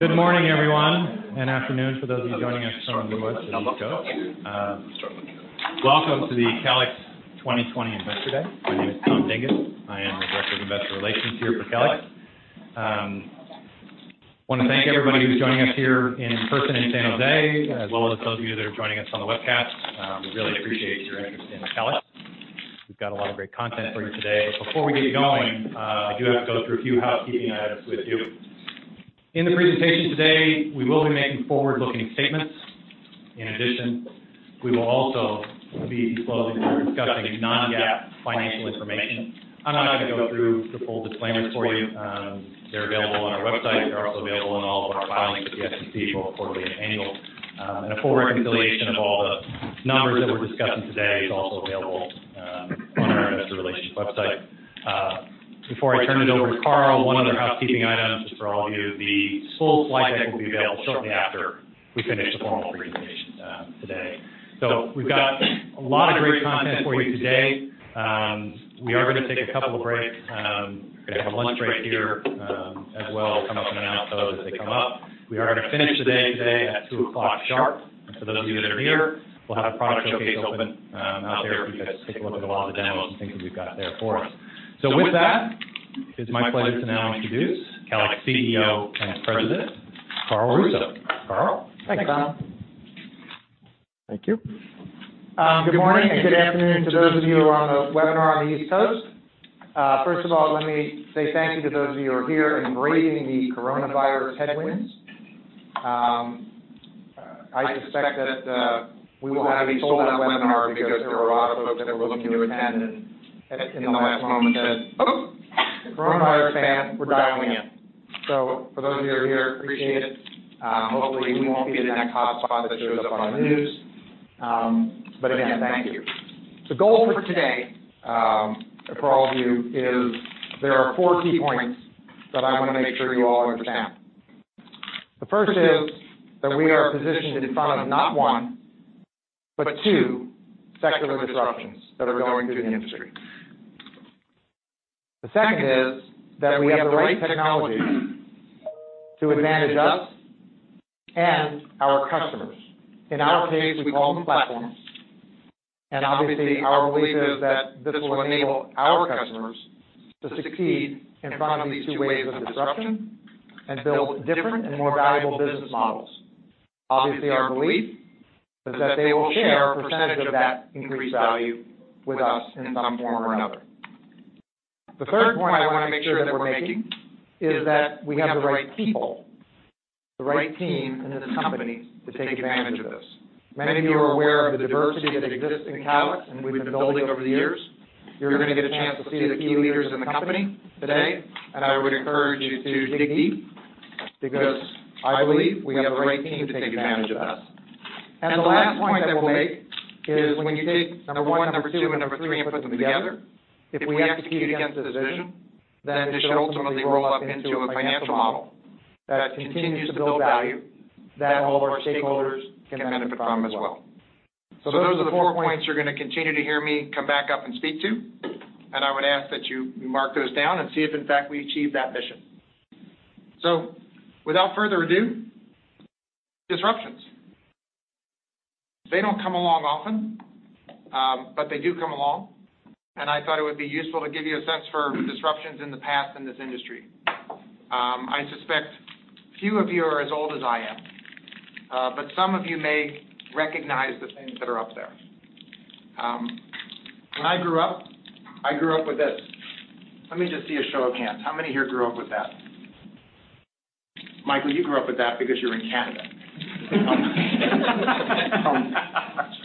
Good morning, everyone, and afternoon for those of you joining us from the West and East Coast. Welcome to the Calix 2020 Investor Day. My name is Tom Dinges, I am the director of investor relations here for Calix. I want to thank everybody who's joining us here in person in San Jose, as well as those of you that are joining us on the webcast. We really appreciate your interest in Calix. We've got a lot of great content for you today. Before we get going, I do have to go through a few housekeeping items with you. In the presentation today, we will be making forward-looking statements. In addition, we will also be disclosing or discussing non-GAAP financial information. I'm not going to go through the full disclaimers for you. They're available on our website. They're also available in all of our filings with the SEC, both quarterly and annual. A full reconciliation of all the numbers that we're discussing today is also available on our investor relations website. Before I turn it over to Carl, one other housekeeping item, just for all of you, the full slide deck will be available shortly after we finish the formal presentation today. We've got a lot of great content for you today. We are going to take a couple of breaks. We're going to have a lunch break here as well. I'll come up and announce those as they come up. We are going to finish the day today at 2:00 sharp. For those of you that are here, we'll have a product showcase open out there for you guys to take a look at a lot of the demos and things that we've got there for us. With that, it's my pleasure to now introduce Calix CEO and President, Carl Russo. Carl? Thanks, Tom. Thank you. Good morning and good afternoon to those of you on the webinar on the East Coast. First of all, let me say thank you to those of you who are here and braving the coronavirus headwinds. I suspect that we will have a sold-out webinar because there are a lot of folks that were looking to attend and in the last moment said, "Oh, coronavirus, damn it, we're dialing in." For those of you who are here, appreciate it. Hopefully we won't be the next hotspot that shows up on the news. Again, thank you. The goal for today, for all of you, is there are four key points that I want to make sure you all understand. The first is that we are positioned in front of not one, but two secular disruptions that are going through the industry. The second is that we have the right technology to advantage us and our customers. In our case, we call them platforms. Obviously, our belief is that this will enable our customers to succeed in front of these two waves of disruption and build different and more valuable business models. Obviously, our belief is that they will share a percentage of that increased value with us in some form or another. The third point I want to make sure that we're making is that we have the right people, the right team in this company to take advantage of this. Many of you are aware of the diversity that exists in Calix, and we've been building over the years. You're going to get a chance to see the key leaders in the company today, and I would encourage you to dig deep, because I believe we have the right team to take advantage of this. The last point that we'll make is when you take number one, number two, and number three and put them together, if we execute against this vision, then this should ultimately roll up into a financial model that continues to build value that all of our stakeholders can benefit from as well. Those are the four points you're going to continue to hear me come back up and speak to, and I would ask that you mark those down and see if, in fact, we achieve that mission. Without further ado, disruptions. They don't come along often, but they do come along, and I thought it would be useful to give you a sense for disruptions in the past in this industry. I suspect few of you are as old as I am, but some of you may recognize the things that are up there. When I grew up, I grew up with this. Let me just see a show of hands. How many here grew up with that? Michael, you grew up with that because you're in Canada.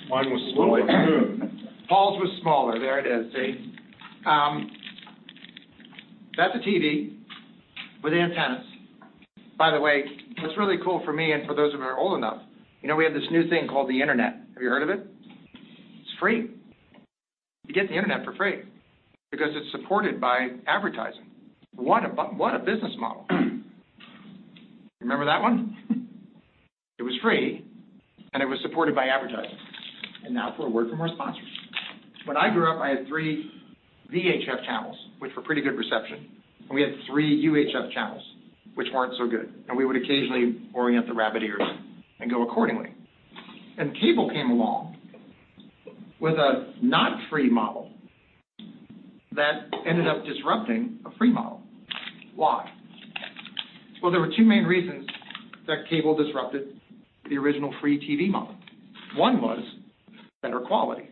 Mine was smaller. Paul's was smaller. There it is. See? That's a TV with antennas. What's really cool for me and for those of you who are old enough, we have this new thing called the Internet. Have you heard of it? It's free. You get the Internet for free because it's supported by advertising. What a business model. Remember that one? It was free, and it was supported by advertising. Now for a word from our sponsors. When I grew up, I had three VHF channels, which were pretty good reception, and we had three UHF channels, which weren't so good, and we would occasionally orient the rabbit ears and go accordingly. Cable came along with a not-free model that ended up disrupting a free model. Why? Well, there were two main reasons that cable disrupted the original free TV model. One was better quality.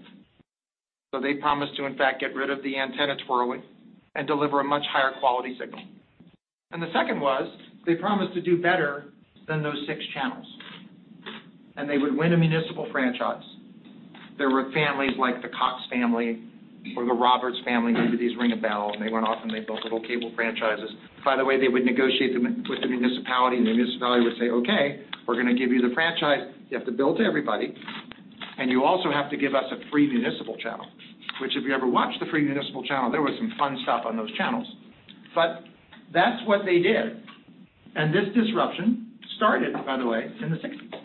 They promised to, in fact, get rid of the antenna twirling and deliver a much higher quality signal. The second was they promised to do better than those six channels, and they would win a municipal franchise. There were families like the Cox family or the Roberts family, maybe these ring a bell, and they went off and they built little cable franchises. By the way, they would negotiate with the municipality, and the municipality would say, "Okay, we're going to give you the franchise. You have to bill to everybody, and you also have to give us a free municipal channel." Which if you ever watched the free municipal channel, there was some fun stuff on those channels. That's what they did. This disruption started, by the way, in the '60s.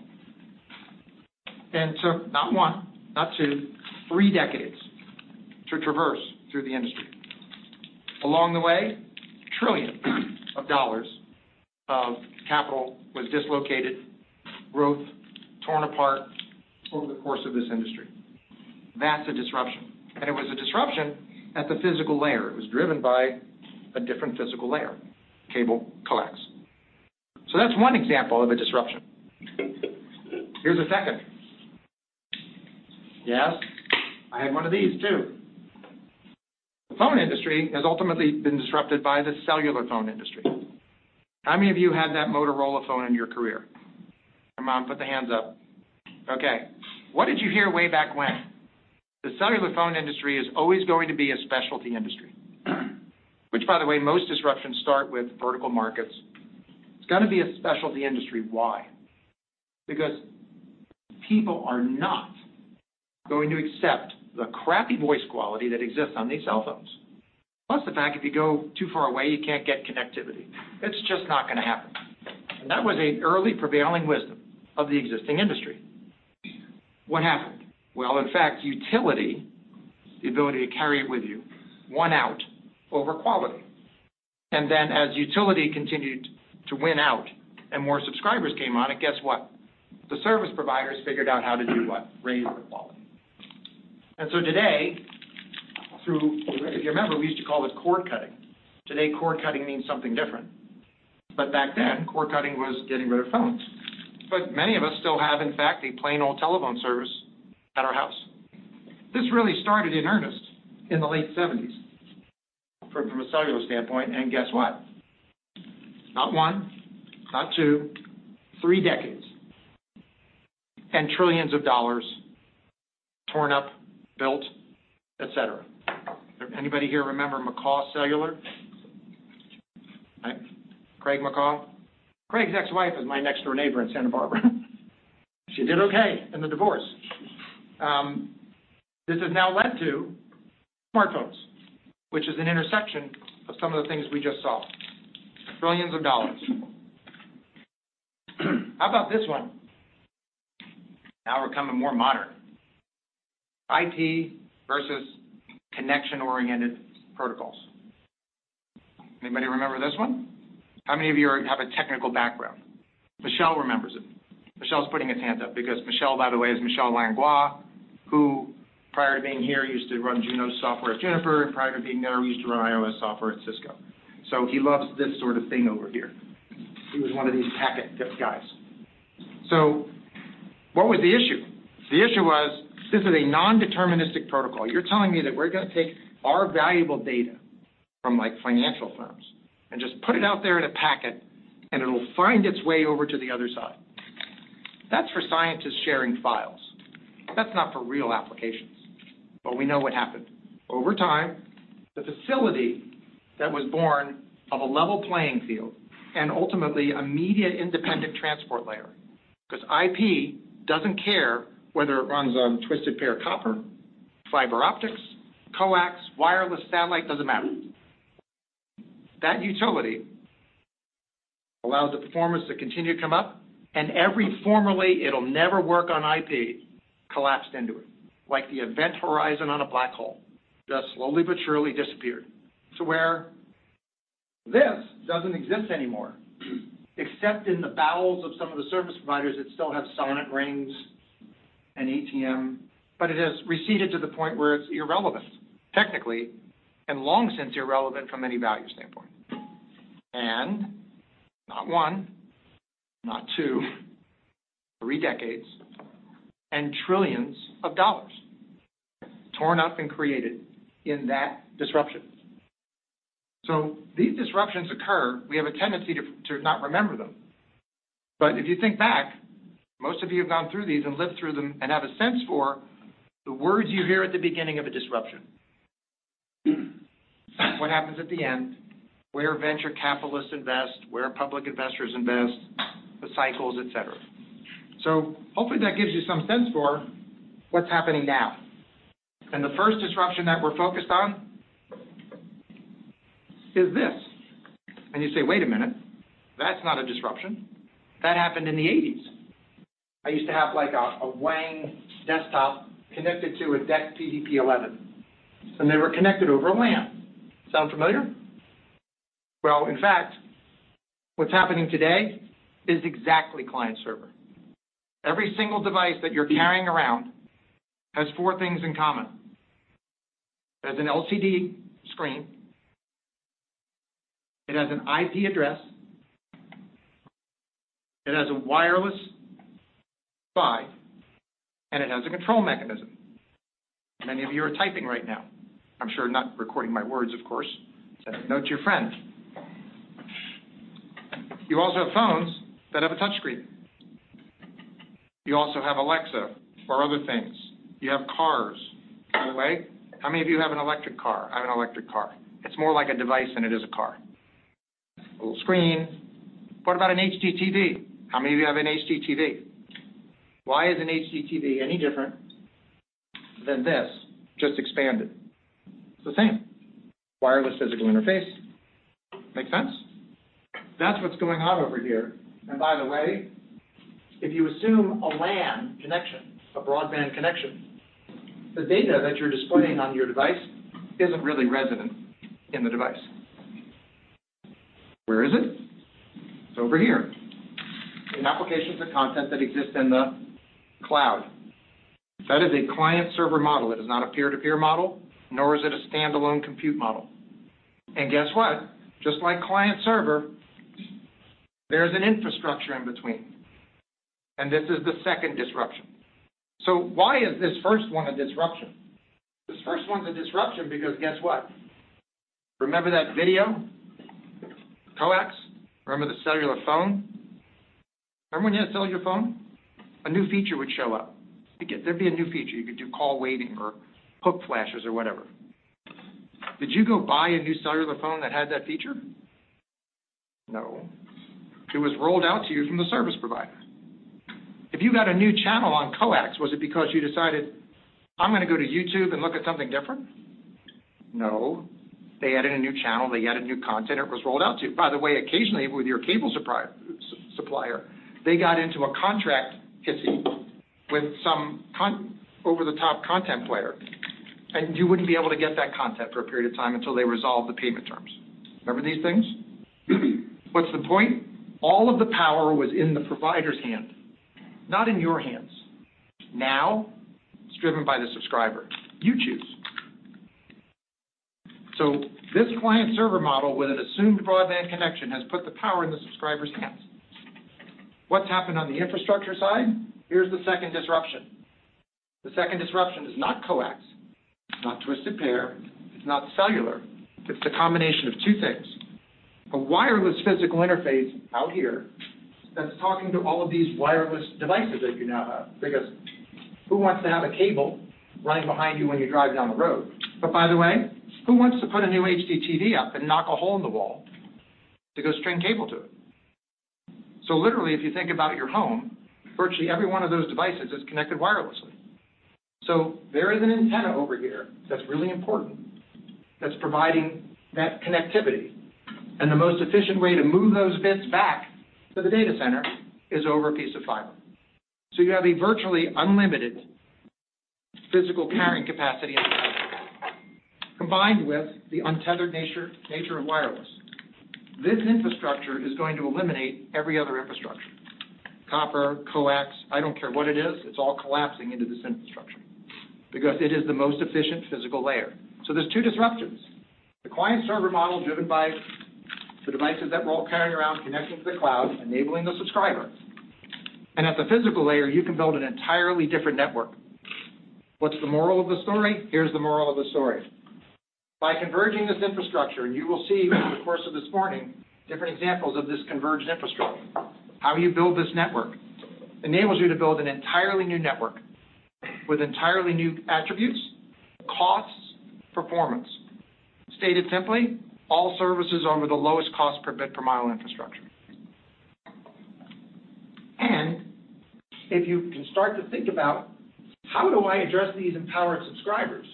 Not one, not two, three decades to traverse through the industry. Along the way, trillion of dollars of capital was dislocated, growth torn apart over the course of this industry. That's a disruption. It was a disruption at the physical layer. It was driven by a different physical layer, cable, coax. That's one example of a disruption. Here's a second. Yes, I had one of these too. The phone industry has ultimately been disrupted by the cellular phone industry. How many of you had that Motorola phone in your career? Come on, put the hands up. Okay. What did you hear way back when? The cellular phone industry is always going to be a specialty industry. By the way, most disruptions start with vertical markets. It's got to be a specialty industry. Why? Because people are not going to accept the crappy voice quality that exists on these cell phones. Plus the fact, if you go too far away, you can't get connectivity. It's just not going to happen. That was an early prevailing wisdom of the existing industry. What happened? Well, in fact, utility, the ability to carry it with you, won out over quality. As utility continued to win out and more subscribers came on it, guess what? The service providers figured out how to do what? Raise the quality. Today, through, if you remember, we used to call this cord cutting. Today, cord cutting means something different. Back then, cord cutting was getting rid of phones. Many of us still have, in fact, a plain old telephone service at our house. This really started in earnest in the late 1970s from a cellular standpoint, and guess what? Not one, not two, three decades, and trillions of dollars torn up, built, et cetera. Anybody here remember McCaw Cellular? Right. Craig McCaw. Craig's ex-wife is my next-door neighbor in Santa Barbara. She did okay in the divorce. This has now led to smartphones, which is an intersection of some of the things we just saw. Trillions of dollars. How about this one? Now we're becoming more modern. IT versus connection-oriented protocols. Anybody remember this one? How many of you have a technical background? Michel remembers it. Michel's putting his hand up because Michel, by the way, is Michel Langlois, who, prior to being here, used to run Junos software at Juniper, and prior to being there, used to run IOS software at Cisco. He loves this sort of thing over here. He was one of these packet guys. What was the issue? The issue was this is a non-deterministic protocol. You're telling me that we're going to take our valuable data from financial firms and just put it out there in a packet, and it'll find its way over to the other side. That's for scientists sharing files. That's not for real applications, but we know what happened. Over time, the facility that was born of a level playing field and ultimately immediate independent transport layer, because IP doesn't care whether it runs on twisted pair copper, fiber optics, coax, wireless, satellite, doesn't matter. That utility allowed the performance to continue to come up, every formerly it'll never work on IP collapsed into it, like the event horizon on a black hole, just slowly but surely disappeared to where this doesn't exist anymore, except in the bowels of some of the service providers that still have SONET rings and ATM, but it has receded to the point where it's irrelevant, technically, and long since irrelevant from any value standpoint. Not one, not two, three decades, and trillions of dollars torn up and created in that disruption. These disruptions occur. We have a tendency to not remember them. If you think back, most of you have gone through these and lived through them and have a sense for the words you hear at the beginning of a disruption. What happens at the end, where venture capitalists invest, where public investors invest, the cycles, et cetera. Hopefully that gives you some sense for what's happening now. The first disruption that we're focused on is this. You say, "Wait a minute. That's not a disruption. That happened in the 1980s." I used to have a Wang desktop connected to a DEC PDP-11, and they were connected over a LAN. Sound familiar? Well, in fact, what's happening today is exactly client server. Every single device that you're carrying around has four things in common. It has an LCD screen, it has an IP address, it has a wireless Wi-Fi, and it has a control mechanism. Many of you are typing right now. I'm sure not recording my words, of course. Send a note to your friend. You also have phones that have a touch screen. You also have Alexa for other things. You have cars, by the way. How many of you have an electric car? I have an electric car. It's more like a device than it is a car. A little screen. What about an HDTV? How many of you have an HDTV? Why is an HDTV any different than this, just expanded. It's the same. Wireless physical interface. Make sense? That's what's going on over here. By the way, if you assume a LAN connection, a broadband connection, the data that you're displaying on your device isn't really resident in the device. Where is it? It's over here, in applications of content that exist in the cloud. That is a client-server model. It is not a peer-to-peer model, nor is it a standalone compute model. Guess what? Just like client-server, there's an infrastructure in between, and this is the second disruption. Why is this first one a disruption? This first one's a disruption because guess what? Remember that video? Coax? Remember the cellular phone? Remember when you had a cellular phone, a new feature would show up. There'd be a new feature. You could do call waiting or hook flashes or whatever. Did you go buy a new cellular phone that had that feature? No. It was rolled out to you from the service provider. If you got a new channel on coax, was it because you decided, I'm going to go to YouTube and look at something different? No. They added a new channel. They added new content, it was rolled out to you. By the way, occasionally, with your cable supplier, they got into a contract hissy with some over-the-top content player, and you wouldn't be able to get that content for a period of time until they resolved the payment terms. Remember these things? What's the point? All of the power was in the provider's hand, not in your hands. Now it's driven by the subscriber you choose. This client-server model, with an assumed broadband connection, has put the power in the subscriber's hands. What's happened on the infrastructure side? Here's the second disruption. The second disruption is not coax, it's not twisted pair, it's not cellular. It's the combination of two things. A wireless physical interface out here that's talking to all of these wireless devices that you now have. Who wants to have a cable running behind you when you drive down the road? By the way, who wants to put a new HDTV up and knock a hole in the wall to go string cable to it? Literally if you think about your home, virtually every one of those devices is connected wirelessly. There is an antenna over here that's really important, that's providing that connectivity. The most efficient way to move those bits back to the data center is over a piece of fiber. You have a virtually unlimited physical carrying capacity in fiber, combined with the untethered nature of wireless. This infrastructure is going to eliminate every other infrastructure. Copper, coax, I don't care what it is, it's all collapsing into this infrastructure because it is the most efficient physical layer. There's two disruptions. The client-server model driven by the devices that we're all carrying around connecting to the cloud, enabling the subscriber, at the physical layer, you can build an entirely different network. What's the moral of the story? Here's the moral of the story. By converging this infrastructure, you will see over the course of this morning, different examples of this converged infrastructure. How you build this network enables you to build an entirely new network with entirely new attributes, costs, performance. Stated simply, all services over the lowest cost per bit per mile infrastructure. If you can start to think about, how do I address these empowered subscribers?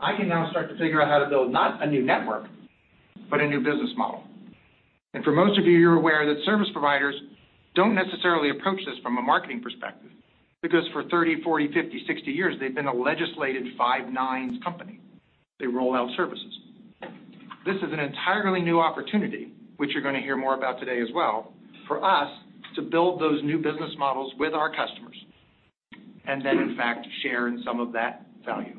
I can now start to figure out how to build not a new network, but a new business model. For most of you're aware that service providers don't necessarily approach this from a marketing perspective because for 30, 40, 50, 60 years, they've been a legislated five, nines company. They roll out services. This is an entirely new opportunity, which you're going to hear more about today as well, for us to build those new business models with our customers and then, in fact, share in some of that value.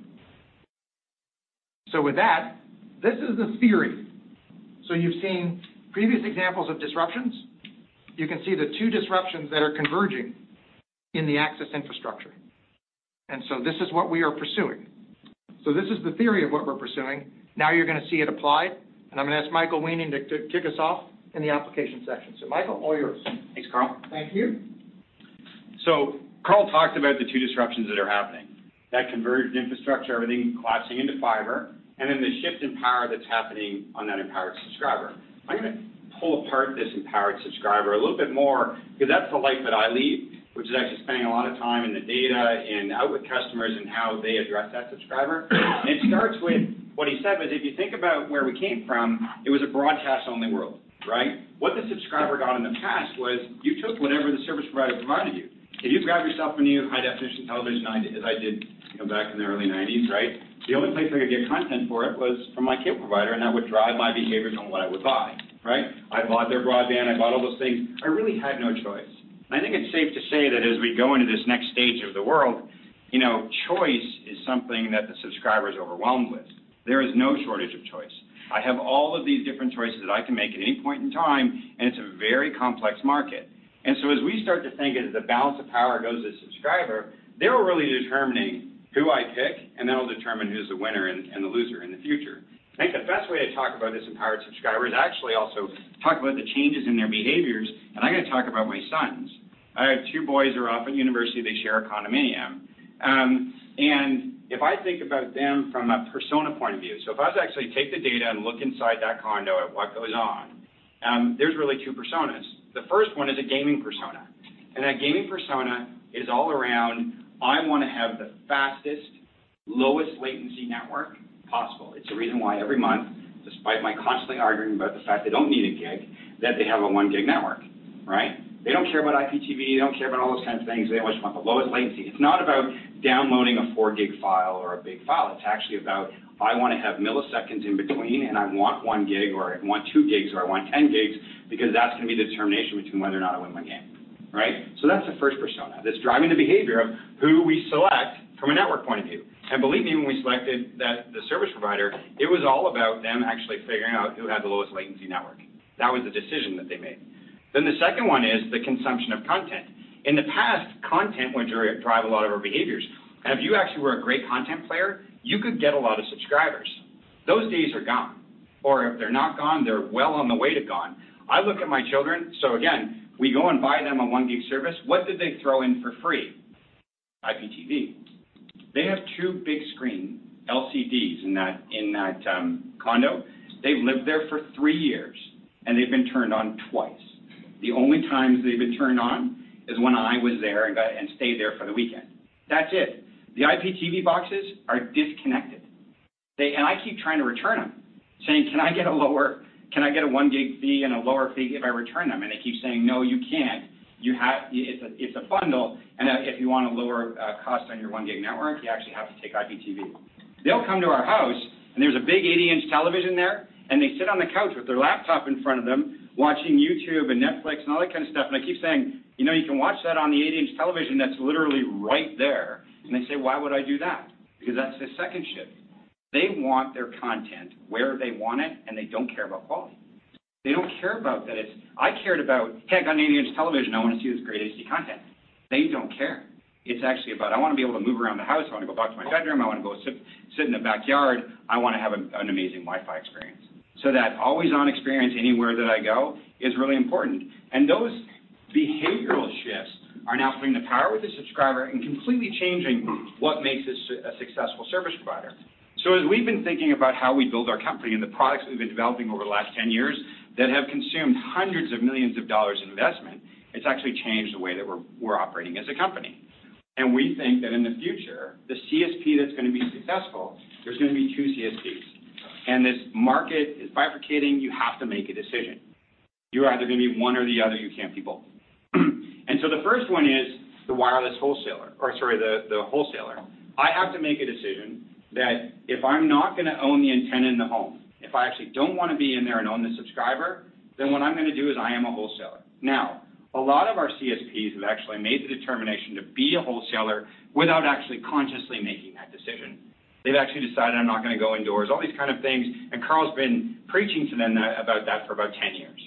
With that, this is the theory. You've seen previous examples of disruptions. You can see the two disruptions that are converging in the access infrastructure. This is what we are pursuing. This is the theory of what we're pursuing. Now you're going to see it applied, and I'm going to ask Michael Weening to kick us off in the application section. Michael, all yours. Thanks, Carl. Thank you. Carl talked about the two disruptions that are happening. That converged infrastructure, everything collapsing into fiber, and then the shift in power that's happening on that empowered subscriber. I'm going to pull apart this empowered subscriber a little bit more because that's the life that I lead, which is actually spending a lot of time in the data and out with customers and how they address that subscriber. It starts with what he said, was if you think about where we came from, it was a broadcast-only world, right? What the subscriber got in the past was you took whatever the service provider provided you. If you grabbed yourself a new high definition television, as I did back in the early 1990s, right? The only place I could get content for it was from my cable provider, and that would drive my behaviors on what I would buy. Right. I bought their broadband, I bought all those things. I really had no choice. I think it's safe to say that as we go into this next stage of the world, choice is something that the subscriber's overwhelmed with. There is no shortage of choice. I have all of these different choices that I can make at any point in time. It's a very complex market. As we start to think as the balance of power goes to the subscriber, they're really determining who I pick, and that'll determine who's the winner and the loser in the future. I think the best way to talk about this empowered subscriber is actually also talk about the changes in their behaviors. I'm going to talk about my sons. I have two boys, they're off at university, they share a condominium. If I think about them from a persona point of view, so if I was to actually take the data and look inside that condo at what goes on. There's really two personas. The first one is a gaming persona, and that gaming persona is all around, I want to have the fastest, lowest latency network possible. It's the reason why every month, despite my constantly arguing about the fact they don't need a gig, that they have a one gig network. They don't care about IPTV, they don't care about all those kinds of things. They just want the lowest latency. It's not about downloading a four gig file or a big file. It's actually about, I want to have milliseconds in between. I want one gig or I want two gigs, or I want 10 gigs because that's going to be the determination between whether or not I win my game. That's the first persona that's driving the behavior of who we select from a network point of view. Believe me, when we selected the service provider, it was all about them actually figuring out who had the lowest latency network. That was the decision that they made. The second one is the consumption of content. In the past, content would drive a lot of our behaviors. If you actually were a great content player, you could get a lot of subscribers. Those days are gone. If they're not gone, they're well on the way to gone. I look at my children. Again, we go and buy them a 1 gig service. What did they throw in for free? IPTV. They have two big screen LCDs in that condo. They've lived there for three years, and they've been turned on twice. The only times they've been turned on is when I was there and stayed there for the weekend. That's it. The IPTV boxes are disconnected. I keep trying to return them, saying, "Can I get a 1 gig fee and a lower fee if I return them?" They keep saying, "No, you can't. It's a bundle. If you want a lower cost on your 1 gig network, you actually have to take IPTV. They'll come to our house and there's a big 80-inch television there. They sit on the couch with their laptop in front of them watching YouTube and Netflix and all that kind of stuff. I keep saying, "You know, you can watch that on the 80-inch television that's literally right there." They say, "Why would I do that?" Because that's the second shift. They want their content where they want it, and they don't care about quality. They don't care about that I cared about, hey, I got an 80-inch television, I want to see this great HD content. They don't care. It's actually about, I want to be able to move around the house, I want to go back to my bedroom. I want to go sit in the backyard, I want to have an amazing Wi-Fi experience. That always-on experience anywhere that I go is really important. Those behavioral shifts are now putting the power with the subscriber and completely changing what makes a successful service provider. As we've been thinking about how we build our company and the products we've been developing over the last 10 years that have consumed hundreds of millions of dollars in investment, it's actually changed the way that we're operating as a company. We think that in the future, the CSP that's going to be successful, there's going to be two CSPs. This market is bifurcating. You have to make a decision. You are either going to be one or the other, you can't be both. The first one is the wireless wholesaler, or sorry, the wholesaler. I have to make a decision that if I'm not going to own the antenna in the home, if I actually don't want to be in there and own the subscriber, then what I'm going to do is I am a wholesaler. A lot of our CSPs have actually made the determination to be a wholesaler without actually consciously making that decision. They've actually decided, I'm not going to go indoors, all these kind of things, and Carl's been preaching to them about that for about 10 years.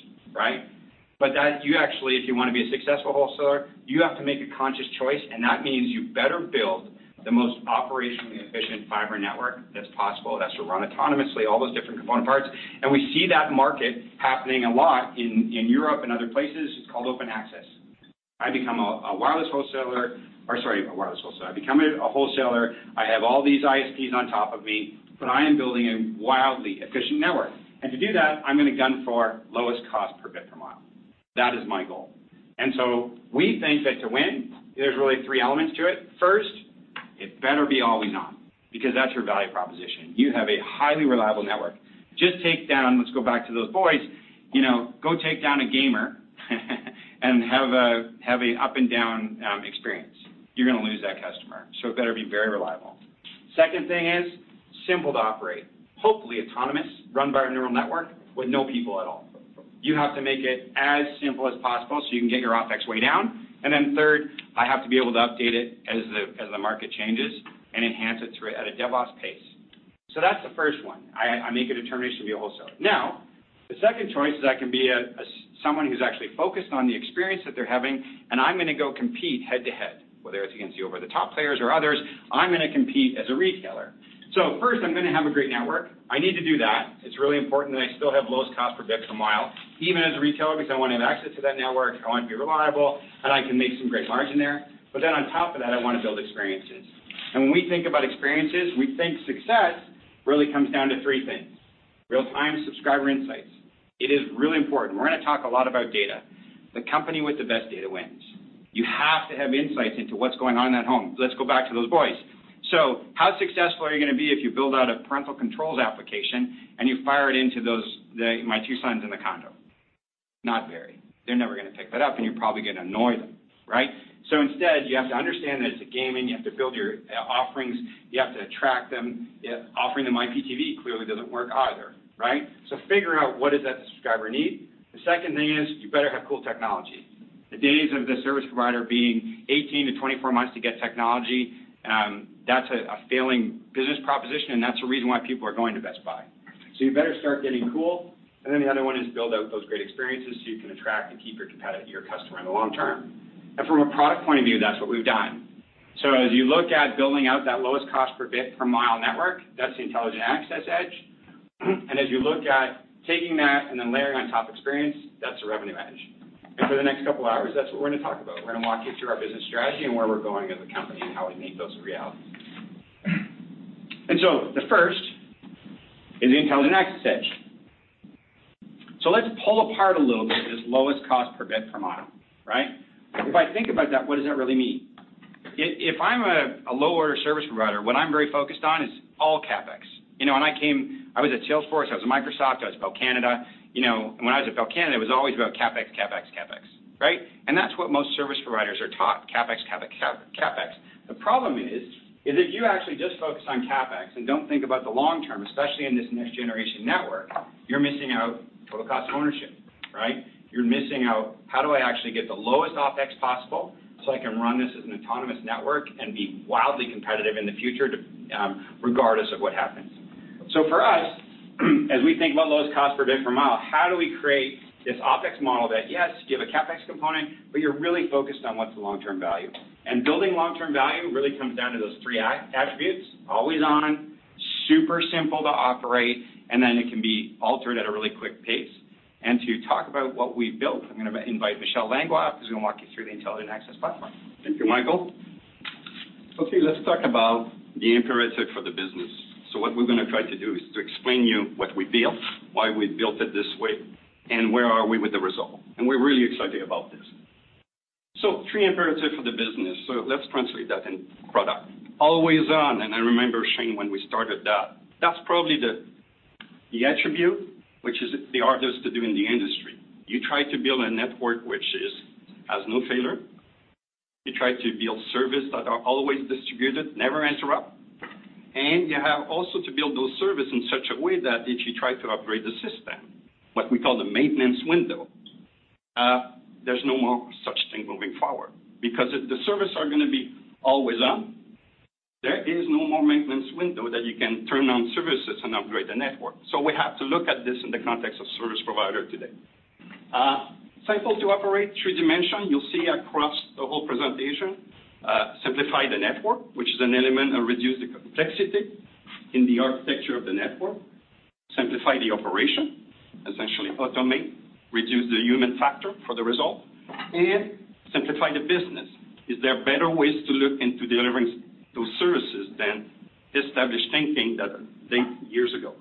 If you want to be a successful wholesaler, you have to make a conscious choice, and that means you better build the most operationally efficient fiber network that's possible, that's to run autonomously, all those different component parts. We see that market happening a lot in Europe and other places. It's called open access. I become a wireless wholesaler, or sorry, a wireless wholesaler. I become a wholesaler, I have all these ISPs on top of me, but I am building a wildly efficient network. To do that, I'm going to gun for lowest cost per bit per mile. That is my goal, so we think that to win, there's really three elements to it. First, it better be always on because that's your value proposition. You have a highly reliable network. Just take down, let's go back to those boys. Go take down a gamer and have an up and down experience. You're going to lose that customer, it better be very reliable. Second thing is simple to operate. Hopefully autonomous, run by a neural network with no people at all. You have to make it as simple as possible so you can get your OPEX way down. Third, I have to be able to update it as the market changes and enhance it at a DevOps pace. That's the first one. I make a determination to be a wholesaler. The second choice is I can be someone who's actually focused on the experience that they're having, and I'm going to go compete head-to-head, whether it's against the over-the-top players or others. I'm going to compete as a retailer. First I'm going to have a great network. I need to do that. It's really important that I still have lowest cost per bit per mile, even as a retailer because I want to have access to that network. I want to be reliable, and I can make some great margin there. On top of that, I want to build experiences. When we think about experiences, we think success really comes down to three things. Real-time subscriber insights, it is really important. We're going to talk a lot about data. The company with the best data wins. You have to have insights into what's going on in that home. Let's go back to those boys. How successful are you going to be if you build out a parental controls application and you fire it into my two sons in the condo? Not very. They're never going to pick that up and you're probably going to annoy them. Instead, you have to understand that it's a gaming, you have to build your offerings, you have to attract them. Offering them IPTV clearly doesn't work either. Figure out what does that subscriber need. The second thing is you better have cool technology. The days of the service provider being 18 to 24 months to get technology, that's a failing business proposition, and that's the reason why people are going to Best Buy. You better start getting cool. Then the other one is build out those great experiences so you can attract and keep your customer in the long term. From a product point of view, that's what we've done. As you look at building out that lowest cost per bit per mile network, that's the Intelligent Access EDGE. As you look at taking that and then layering on top experience, for the next couple hours, that's what we're going to talk about. We're going to walk you through our business strategy and where we're going as a company, and how we meet those realities. The first is the Intelligent Access EDGE. Let's pull apart a little bit this lowest cost per bit per mile. If I think about that, what does that really mean? If I'm a low-order service provider, what I'm very focused on is all CapEx. When I came, I was at Salesforce, I was at Microsoft, I was at Bell Canada. When I was at Bell Canada, it was always about CapEx. That's what most service providers are taught, CapEx. The problem is if you actually just focus on CapEx and don't think about the long term, especially in this next generation network, you're missing out total cost of ownership. You're missing out how do I actually get the lowest OpEx possible so I can run this as an autonomous network and be wildly competitive in the future, regardless of what happens. For us, as we think about lowest cost per bit per mile, how do we create this OpEx model that, yes, you have a CapEx component, but you're really focused on what's the long-term value. Building long-term value really comes down to those three attributes, always on, super simple to operate, and then it can be altered at a really quick pace. To talk about what we've built, I'm going to invite Michel Langlois up, who's going to walk you through the Intelligent Access EDGE. Thank you, Michael. Okay, let's talk about the imperative for the business. What we're going to try to do is to explain you what we built, why we built it this way, and where are we with the result. We're really excited about this. Three imperatives for the business. Let's translate that in product. Always on, and I remember, Shane, when we started that. That's probably the attribute which is the hardest to do in the industry. You try to build a network which has no failure. You try to build service that are always distributed, never interrupt. You have also to build those service in such a way that if you try to upgrade the system, what we call the maintenance window, there's no more such thing moving forward. If the service are going to be always on, there is no more maintenance window that you can turn on services and upgrade the network. We have to look at this in the context of service provider today. Simple to operate, three dimension, you'll see across the whole presentation. Simplify the network, which is an element of reduce the complexity in the architecture of the network. Simplify the operation. Essentially automate, reduce the human factor for the result, and simplify the business. Is there better ways to look into delivering those services than established thinking that date years ago?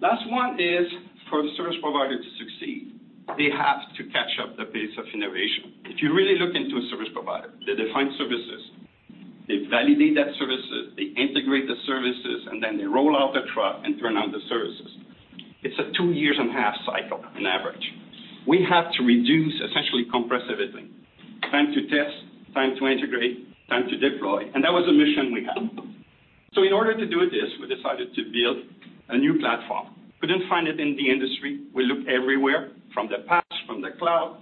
Last one is, for a service provider to succeed, they have to catch up the pace of innovation. If you really look into a service provider, they define services, they validate that services, they integrate the services, and then they roll out the truck and turn on the services. It's a two years and a half cycle on average. We have to reduce, essentially compress everything. Time to test, time to integrate, time to deploy. That was the mission we had. In order to do this, we decided to build a new platform. We didn't find it in the industry, we looked everywhere, from the PaaS, from the cloud,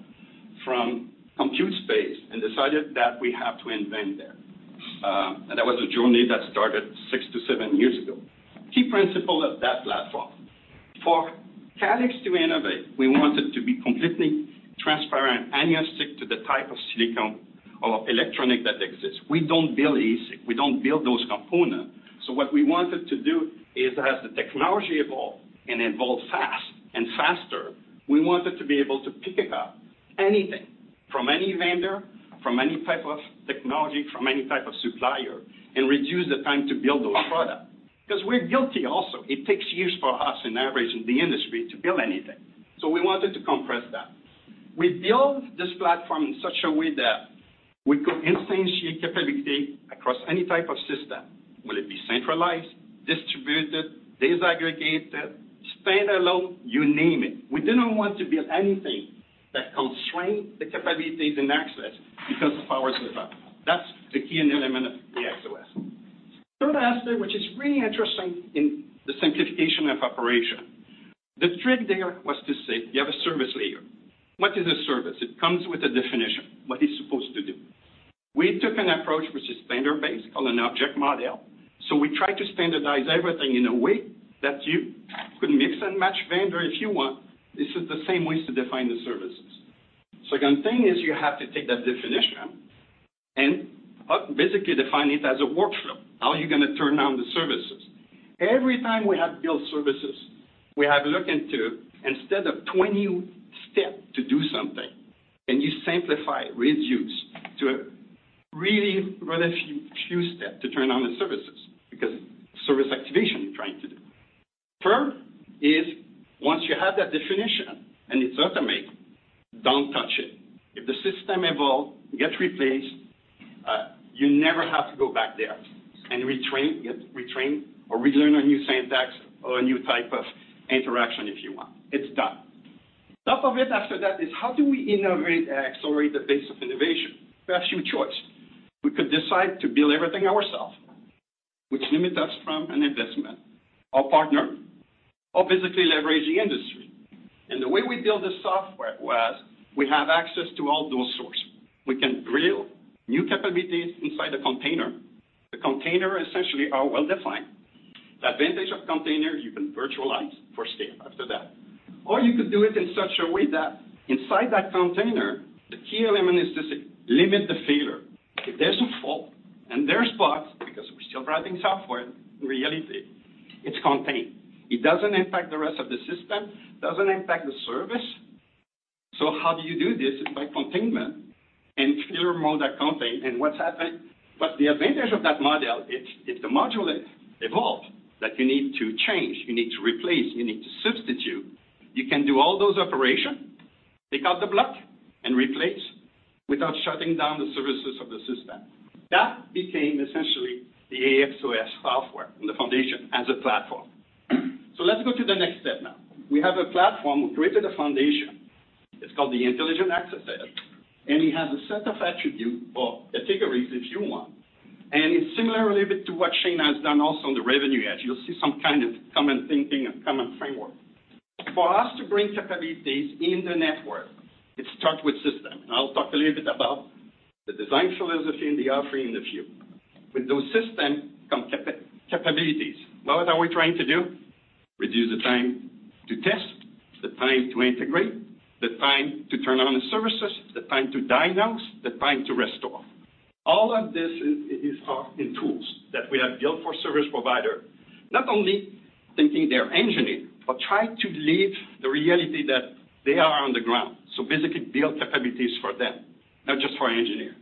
from compute space, and decided that we have to invent there. That was a journey that started 6-7 years ago. Key principle of that platform. For Calix to innovate, we wanted to be completely transparent, agnostic to the type of silicon or electronic that exists. We don't build ASIC, we don't build those component. What we wanted to do is, as the technology evolve and evolve fast and faster, we wanted to be able to pick it up, anything from any vendor, from any type of technology, from any type of supplier, and reduce the time to build those product. We're guilty also. It takes years for us on average in the industry to build anything. We wanted to compress that. We build this platform in such a way that we could instantiate capability across any type of system, whether it be centralized, distributed, disaggregated, standalone, you name it. We didn't want to build anything that constrained the capabilities in access because of how it's built. That's the key and element of the AXOS. Third aspect, which is really interesting in the simplification of operation. The trick there was to say you have a service layer. What is a service? It comes with a definition, what it's supposed to do. We took an approach which is standard-based on an object model. We try to standardize everything in a way that you could mix and match vendor if you want. This is the same ways to define the services. Second thing is you have to take that definition and basically define it as a workflow. How are you going to turn on the services? Every time we have built services, we have looked into, instead of 20 step to do something, can you simplify it, reduce to a really very few steps to turn on the services? Service activation you're trying to do. Third is once you have that definition and it's automated, don't touch it. If the system evolves, gets replaced, you never have to go back there and retrain, or relearn a new syntax or a new type of interaction if you want. It's done. Top of it after that is how do we innovate and accelerate the pace of innovation? We have two choices. We could decide to build everything ourselves, which limits us from an investment, or partner or basically leverage the industry. The way we build the software was we have access to all those sources. We can build new capabilities inside the container. The container essentially is well defined. The advantage of containers, you can virtualize for scale after that, or you could do it in such a way that inside that container, the key element is to limit the failure. If there's a fault in there, spot-contain. It doesn't impact the rest of the system, doesn't impact the service. How do you do this? It's by containment and clear mode of contain. What's happened? The advantage of that model, if the module evolved, that you need to change, you need to replace, you need to substitute, you can do all those operation, take out the block and replace without shutting down the services of the system. That became essentially the AXOS software and the foundation as a platform. Let's go to the next step now. We have a platform, we created a foundation. It's called the Intelligent Access EDGE, it has a set of attribute or categories, if you want. It's similarly to what Shane has done also on the Revenue EDGE. You'll see some kind of common thinking and common framework. For us to bring capabilities in the network, it start with system. I'll talk a little bit about the design philosophy and the offering in a few. With those system come capabilities. What are we trying to do? Reduce the time to test, the time to integrate, the time to turn on the services, the time to diagnose, the time to restore. All of this is thought in tools that we have built for service provider, not only thinking their engineer, but try to live the reality that they are on the ground. Basically build capabilities for them, not just for engineer.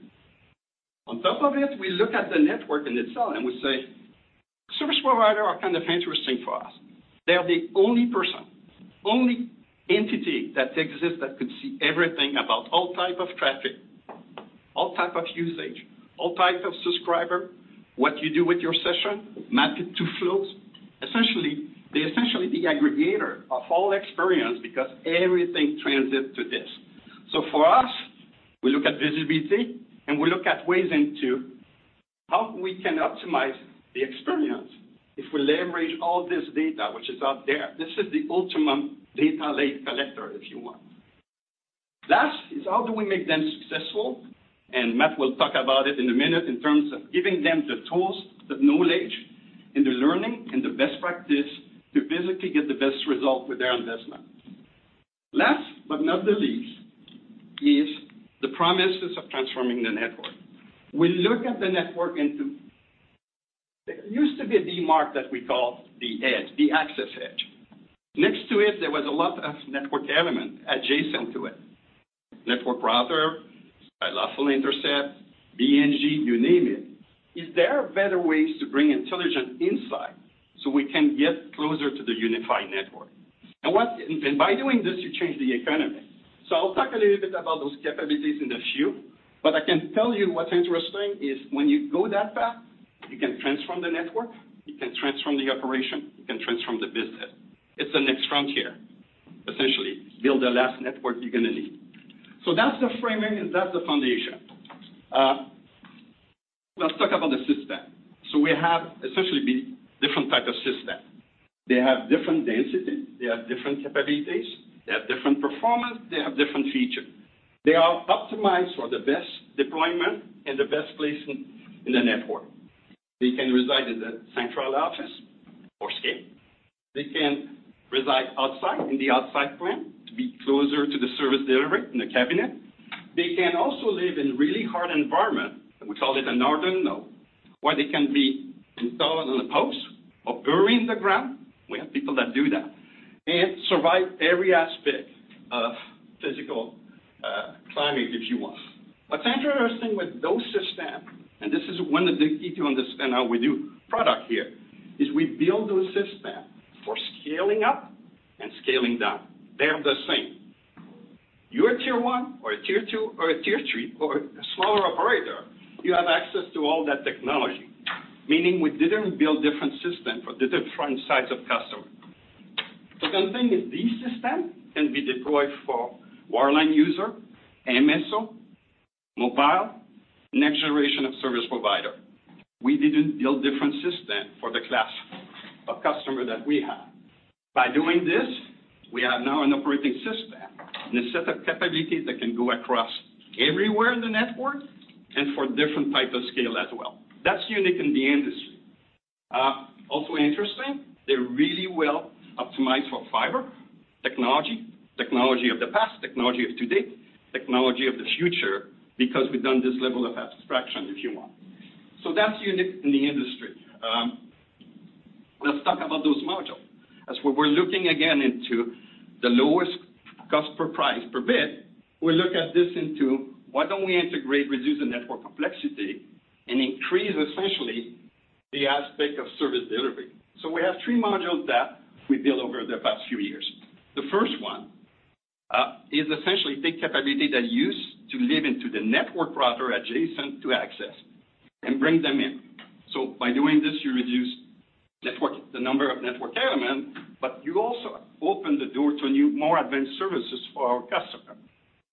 On top of it, we look at the network in itself and we say service provider are kind of interesting for us. They are the only person, only entity that exists that could see everything about all type of traffic, all type of usage, all type of subscriber, what you do with your session, map it to flows. They're essentially the aggregator of all experience because everything transit to this. For us, we look at visibility and we look at ways into how we can optimize the experience if we leverage all this data which is out there. This is the ultimate data lake collector, if you want. Last is how do we make them successful? Matt will talk about it in a minute in terms of giving them the tools, the knowledge, and the learning, and the best practice to basically get the best result with their investment. Last but not the least is the promises of transforming the network. We look at the network. There used to be a demarc that we call the edge, the access edge. Next to it, there was a lot of network element adjacent to it. Network router, firewall, intercept, BNG, you name it. Is there better ways to bring intelligence inside so we can get closer to the unified network? By doing this, you change the economy. I'll talk a little bit about those capabilities in a few, but I can tell you what's interesting is when you go that path, you can transform the network, you can transform the operation, you can transform the business. It's the next frontier, essentially. Build the last network you're going to need. That's the framing and that's the foundation. Let's talk about the system. We have essentially different type of system. They have different density, they have different capabilities, they have different performance, they have different feature. They are optimized for the best deployment and the best place in the network. They can reside in the central office or space. They can reside outside in the outside plant to be closer to the service delivery in the cabinet. They can also live in really hard environment, and we call it a northern node, where they can be installed on the post or buried in the ground, we have people that do that, and survive every aspect of physical climate, if you want. What's interesting with those system, and this is one of the key to understand how we do product here, is we build those system for scaling up and scaling down. They are the same. You're a tier 1 or a tier 2 or a tier 3 or a smaller operator, you have access to all that technology. We didn't build different system for the different size of customer. One thing is these system can be deployed for wireline user, MSO, mobile, next generation of service provider. We didn't build different system for the class of customer that we have. By doing this, we have now an operating system and a set of capabilities that can go across everywhere in the network and for different type of scale as well. That's unique in the industry. Interesting, they're really well optimized for fiber technology of the past, technology of today, technology of the future, because we've done this level of abstraction, if you want. That's unique in the industry. Let's talk about those module. As we're looking again into the lowest cost per price per bit, we look at this into why don't we integrate, reduce the network complexity, and increase essentially the aspect of service delivery. We have three modules that we built over the past few years. The first one is essentially take capability that used to live into the network router adjacent to access and bring them in. By doing this, you reduce the number of network element, but you also open the door to new, more advanced services for our customer.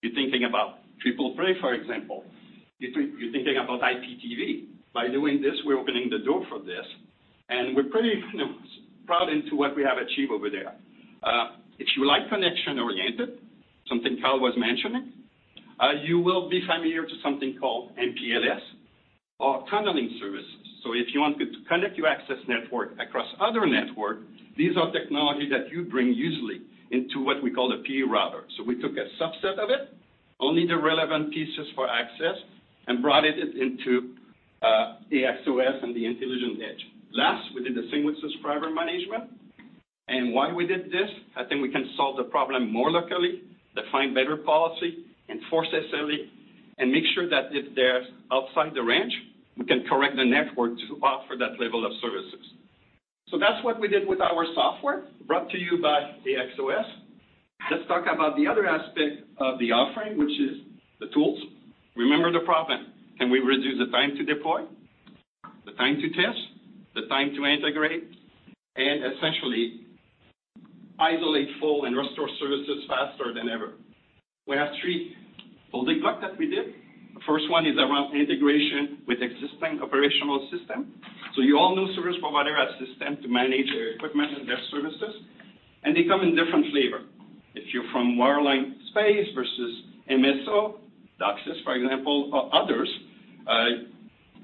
You're thinking about triple play, for example. You're thinking about IPTV. By doing this, we're opening the door for this, and we're pretty proud into what we have achieved over there. If you like connection-oriented, something Carl was mentioning, you will be familiar to something called MPLS or tunneling services. If you want to connect your access network across other network, these are technology that you bring usually into what we call the PE router. We took a subset of it. Only the relevant pieces for access, and brought it into AXOS and the Intelligent Edge. Last, we did the single subscriber management. Why we did this, I think we can solve the problem more locally, define better policy, enforce SLA, and make sure that if they're outside the range, we can correct the network to offer that level of services. That's what we did with our software, brought to you by AXOS. Let's talk about the other aspect of the offering, which is the tools. Remember the problem, can we reduce the time to deploy, the time to test, the time to integrate, and essentially isolate, fault, and restore services faster than ever? We have three holy grail that we did. The first one is around integration with existing operational system. You all know service provider has system to manage their equipment and their services, and they come in different flavor. If you're from wireline space versus MSO, DOCSIS, for example, or others,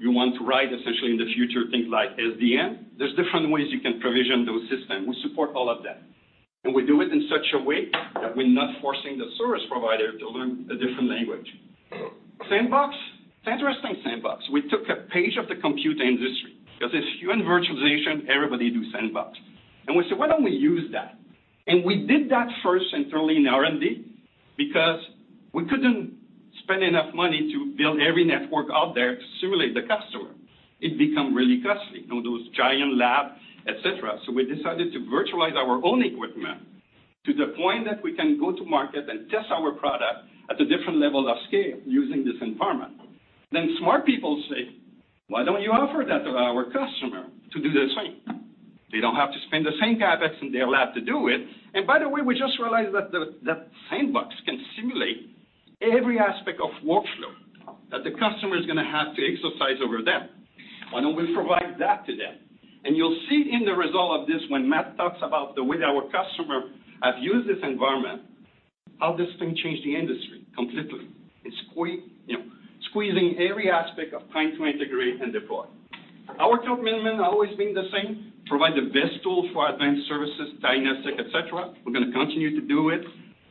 you want to write essentially in the future things like SDN. There's different ways you can provision those systems. We support all of that, and we do it in such a way that we're not forcing the service provider to learn a different language. Sandbox. It's interesting, sandbox. We took a page of the computer industry, because it's human virtualization, everybody do sandbox. We said, "Why don't we use that?" We did that first internally in R&D because we couldn't spend enough money to build every network out there to simulate the customer. It become really costly, those giant lab, et cetera. We decided to virtualize our own equipment to the point that we can go to market and test our product at a different level of scale using this environment. Smart people say, "Why don't you offer that to our customer to do the same?" They don't have to spend the same CapEx in their lab to do it. By the way, we just realized that sandbox can simulate every aspect of workflow that the customer is going to have to exercise over them. Why don't we provide that to them? You'll see in the result of this when Matt talks about the way our customer have used this environment, how this thing changed the industry completely. It's squeezing every aspect of time to integrate and deploy. Our commitment always been the same, provide the best tool for advanced services, diagnostic, et cetera. We're going to continue to do it,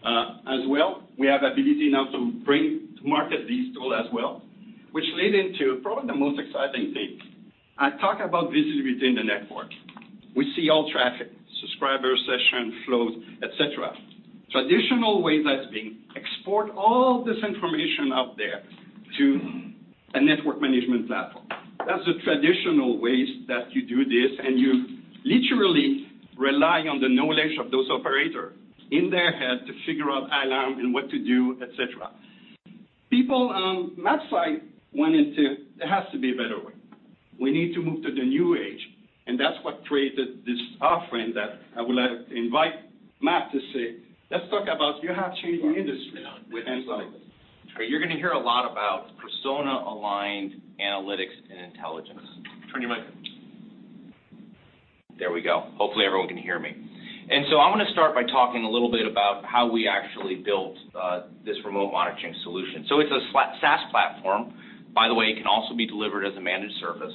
as well. We have ability now to bring to market this tool as well, which lead into probably the most exciting thing. I talk about visibility in the network. We see all traffic, subscriber session flows, et cetera. Traditional way that's being export all this information out there to a network management platform. That's the traditional ways that you do this. You literally rely on the knowledge of those operator in their head to figure out alarm and what to do, et cetera. People on Matt's side went into, there has to be a better way. We need to move to the new age. That's what created this offering that I will invite Matt to say. Let's talk about how you change the industry with insight. You're going to hear a lot about persona-aligned analytics and intelligence. Turn your mic. There we go, hopefully, everyone can hear me. I want to start by talking a little bit about how we actually built this remote monitoring solution. It's a SaaS platform. By the way, it can also be delivered as a managed service.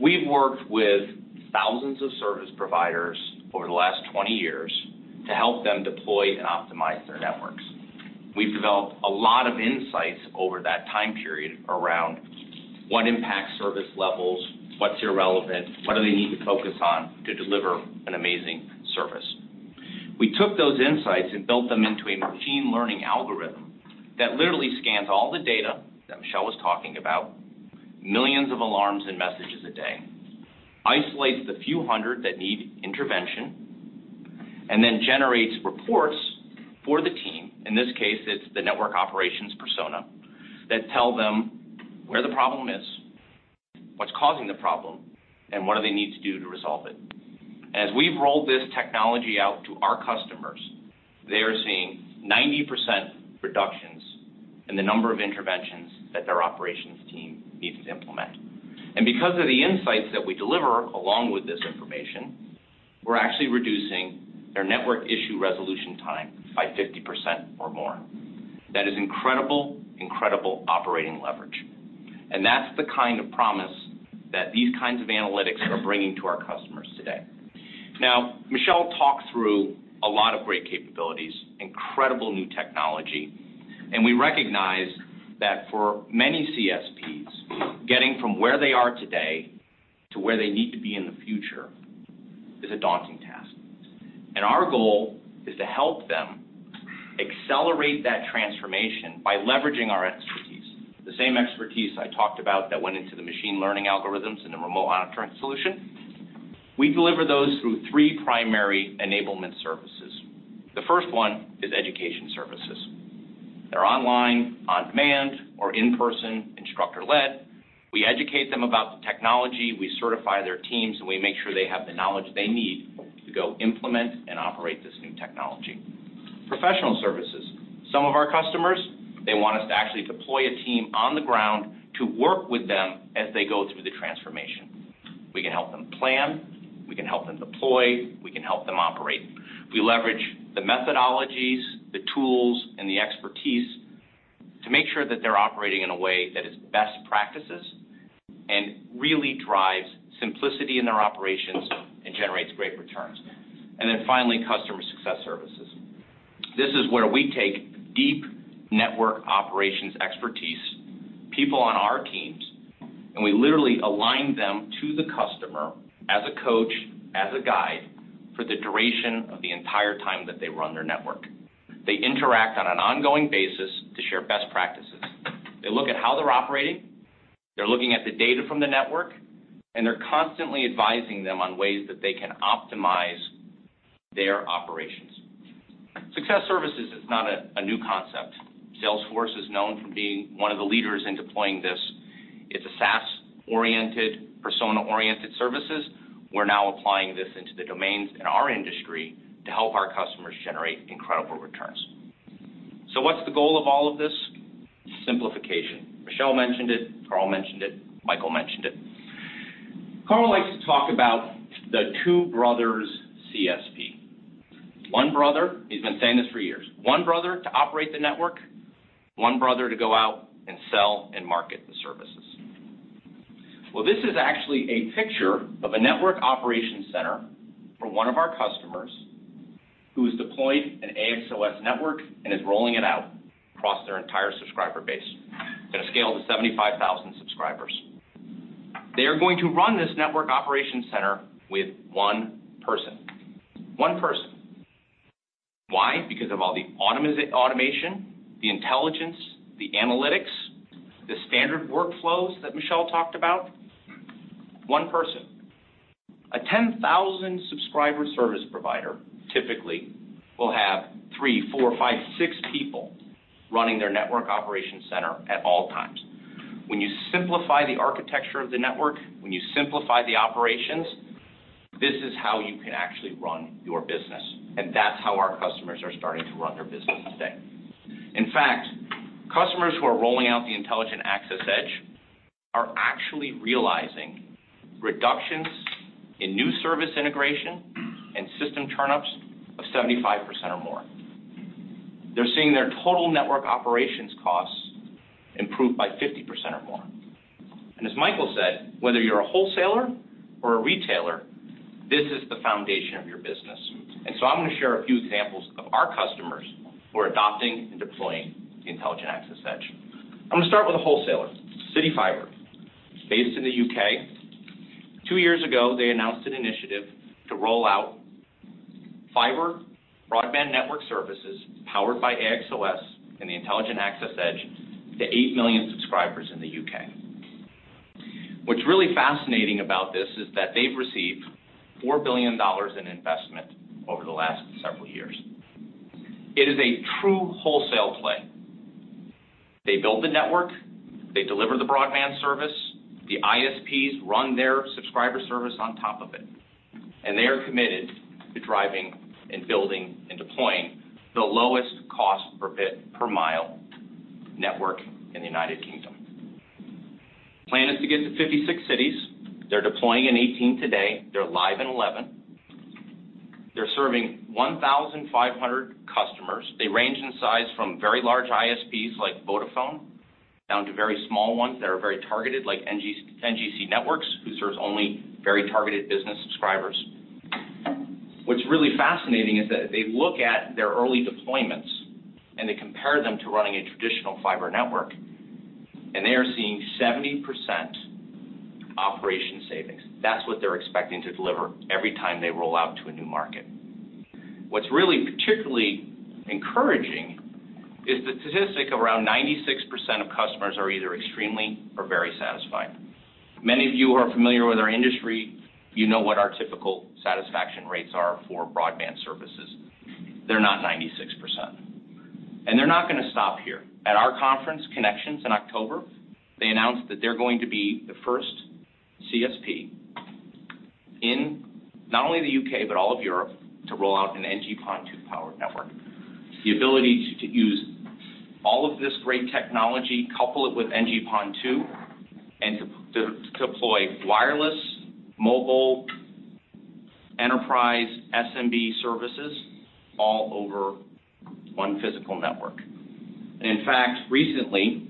We've worked with thousands of service providers over the last 20 years to help them deploy and optimize their networks. We've developed a lot of insights over that time period around what impacts service levels, what's irrelevant, what do they need to focus on to deliver an amazing service. We took those insights and built them into a machine learning algorithm that literally scans all the data that Michel was talking about, millions of alarms and messages a day, isolates the few hundred that need intervention, and then generates reports for the team, in this case, it's the network operations persona, that tell them where the problem is, what's causing the problem, and what do they need to do to resolve it. As we've rolled this technology out to our customers, they are seeing 90% reductions in the number of interventions that their operations team needs to implement. Because of the insights that we deliver along with this information, we're actually reducing their network issue resolution time by 50% or more. That is incredible operating leverage. That's the kind of promise that these kinds of analytics are bringing to our customers today. Now, Michel talked through a lot of great capabilities, incredible new technology. We recognize that for many CSPs, getting from where they are today to where they need to be in the future is a daunting task. Our goal is to help them accelerate that transformation by leveraging our expertise, the same expertise I talked about that went into the machine learning algorithms and the remote monitoring solution. We deliver those through three primary enablement services. The first one is education services. They're online, on-demand, or in-person, instructor-led. We educate them about the technology, we certify their teams, and we make sure they have the knowledge they need to go implement and operate this new technology. Professional services. Some of our customers, they want us to actually deploy a team on the ground to work with them as they go through the transformation. We can help them plan, we can help them deploy, we can help them operate. We leverage the methodologies, the tools, and the expertise to make sure that they're operating in a way that is best practices and really drives simplicity in their operations and generates great returns. Finally, customer success services. This is where we take deep network operations expertise, people on our teams, and we literally align them to the customer as a coach, as a guide, for the duration of the entire time that they run their network. They interact on an ongoing basis to share best practices. They look at how they're operating, they're looking at the data from the network, and they're constantly advising them on ways that they can optimize their operations. Success services is not a new concept. Salesforce is known for being one of the leaders in deploying this. It's a SAS-oriented, persona-oriented services. We're now applying this into the domains in our industry to help our customers generate incredible returns. What's the goal of all of this? Simplification. Michel mentioned it, Carl mentioned it, Michael mentioned it. Carl likes to talk about the two brothers CSP. One brother, he's been saying this for years. One brother to operate the network, one brother to go out and sell and market the services. This is actually a picture of a network operations center for one of our customers who has deployed an AXOS network and is rolling it out across their entire subscriber base at a scale to 75,000 subscribers. They are going to run this network operations center with one person. One person. Why? Because of all the automation, the intelligence, the analytics, the standard workflows that Michel talked about. One person. A 10,000-subscriber service provider typically will have three, four, five, six people running their network operations center at all times. When you simplify the architecture of the network, when you simplify the operations, this is how you can actually run your business, and that's how our customers are starting to run their business today. In fact, customers who are rolling out the Intelligent Access EDGE are actually realizing reductions in new service integration and system turnups of 75% or more. They're seeing their total network operations costs improve by 50% or more. As Michael said, whether you're a wholesaler or a retailer, this is the foundation of your business. I'm going to share a few examples of our customers who are adopting and deploying the Intelligent Access EDGE. I'm going to start with a wholesaler, CityFibre, based in the U.K. Two years ago, they announced an initiative to roll out fiber broadband network services powered by AXOS and the Intelligent Access EDGE to 8 million subscribers in the U.K. What's really fascinating about this is that they've received $4 billion in investment over the last several years. It is a true wholesale play. They build the network, they deliver the broadband service, the ISPs run their subscriber service on top of it, and they are committed to driving and building and deploying the lowest cost per bit per mile network in the United Kingdom. Plan is to get to 56 cities. They're deploying in 18 today. They're live in 11. They're serving 1,500 customers. They range in size from very large ISPs like Vodafone, down to very small ones that are very targeted, like NGC Networks, who serves only very targeted business subscribers. What's really fascinating is that they look at their early deployments and they compare them to running a traditional fiber network, and they are seeing 70% operation savings. That's what they're expecting to deliver every time they roll out to a new market. What's really particularly encouraging is the statistic. Around 96% of customers are either extremely or very satisfied. Many of you who are familiar with our industry, you know what our typical satisfaction rates are for broadband services. They're not 96%. They're not going to stop here. At our conference, ConneXions, in October, they announced that they're going to be the first CSP in not only the U.K., but all of Europe, to roll out an NG-PON2 powered network. The ability to use all of this great technology, couple it with NG-PON2, and to deploy wireless, mobile, enterprise SMB services all over one physical network. In fact, recently,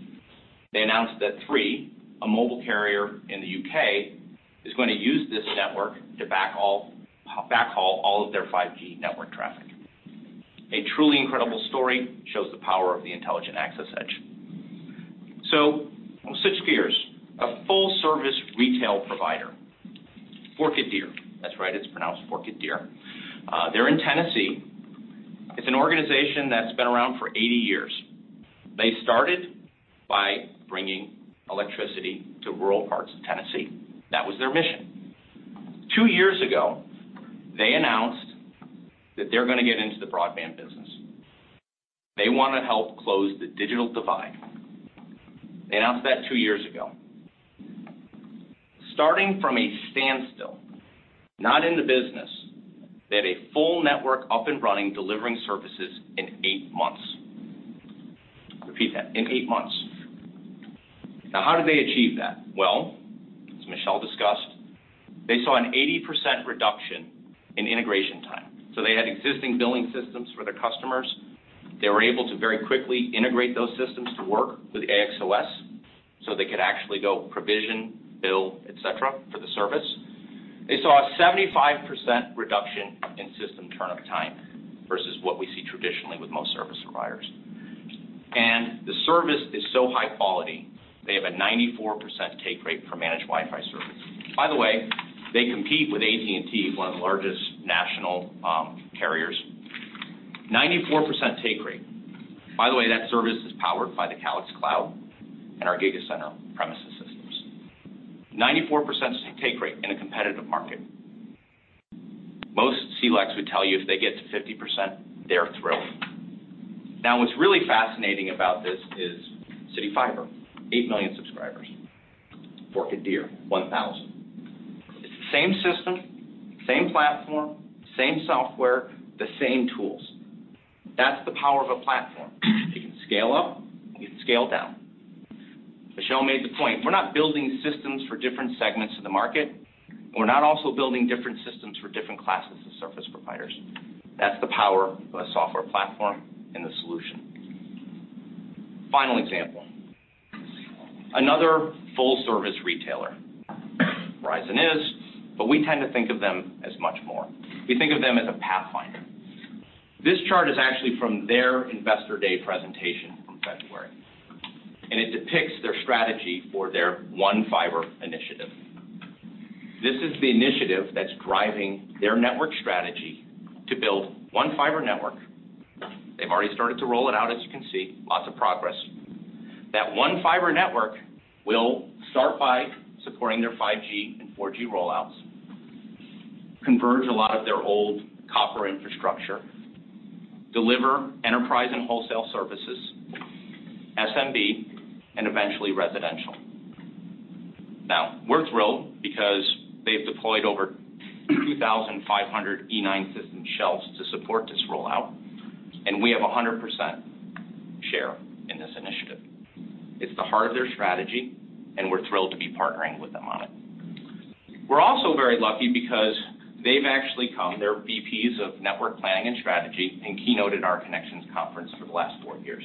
they announced that Three, a mobile carrier in the U.K., is going to use this network to backhaul all of their 5G network traffic. A truly incredible story, shows the power of the Intelligent Access EDGE. Switch gears. A full service retail provider, Forked Deer. That's right, it's pronounced Forked Deer. They're in Tennessee. It's an organization that's been around for 80 years. They started by bringing electricity to rural parts of Tennessee. That was their mission. Two years ago, they announced that they're going to get into the broadband business. They want to help close the digital divide. They announced that two years ago. Starting from a standstill, not in the business, they had a full network up and running, delivering services in eight months. Repeat that, in eight months. How did they achieve that? Well, as Michel discussed. They saw an 80% reduction in integration time. They had existing billing systems for their customers. They were able to very quickly integrate those systems to work with AXOS, so they could actually go provision, bill, et cetera, for the service. They saw a 75% reduction in system turn-up time versus what we see traditionally with most service providers. The service is so high quality, they have a 94% take rate for managed Wi-Fi service. By the way, they compete with AT&T, one of the largest national carriers. 94% take rate. By the way, that service is powered by the Calix Cloud and our GigaCenter premises systems. 94% take rate in a competitive market. Most CLECs would tell you if they get to 50%, they're thrilled. What's really fascinating about this is CityFibre, 8 million subscribers. Forked Deer, 1,000. It's the same system, same platform, same software, the same tools. That's the power of a platform. It can scale up, it can scale down. Michel made the point, we're not building systems for different segments of the market. We're not also building different systems for different classes of service providers. That's the power of a software platform and the solution. Final example, another full-service retailer, Verizon is. We tend to think of them as much more. We think of them as a pathfinder. This chart is actually from their investor day presentation from February. It depicts their strategy for their One Fiber initiative. This is the initiative that's driving their network strategy to build one fiber network. They've already started to roll it out, as you can see, lots of progress. That One Fiber network will start by supporting their 5G and 4G rollouts, converge a lot of their old copper infrastructure, deliver enterprise and wholesale services, SMB, and eventually residential. We're thrilled because they've deployed over 2,500 E9 system shelves to support this rollout, and we have 100% share in this initiative. It's the heart of their strategy, and we're thrilled to be partnering with them on it. We're also very lucky because they've actually come, their VPs of network planning and strategy, and keynoted our ConneXions conference for the last four years.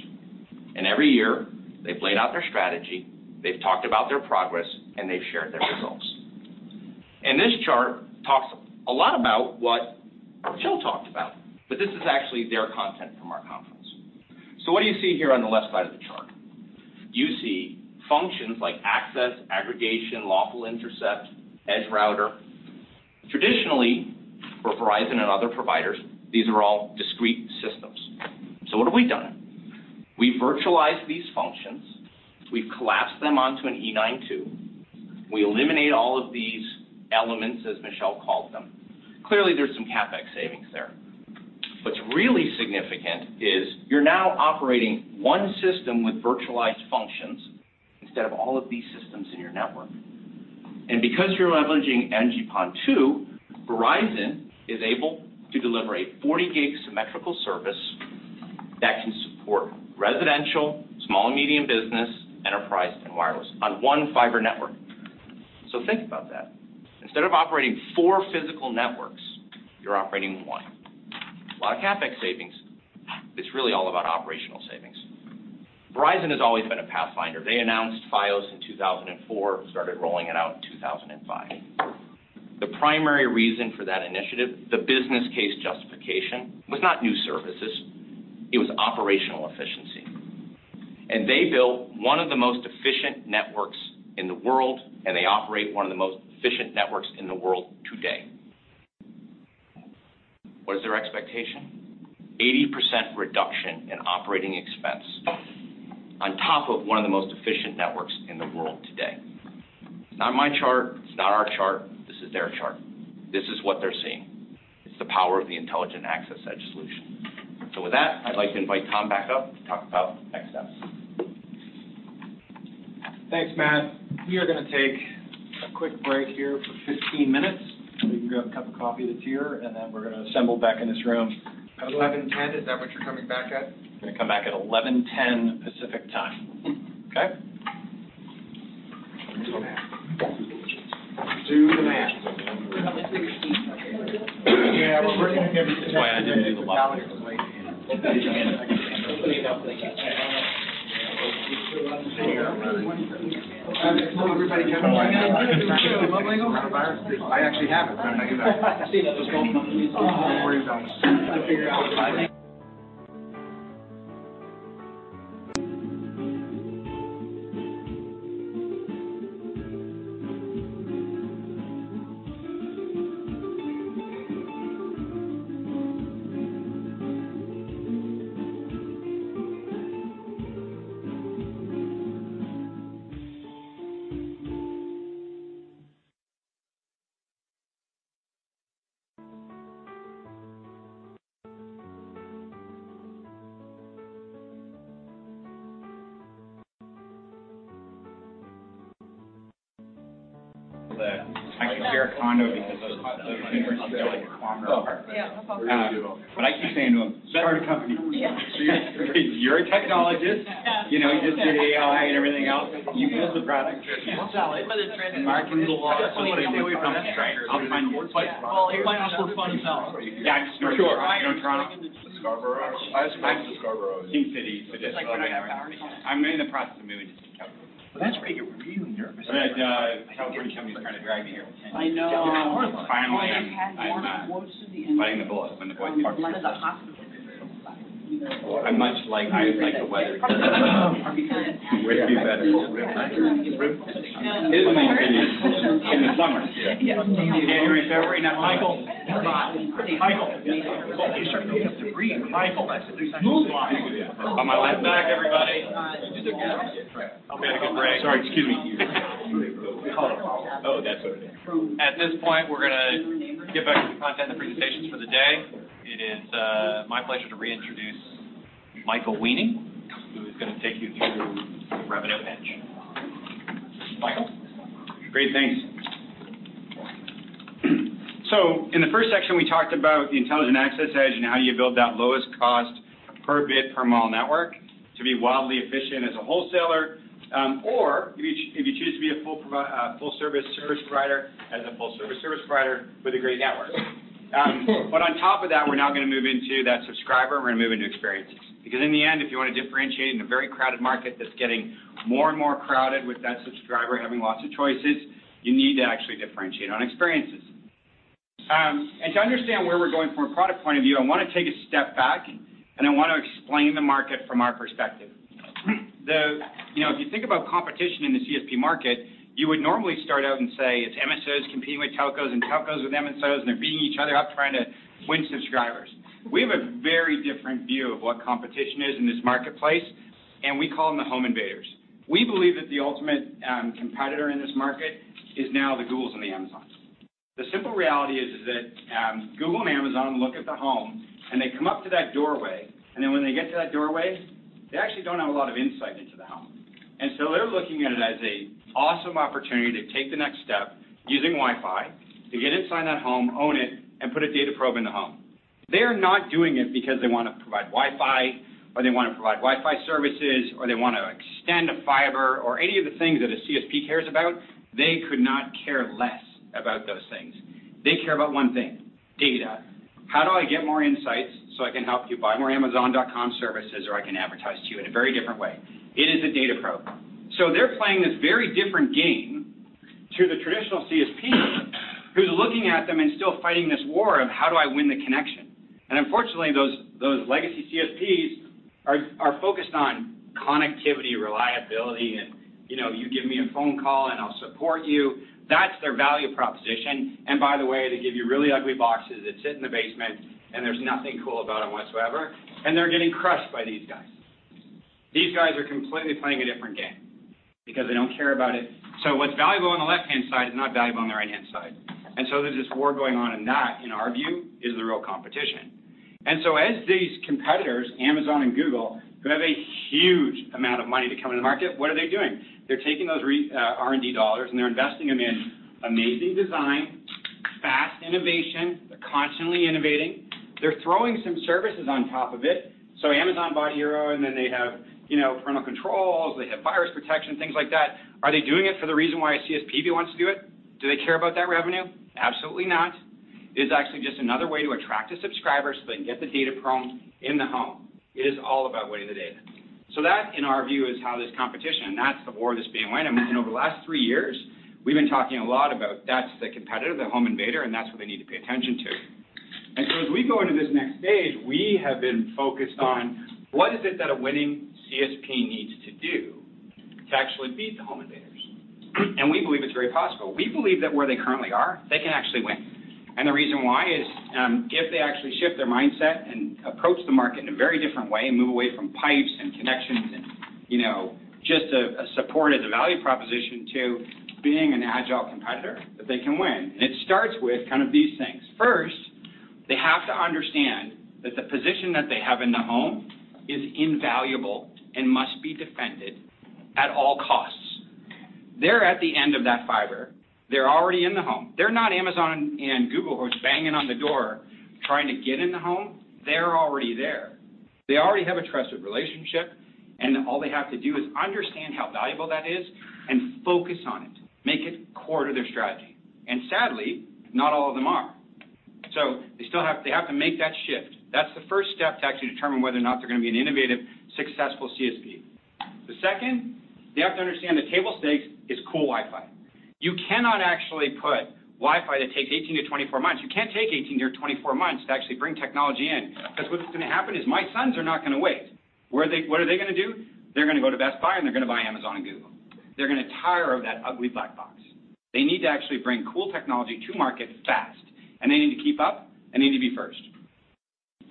Every year, they've laid out their strategy, they've talked about their progress, and they've shared their results. This chart talks a lot about what Jill talked about, but this is actually their content from our conference. What do you see here on the left side of the chart? You see functions like access, aggregation, lawful intercept, edge router. Traditionally, for Verizon and other providers, these are all discrete systems. What have we done? We virtualized these functions. We've collapsed them onto an E9-2. We eliminate all of these elements, as Michel called them. Clearly, there's some CapEx savings there. What's really significant is you're now operating one system with virtualized functions instead of all of these systems in your network. Because you're leveraging NG-PON2, Verizon is able to deliver a 40-gig symmetrical service that can support residential, small and medium business, enterprise, and wireless on one fiber network. Think about that. Instead of operating four physical networks, you're operating one. A lot of CapEx savings. It's really all about operational savings. Verizon has always been a pathfinder. They announced Fios in 2004, started rolling it out in 2005. The primary reason for that initiative, the business case justification, was not new services. It was operational efficiency. They built one of the most efficient networks in the world, and they operate one of the most efficient networks in the world today. What is their expectation? 80% reduction in operating expense on top of one of the most efficient networks in the world today. It's not my chart. It's not our chart. This is their chart. This is what they're seeing. It's the power of the Intelligent Access EDGE solution. With that, I'd like to invite Tom back up to talk about next steps. Thanks, Matt. We are going to take a quick break here for 15 minutes, so you can grab a cup of coffee that's here, and then we're going to assemble back in this room at 11:10 A.M. Is that what you're coming back at? We're going to come back at 11:10 Pacific Time. Okay. To the man. You're a technologist. He just did AI and everything else. You build the product. You can sell it. Marketing is a lot. I know. Finally, I'm not biting the bullet. January, February, now Michael. Michael. Michael. Michael. Move the mic. everybody. Hope you had a good break. Sorry, excuse me. Oh. Oh, that's better. At this point, we're going to get back to the content of the presentations for the day. It is my pleasure to reintroduce Michael Weening, who is going to take you through the Revenue EDGE. Michael. Great, thanks. In the first section, we talked about the Intelligent Access EDGE and how you build that lowest cost per bit per mile network to be wildly efficient as a wholesaler, or if you choose to be a full service service provider, as a full service service provider with a great network. On top of that, we're now going to move into that subscriber and we're going to move into experiences. In the end, if you want to differentiate in a very crowded market that's getting more and more crowded with that subscriber having lots of choices, you need to actually differentiate on experiences. To understand where we're going from a product point of view, I want to take a step back and I want to explain the market from our perspective. If you think about competition in the CSP market, you would normally start out and say it's MSOs competing with telcos, and telcos with MSOs, and they're beating each other up trying to win subscribers. We have a very different view of what competition is in this marketplace, we call them the home invaders. We believe that the ultimate competitor in this market is now the Googles and the Amazons. The simple reality is that Google and Amazon look at the home and they come up to that doorway, then when they get to that doorway, they actually don't have a lot of insight into the home. So they're looking at it as a awesome opportunity to take the next step using Wi-Fi to get inside that home, own it, and put a data probe in the home. They're not doing it because they want to provide Wi-Fi, or they want to provide Wi-Fi services, or they want to extend a fiber or any of the things that a CSP cares about. They could not care less about those things. They care about one thing, data. How do I get more insights so I can help you buy more amazon.com services, or I can advertise to you in a very different way? It is a data probe. They're playing this very different game to the traditional CSP who's looking at them and still fighting this war of how do I win the connection? Unfortunately, those legacy CSPs are focused on connectivity, reliability, and you give me a phone call and I'll support you. That's their value proposition. By the way, they give you really ugly boxes that sit in the basement, and there's nothing cool about them whatsoever. They're getting crushed by these guys. These guys are completely playing a different game because they don't care about it. What's valuable on the left-hand side is not valuable on the right-hand side. There's this war going on, and that, in our view, is the real competition. As these competitors, Amazon and Google, who have a huge amount of money to come in the market, what are they doing? They're taking those R&D dollars and they're investing them in amazing design, fast innovation, they're constantly innovating. They're throwing some services on top of it. Amazon bought Eero, and then they have parental controls, they have virus protection, things like that. Are they doing it for the reason why a CSP wants to do it? Do they care about that revenue? Absolutely not. It is actually just another way to attract the subscribers so they can get the data probe in the home. It is all about weighing the data. That, in our view, is how this competition, and that's the war that's being won. Over the last three years, we've been talking a lot about that's the competitor, the home invader, and that's what they need to pay attention to. As we go into this next stage, we have been focused on what is it that a winning CSP needs to do to actually beat the home invaders? We believe it's very possible. We believe that where they currently are, they can actually win. The reason why is, if they actually shift their mindset and approach the market in a very different way and move away from pipes and connections and just a support of the value proposition to being an agile competitor, that they can win. It starts with these things. First, they have to understand that the position that they have in the home is invaluable and must be defended at all costs. They're at the end of that fiber. They're already in the home. They're not Amazon and Google who's banging on the door trying to get in the home, they're already there. They already have a trusted relationship, and all they have to do is understand how valuable that is and focus on it, make it core to their strategy. Sadly, not all of them are. They still have to make that shift. That's the first step to actually determine whether or not they're going to be an innovative, successful CSP. The second, they have to understand that table stakes is cool Wi-Fi. You cannot actually put Wi-Fi that takes 18 to 24 months. You can't take 18 to 24 months to actually bring technology in, because what's going to happen is my sons are not going to wait. What are they going to do? They're going to go to Best Buy and they're going to buy Amazon and Google. They're going to tire of that ugly black box. They need to actually bring cool technology to market fast, and they need to keep up and they need to be first.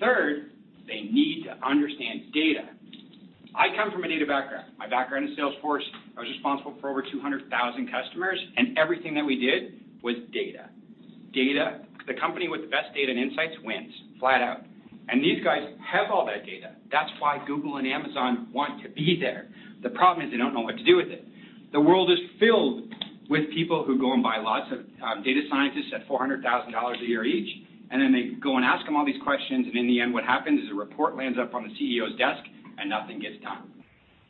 Third, they need to understand data. I come from a data background. My background in Salesforce, I was responsible for over 200,000 customers, and everything that we did was data. Data. The company with the best data and insights wins, flat out and these guys have all that data. That's why Google and Amazon want to be there. The problem is they don't know what to do with it. The world is filled with people who go and buy lots of data scientists at $400,000 a year each, and then they go and ask them all these questions, and in the end, what happens is a report lands up on the CEO's desk and nothing gets done.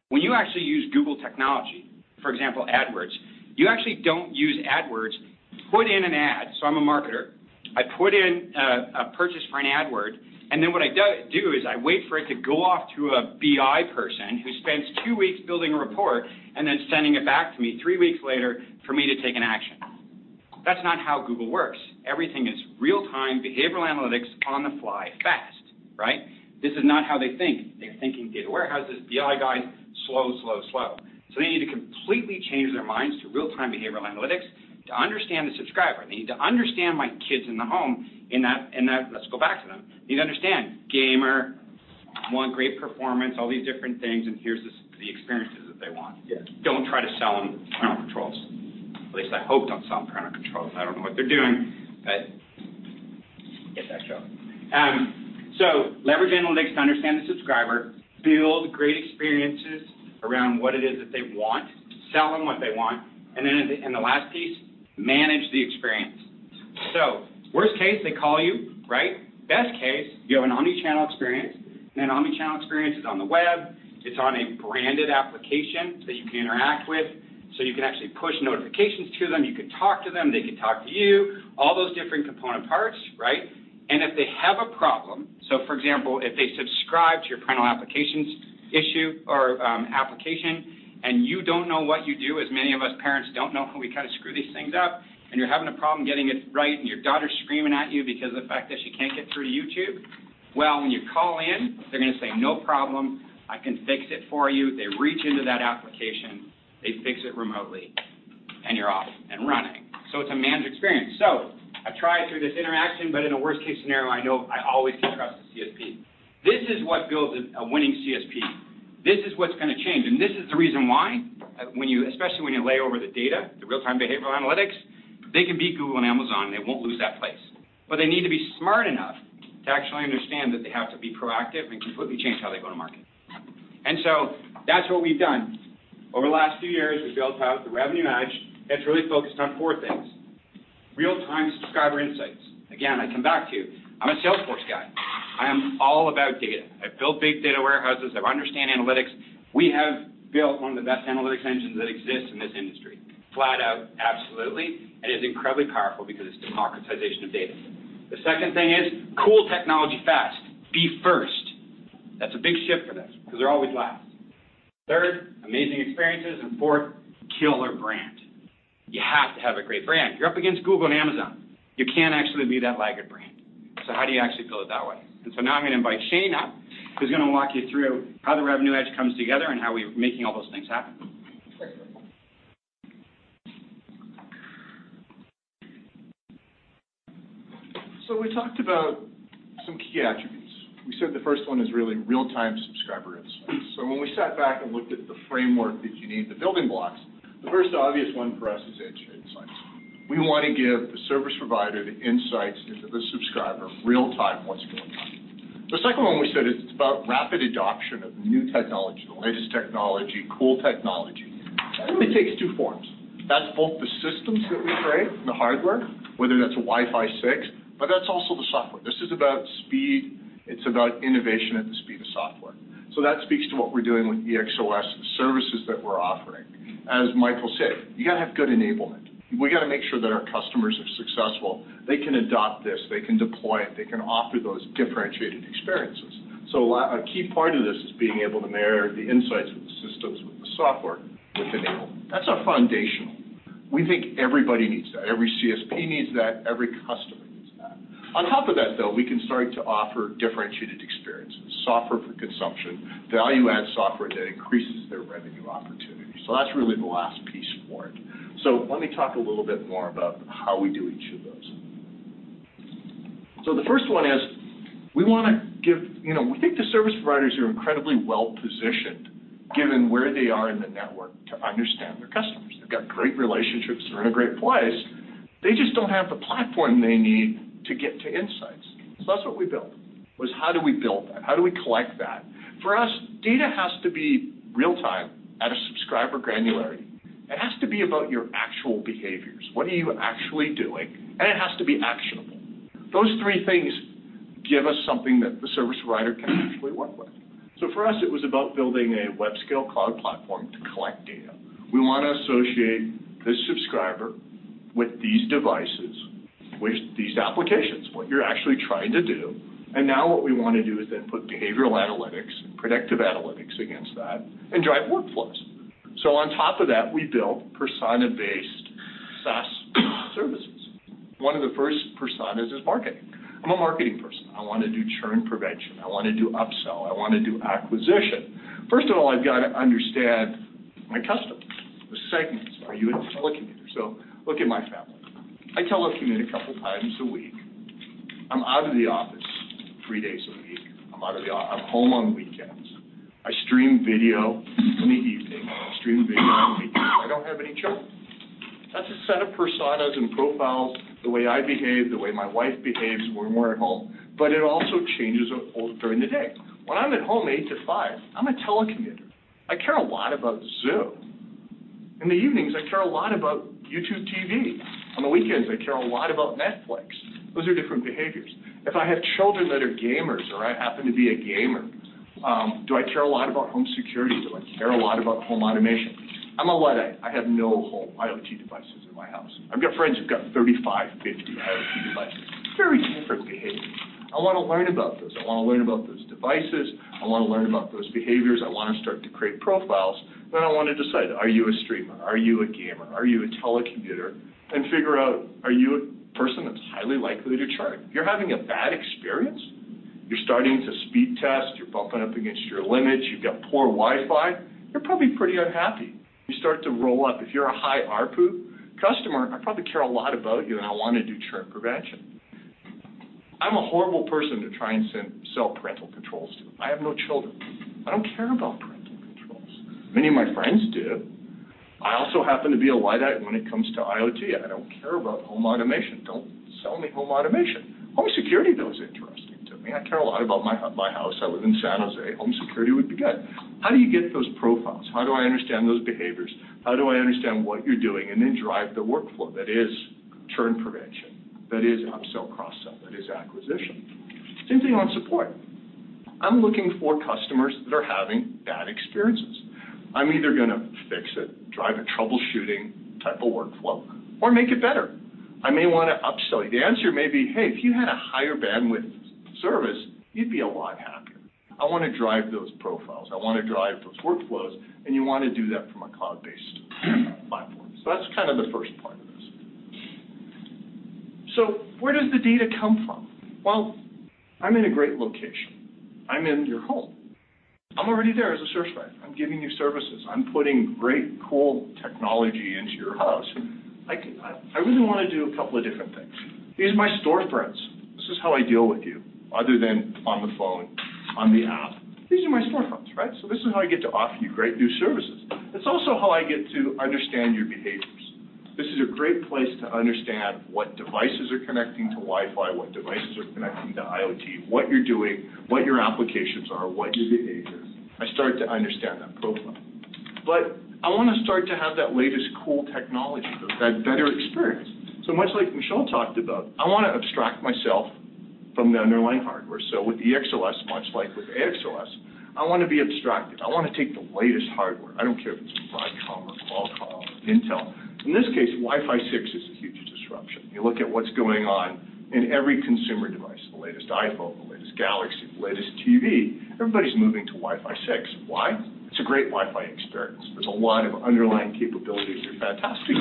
When you actually use Google technology, for example, AdWords, you actually don't use AdWords, put in an ad. I'm a marketer. I put in a purchase for an AdWords, and then what I do is I wait for it to go off to a BI person who spends two weeks building a report and then sending it back to me three weeks later for me to take an action. That's not how Google works. Everything is real-time, behavioral analytics, on the fly, fast. Right? This is not how they think. They're thinking data warehouses, BI guys, slow. They need to completely change their minds to real-time behavioral analytics to understand the subscriber. They need to understand my kids in the home. Let's go back to them. Need to understand gamer, want great performance, all these different things, and here's the experiences that they want. Yes. Don't try to sell them parental controls. At least I hope don't sell them parental controls. I don't know what they're doing. Yes, that's true. Leverage analytics to understand the subscriber, build great experiences around what it is that they want, sell them what they want, and then in the last piece, manage the experience. Worst case, they call you, right? Best case, you have an omnichannel experience. An omnichannel experience is on the web, it's on a branded application that you can interact with, so you can actually push notifications to them, you can talk to them, they can talk to you, all those different component parts, right? If they have a problem, for example, if they subscribe to your parental applications, application, and you don't know what you do, as many of us parents don't know how we kind of screw these things up, and you're having a problem getting it right, and your daughter's screaming at you because of the fact that she can't get through YouTube. When you call in, they're going to say, "No problem. I can fix it for you." They reach into that application, they fix it remotely, and you're off and running. It's a managed experience. I've tried through this interaction, but in a worst-case scenario, I know I always can trust the CSP. This is what builds a winning CSP. This is what's going to change. This is the reason why, especially when you lay over the data, the real-time behavioral analytics, they can beat Google and Amazon. They won't lose that place. They need to be smart enough to actually understand that they have to be proactive and completely change how they go to market. That's what we've done. Over the last few years, we built out the Revenue EDGE that's really focused on four things. Real-time subscriber insights. Again, I come back to you. I'm a Salesforce guy. I am all about data. I've built big data warehouses. I understand analytics. We have built one of the best analytics engines that exists in this industry. Flat out, absolutely. It is incredibly powerful because it's democratization of data. The second thing is cool technology fast. Be first. That's a big shift for them because they're always last. Third, amazing experiences, and fourth, killer brand. You have to have a great brand. You're up against Google and Amazon. You can't actually be that laggard brand. How do you actually build it that way? Now I'm going to invite Shane up, who's going to walk you through how the Revenue EDGE comes together and how we're making all those things happen. Thank you. We talked about some key attributes. We said the first one is really real-time subscriber insights. When we sat back and looked at the framework that you need, the building blocks, the first obvious one for us is EDGE Insights. We want to give the service provider the insights into the subscriber real time what's going on. The second one we said it's about rapid adoption of new technology, the latest technology, cool technology. It really takes two forms. That's both the systems that we create, the hardware, whether that's a Wi-Fi 6, but that's also the software. This is about speed. It's about innovation at the speed of software. That speaks to what we're doing with EXOS, the services that we're offering. As Michael said, you got to have good enablement. We got to make sure that our customers are successful. They can adopt this. They can deploy it. They can offer those differentiated experiences. A key part of this is being able to marry the insights with the systems, with the software, with enablement. That's our foundational. We think everybody needs that. Every CSP needs that, every customer needs that. On top of that, though, we can start to offer differentiated experiences, software for consumption, value-add software that increases their revenue opportunity. That's really the last piece for it. Let me talk a little bit more about how we do each of those. The first one is we think the service providers are incredibly well-positioned, given where they are in the network, to understand their customers. They've got great relationships. They're in a great place. They just don't have the platform they need to get to insights. That's what we built, was how do we build that? How do we collect that? For us, data has to be real time at a subscriber granularity. It has to be about your actual behaviors. What are you actually doing? It has to be actionable. Those three things give us something that the service provider can actually work with. For us, it was about building a web scale cloud platform to collect data. We want to associate this subscriber with these devices, with these applications, what you're actually trying to do. Now what we want to do is then put behavioral analytics and predictive analytics against that and drive workflows. On top of that, we built persona-based SaaS services. One of the first personas is marketing. I'm a marketing person. I want to do churn prevention. I want to do upsell. I want to do acquisition. First of all, I've got to understand my customers, the segments. Are you a telecommuter? Look at my family. I telecommute a couple times a week. I'm out of the office three days a week. I'm home on weekends, I stream video in the evening, I stream (video on weekends). I don't have any churn. Set up personas and profiles, the way I behave, the way my wife behaves when we're at home, but it also changes during the day. When I'm at home 8:00 to 5:00, I'm a telecommuter. I care a lot about Zoom. In the evenings, I care a lot about YouTube TV. On the weekends, I care a lot about Netflix. Those are different behaviors. If I have children that are gamers or I happen to be a gamer, do I care a lot about home security? Do I care a lot about home automation? I'm a Luddite. I have no home IoT devices in my house. I've got friends who've got 35, 50 IoT devices, very different behavior. I want to learn about this. I want to learn about those devices, I want to learn about those behaviors, I want to start to create profiles. I want to decide, are you a streamer? Are you a gamer? Are you a telecommuter? Figure out, are you a person that's highly likely to churn? You're having a bad experience. You're starting to speed test, you're bumping up against your limits, you've got poor Wi-Fi. You're probably pretty unhappy. You start to roll up. If you're a high ARPU customer, I probably care a lot about you, and I want to do churn prevention. I'm a horrible person to try and sell parental controls to. I have no children. I don't care about parental controls. Many of my friends do. I also happen to be a Luddite when it comes to IoT. I don't care about home automation. Don't sell me home automation. Home security, though, is interesting to me. I care a lot about my house. I live in San Jose. Home security would be good. How do you get those profiles? How do I understand those behaviors? How do I understand what you're doing and then drive the workflow that is churn prevention, that is upsell, cross-sell, that is acquisition. Same thing on support. I'm looking for customers that are having bad experiences. I'm either going to fix it, drive a troubleshooting type of workflow, or make it better. I may want to upsell you. The answer may be, "Hey, if you had a higher bandwidth service, you'd be a lot happier." I want to drive those profiles. I want to drive those workflows. You want to do that from a cloud-based platform. That's kind of the first part of this. Where does the data come from? Well, I'm in a great location. I'm in your home. I'm already there as a service provider. I'm giving you services. I'm putting great, cool technology into your house. I really want to do a couple of different things. Here's my storefronts. This is how I deal with you, other than on the phone, on the app. These are my storefronts. This is how I get to offer you great new services. It's also how I get to understand your behaviors. This is a great place to understand what devices are connecting to Wi-Fi, what devices are connecting to IoT, what you're doing, what your applications are, what your behavior is. I start to understand that profile. I want to start to have that latest cool technology, that better experience. Much like Michel talked about, I want to abstract myself from the underlying hardware. With the EXOS, much like with AXOS, I want to be abstracted. I want to take the latest hardware. I don't care if it's from Broadcom or Qualcomm or Intel. In this case, Wi-Fi 6 is a huge disruption. You look at what's going on in every consumer device, the latest iPhone, the latest Galaxy, the latest TV, everybody's moving to Wi-Fi 6. Why? It's a great Wi-Fi experience. There's a lot of underlying capabilities that are fantastic.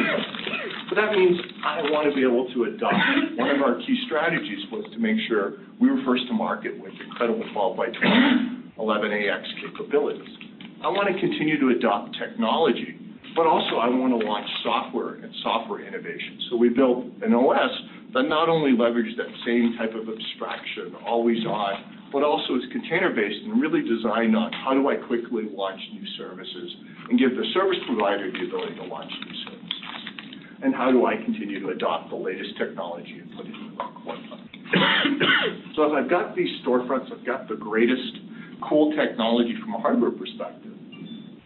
That means I want to be able to adopt. One of our key strategies was to make sure we were first to market with incredible 12 by 12 802.11ax capabilities. I want to continue to adopt technology, also I want to launch software and software innovation. We built an OS that not only leveraged that same type of abstraction, always on, but also is container-based and really designed on, how do I quickly launch new services and give the service provider the ability to launch new services? How do I continue to adopt the latest technology and put it in the home quite quickly? If I've got these storefronts, I've got the greatest cool technology from a hardware perspective,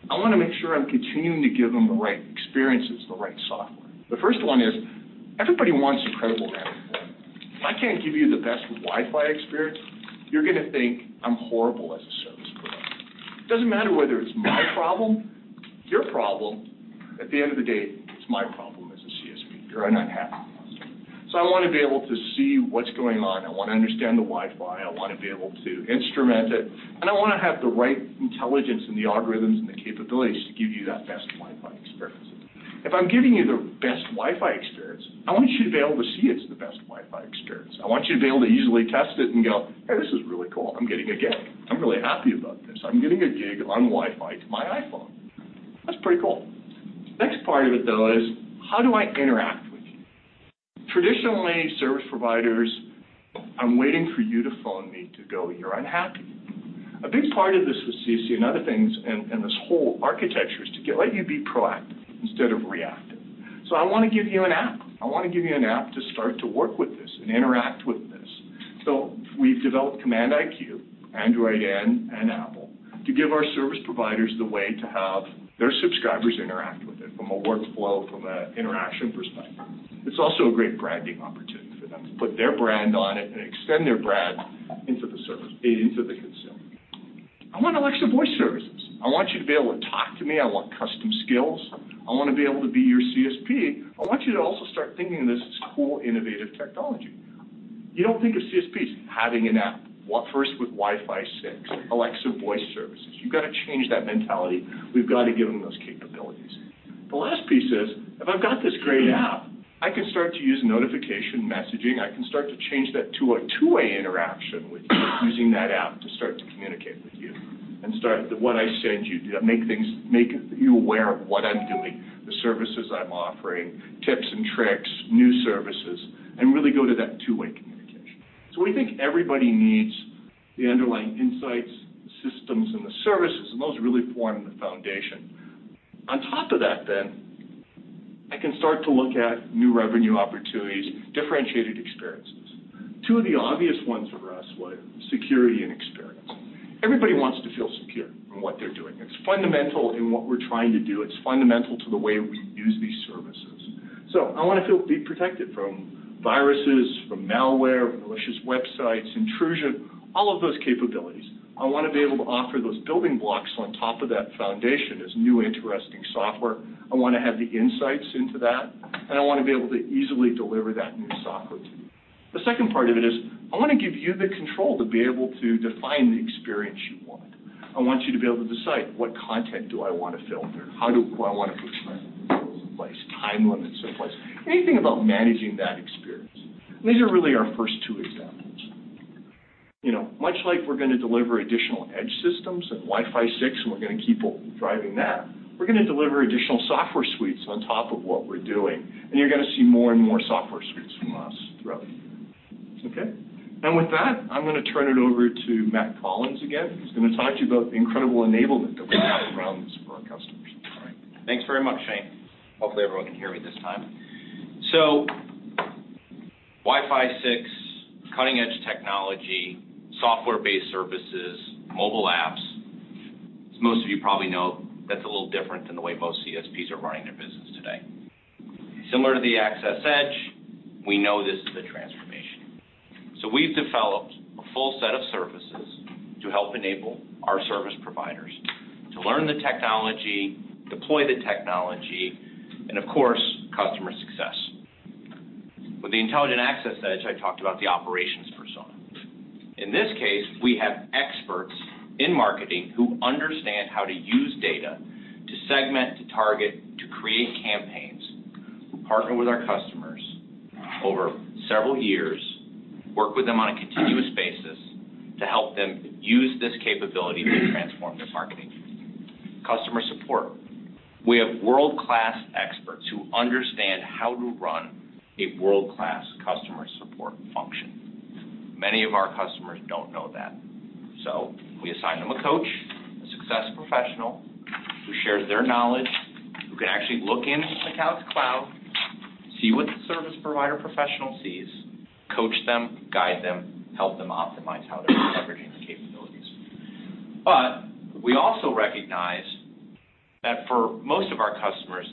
I want to make sure I'm continuing to give them the right experiences, the right software. The first one is, everybody wants incredible bandwidth. If I can't give you the best Wi-Fi experience, you're going to think I'm horrible as a service provider. It doesn't matter whether it's my problem, your problem. At the end of the day, it's my problem as a CSP. You're an unhappy customer. I want to be able to see what's going on. I want to understand the Wi-Fi. I want to be able to instrument it, and I want to have the right intelligence and the algorithms and the capabilities to give you that best Wi-Fi experience. If I'm giving you the best Wi-Fi experience, I want you to be able to see it's the best Wi-Fi experience. I want you to be able to easily test it and go, "Hey, this is really cool. I'm getting a gig. I'm really happy about this. I'm getting a gig on Wi-Fi to my iPhone." That's pretty cool. Next part of it, though, is how do I interact? Traditionally, service providers, I'm waiting for you to phone me to go, "You're unhappy." A big part of the SOC and other things and this whole architecture is to let you be proactive instead of reactive. I want to give you an app, I want to give you an app to start to work with this and interact with this. We've developed CommandIQ, Android and Apple, to give our service providers the way to have their subscribers interact with it from a workflow, from an interaction perspective. It's also a great branding opportunity for them to put their brand on it and extend their brand into the consumer. I want Alexa Voice Service, I want you to be able to talk to me. I want custom skills. I want to be able to be your CSP. I want you to also start thinking of this as cool, innovative technology. You don't think of CSPs having an app. Well, first with Wi-Fi 6, Alexa Voice Service. You've got to change that mentality, we've got to give them those capabilities. The last piece is, if I've got this great app, I can start to use notification messaging, I can start to change that to a two-way interaction with you, using that app to start to communicate with you and start with what I send you, make you aware of what I'm doing, the services I'm offering, tips and tricks, new services, and really go to that two-way interaction. We think everybody needs the underlying insights, the systems, and the services, and those really form the foundation. I can start to look at new revenue opportunities, differentiated experiences. Two of the obvious ones for us were security and experience. Everybody wants to feel secure in what they're doing. It's fundamental in what we're trying to do. It's fundamental to the way we use these services. I want to be protected from viruses, from malware, malicious websites, intrusion, all of those capabilities. I want to be able to offer those building blocks on top of that foundation as new interesting software. I want to have the insights into that, and I want to be able to easily deliver that new software to you. The second part of it is, I want to give you the control to be able to define the experience you want. I want you to be able to decide what content do I want to filter? How do I want to put my controls in place, time limits in place? Anything about managing that experience. These are really our first two examples. Much like we're going to deliver additional edge systems and Wi-Fi 6, and we're going to keep driving that, we're going to deliver additional software suites on top of what we're doing, and you're going to see more and more software suites from us throughout the year. Okay? With that, I'm going to turn it over to Matt Collins again, who's going to talk to you about the incredible enablement that we have around this for our customers. All right. Thanks very much, Shane. Hopefully, everyone can hear me this time. Wi-Fi 6, cutting-edge technology, software-based services, mobile apps. As most of you probably know, that's a little different than the way most CSPs are running their business today. Similar to the Access EDGE, we know this is a transformation. We've developed a full set of services to help enable our service providers to learn the technology, deploy the technology, and of course, customer success. With the Intelligent Access EDGE, I talked about the operations persona. In this case, we have experts in marketing who understand how to use data to segment, to target, to create campaigns, who partner with our customers over several years, work with them on a continuous basis to help them use this capability to transform their marketing. Customer support. We have world-class experts who understand how to run a world-class customer support function. Many of our customers don't know that. We assign them a coach, a success professional, who shares their knowledge, who can actually look into the Calix Cloud, see what the service provider professional sees, coach them, guide them, help them optimize how they're leveraging the capabilities. We also recognize that for most of our customers,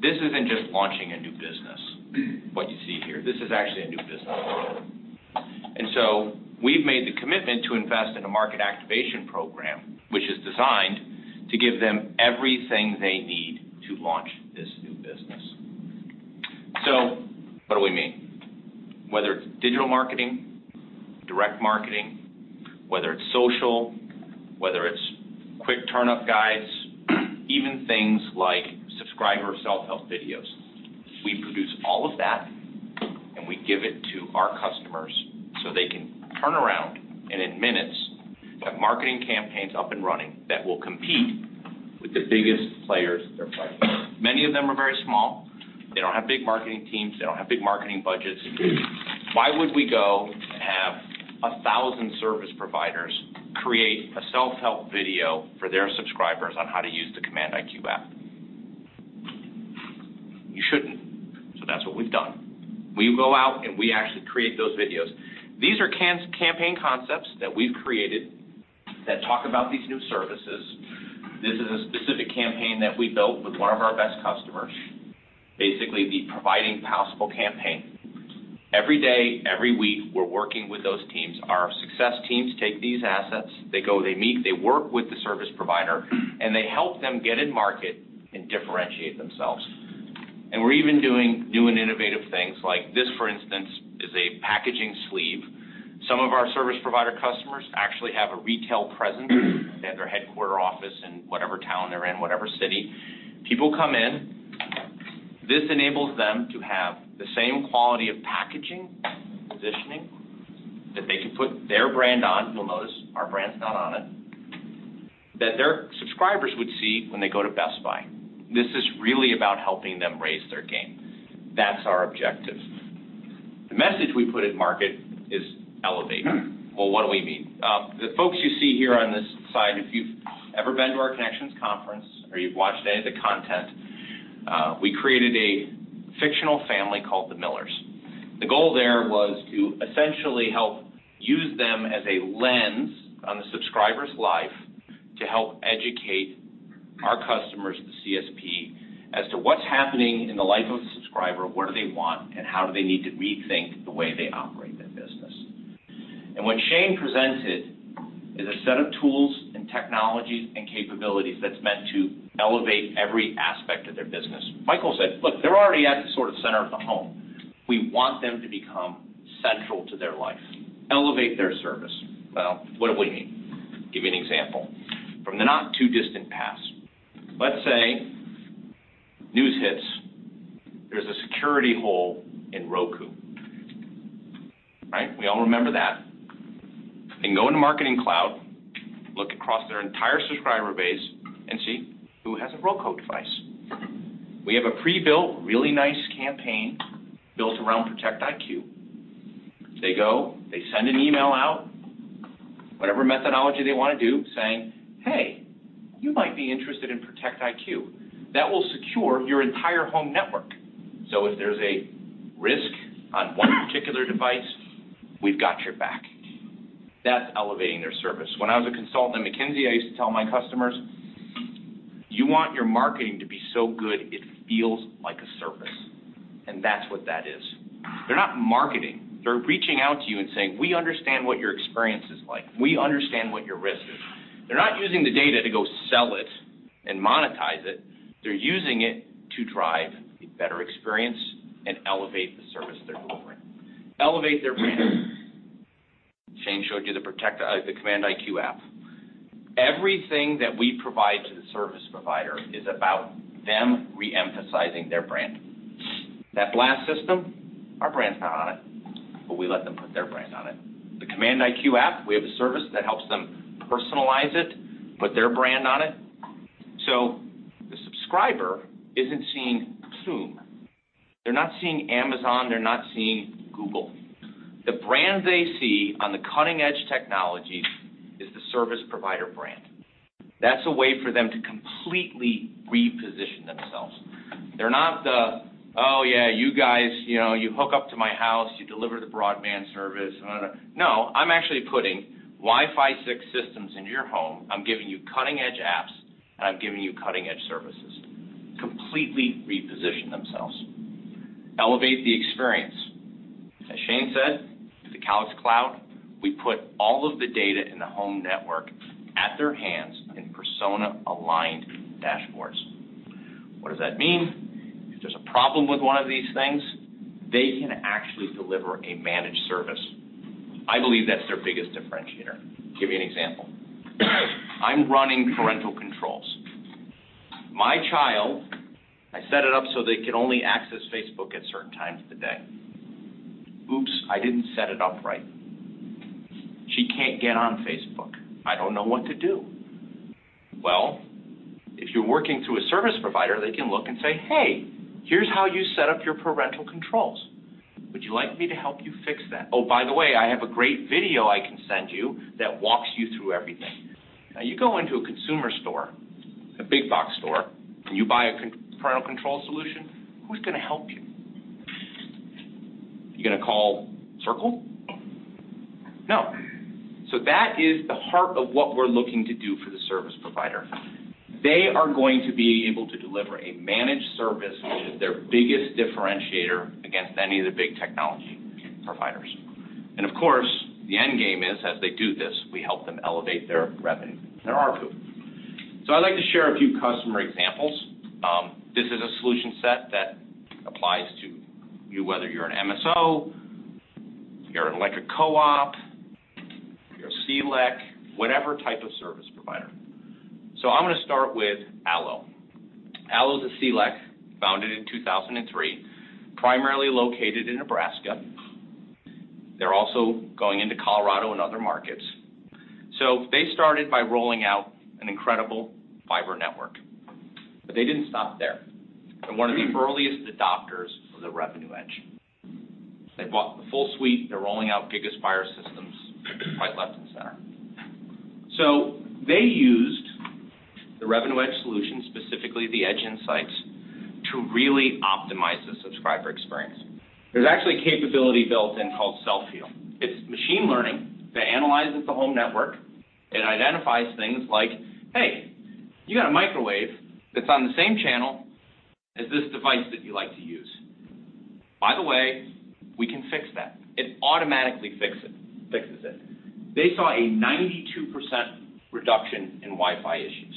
this isn't just launching a new business, what you see here. This is actually a new business. We've made the commitment to invest in a market activation program, which is designed to give them everything they need to launch this new business. What do we mean? Whether it's digital marketing, direct marketing, whether it's social, whether it's quick turn-up guides, even things like subscriber self-help videos. We produce all of that, and we give it to our customers so they can turn around and in minutes have marketing campaigns up and running that will compete with the biggest players they're playing. Many of them are very small. They don't have big marketing teams, they don't have big marketing budgets. Why would we go and have 1,000 service providers create a self-help video for their subscribers on how to use the CommandIQ app? You shouldn't, so that's what we've done. We go out, and we actually create those videos. These are campaign concepts that we've created that talk about these new services. This is a specific campaign that we built with one of our best customers, basically the Providing Possible campaign. Every day, every week, we're working with those teams. Our success teams take these assets. They go, they meet, they work with the service provider, and they help them get in market and differentiate themselves. We're even doing new and innovative things like this, for instance, is a packaging sleeve. Some of our service provider customers actually have a retail presence at their headquarter office in whatever town they're in, whatever city. People come in. This enables them to have the same quality of packaging, positioning that they can put their brand on, you'll notice our brand's not on it, that their subscribers would see when they go to Best Buy. This is really about helping them raise their game. That's our objective. The message we put in market is elevate. Well, what do we mean? The folks you see here on this side, if you've ever been to our ConneXions conference or you've watched any of the content, we created a fictional family called the Millers. The goal there was to essentially help use them as a lens on the subscriber's life to help educate our customers, the CSP, as to what's happening in the life of a subscriber, what do they want, and how do they need to rethink the way they operate their business. What Shane presented is a set of tools and technologies and capabilities that's meant to elevate every aspect of their business. Michael said, "Look, they're already at the sort of center of the home. We want them to become central to their life, elevate their service." Well, what do we mean? Give you an example. From the not too distant past, let's say news hits, there's a security hole in Roku. Right? We all remember that. They can go into Marketing Cloud Fiberbase and see who has a Roku device. We have a pre-built, really nice campaign built around ProtectIQ. They go, they send an email out, whatever methodology they want to do, saying, "Hey, you might be interested in ProtectIQ." That will secure your entire home network. If there's a risk on one particular device, we've got your back. That's elevating their service. When I was a consultant at McKinsey, I used to tell my customers, "You want your marketing to be so good it feels like a service." That's what that is. They're not marketing. They're reaching out to you and saying, "We understand what your experience is like. We understand what your risk is." They're not using the data to go sell it and monetize it. They're using it to drive a better experience and elevate the service they're delivering, elevate their brand. Shane showed you the CommandIQ app. Everything that we provide to the service provider is about them re-emphasizing their brand. That blast system, our brand's not on it, but we let them put their brand on it. The CommandIQ app, we have a service that helps them personalize it, put their brand on it. The subscriber isn't seeing Zoom. They're not seeing Amazon. They're not seeing Google. The brand they see on the cutting-edge technology is the service provider brand. That's a way for them to completely reposition themselves. They're not the, "Oh, yeah, you guys, you hook up to my house, you deliver the broadband service." I'm actually putting Wi-Fi 6 systems into your home. I'm giving you cutting-edge apps, and I'm giving you cutting-edge services. Completely reposition themselves. Elevate the experience. As Shane said, the Calix Cloud, we put all of the data in the home network at their hands in persona-aligned dashboards. What does that mean? If there's a problem with one of these things, they can actually deliver a managed service. I believe that's their biggest differentiator. Give you an example. I'm running parental controls. My child, I set it up so they can only access Facebook at certain times of the day. Oops, I didn't set it up right. She can't get on Facebook. I don't know what to do. If you're working through a service provider, they can look and say, "Hey, here's how you set up your parental controls. Would you like me to help you fix that? Oh, by the way, I have a great video I can send you that walks you through everything." You go into a consumer store, a big box store, and you buy a parental control solution. Who's going to help you? You going to call Circle? No. That is the heart of what we're looking to do for the service provider. They are going to be able to deliver a managed service, which is their biggest differentiator against any of the big technology providers. Of course, the end game is as they do this, we help them elevate their revenue and ARPU. I'd like to share a few customer examples. This is a solution set that applies to you, whether you're an MSO, you're an electric co-op, you're a CLEC, whatever type of service provider. I'm going to start with ALLO. ALLO is a CLEC, founded in 2003, primarily located in Nebraska. They're also going into Colorado and other markets. They started by rolling out an incredible fiber network. They didn't stop there. They're one of the earliest adopters of the Revenue EDGE. They bought the full suite. They're rolling out GigaSpire systems right, left, and center. They used the Revenue EDGE solution, specifically the EDGE Insights, to really optimize the subscriber experience. There's actually a capability built in called Self-Heal. It's machine learning that analyzes the home network and identifies things like, "Hey, you got a microwave that's on the same channel as this device that you like to use. By the way, we can fix that." It automatically fixes it. They saw a 92% reduction in Wi-Fi issues.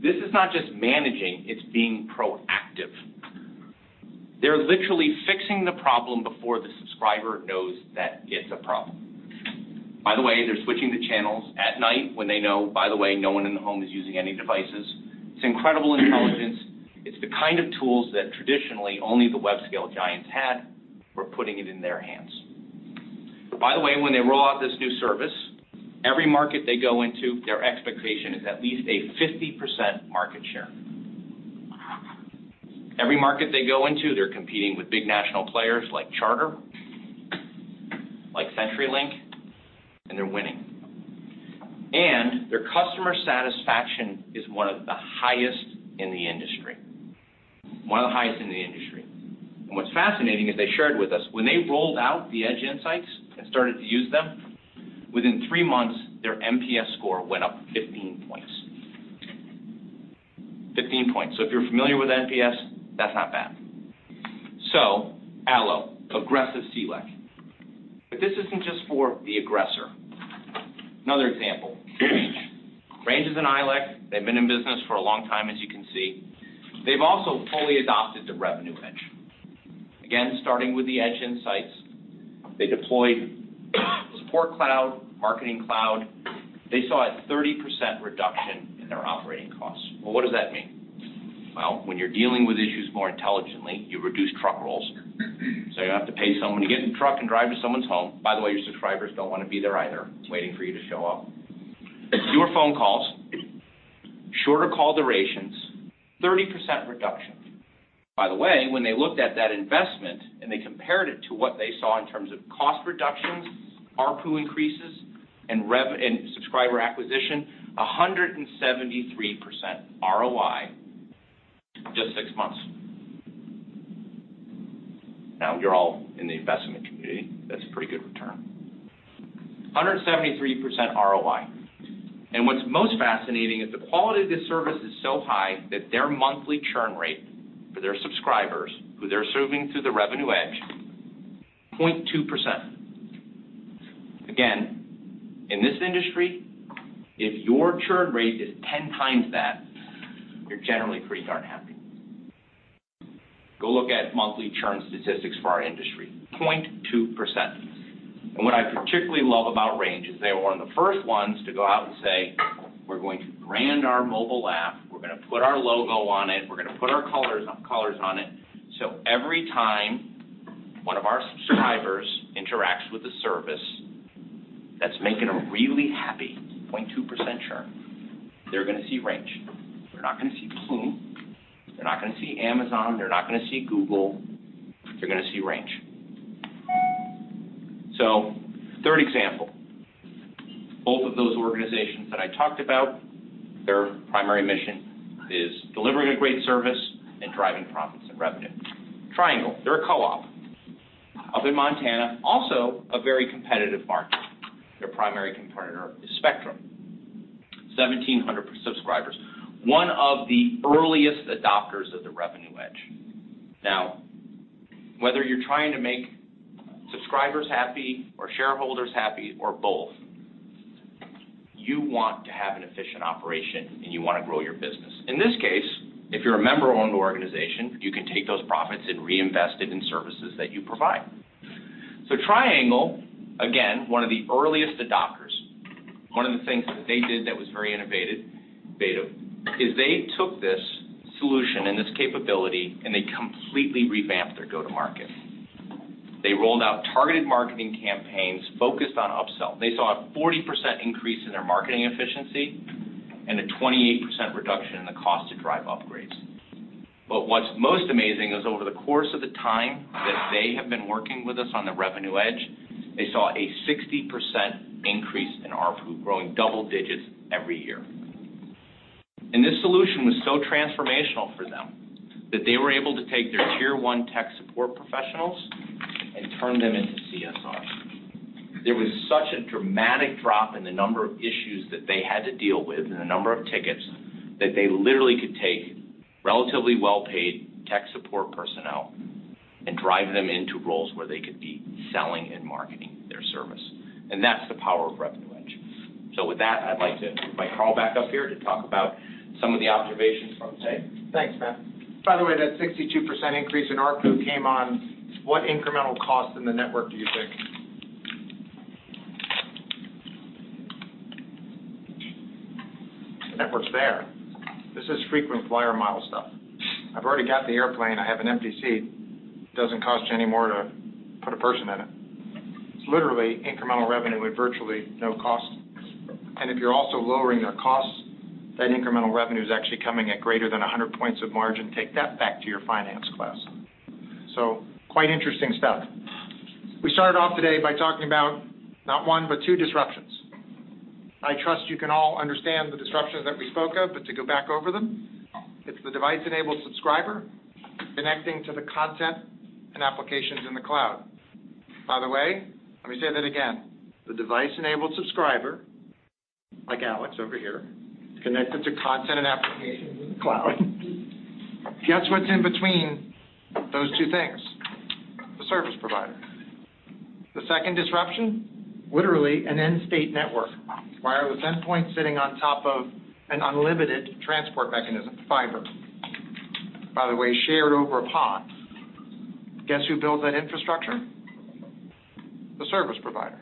This is not just managing, it's being proactive. They're literally fixing the problem before the subscriber knows that it's a problem. By the way, they're switching the channels at night when they know, by the way, no one in the home is using any devices. It's incredible intelligence. It's the kind of tools that traditionally only the web-scale giants had. We're putting it in their hands. By the way, when they roll out this new service, every market they go into, their expectation is at least a 50% market share. Every market they go into, they're competing with big national players like Charter, like CenturyLink, and they're winning. Their customer satisfaction is one of the highest in the industry. One of the highest in the industry. What's fascinating is they shared with us when they rolled out the EDGE Insights and started to use them, within three months, their NPS score went up 15 points. 15 points. If you're familiar with NPS, that's not bad. ALLO, aggressive CLEC. This isn't just for the aggressor. Another example, Range. Range is an ILEC. They've been in business for a long time, as you can see. They've also fully adopted the Revenue EDGE. Again, starting with the EDGE Insights, they deployed Support Cloud, Marketing Cloud. They saw a 30% reduction in their operating costs. Well, what does that mean? When you're dealing with issues more intelligently, you reduce truck rolls. You don't have to pay someone to get in a truck and drive to someone's home. By the way, your subscribers don't want to be there either, waiting for you to show up. Fewer phone calls, shorter call durations, 30% reduction. By the way, when they looked at that investment and they compared it to what they saw in terms of cost reductions, ARPU increases, and subscriber acquisition, 173% ROI, just six months. Now, you're all in the investment community. That's a pretty good return. 173% ROI. What's most fascinating is the quality of this service is so high that their monthly churn rate for their subscribers who they're serving through the Revenue EDGE, 0.2%. Again, in this industry, if your churn rate is 10 times that, you're generally pretty darn happy. Go look at monthly churn statistics for our industry. 0.2%. What I particularly love about Range is they were one of the first ones to go out and say, "We're going to brand our mobile app. We're going to put our logo on it. We're going to put our colors on it, so every time one of our subscribers interacts with the service, that's making them really happy, 0.2% churn. They're going to see Range. They're not going to see Plume, they're not going to see Amazon, they're not going to see Google, they're going to see Range. Third example, both of those organizations that I talked about, their primary mission is delivering a great service and driving profits and revenue. Triangle, they're a co-op up in Montana, also a very competitive market. Their primary competitor is Spectrum, 1,700 subscribers. One of the earliest adopters of the Revenue EDGE. Now, whether you're trying to make subscribers happy or shareholders happy, or both, you want to have an efficient operation, and you want to grow your business. In this case, if you're a member-owned organization, you can take those profits and reinvest it in services that you provide. Triangle, again, one of the earliest adopters. One of the things that they did that was very innovative is they took this solution and this capability, and they completely revamped their go-to-market. They rolled out targeted marketing campaigns focused on upsell. They saw a 40% increase in their marketing efficiency and a 28% reduction in the cost to drive upgrades. What's most amazing is over the course of the time that they have been working with us on the Revenue EDGE, they saw a 60% increase in ARPU, growing double digits every year. This solution was so transformational for them that they were able to take their tier 1 tech support professionals and turn them into CSRs. There was such a dramatic drop in the number of issues that they had to deal with, and the number of tickets, that they literally could take relatively well-paid tech support personnel and drive them into roles where they could be selling and marketing their service, and that's the power of Revenue EDGE. With that, I'd like to invite Carl back up here to talk about some of the observations from today. Thanks, Matt. By the way, that 62% increase in ARPU came on what incremental cost in the network do you think? The network's there. This is frequent flyer mile stuff. I've already got the airplane, I have an empty seat. Doesn't cost you any more to put a person in it. It's literally incremental revenue with virtually no cost. If you're also lowering their costs, that incremental revenue is actually coming at greater than 100 points of margin. Take that back to your finance class. Quite interesting stuff. We started off today by talking about not one, but two disruptions. I trust you can all understand the disruptions that we spoke of, but to go back over them, it's the device-enabled subscriber connecting to the content and applications in the cloud. By the way, let me say that again. The device-enabled subscriber, like Alex over here, connected to content and applications in the cloud. Guess what's in between those two things? The service provider. The second disruption, literally an end-state network. Wireless endpoint sitting on top of an unlimited transport mechanism, fiber. By the way, shared over a pod. Guess who builds that infrastructure? The service provider.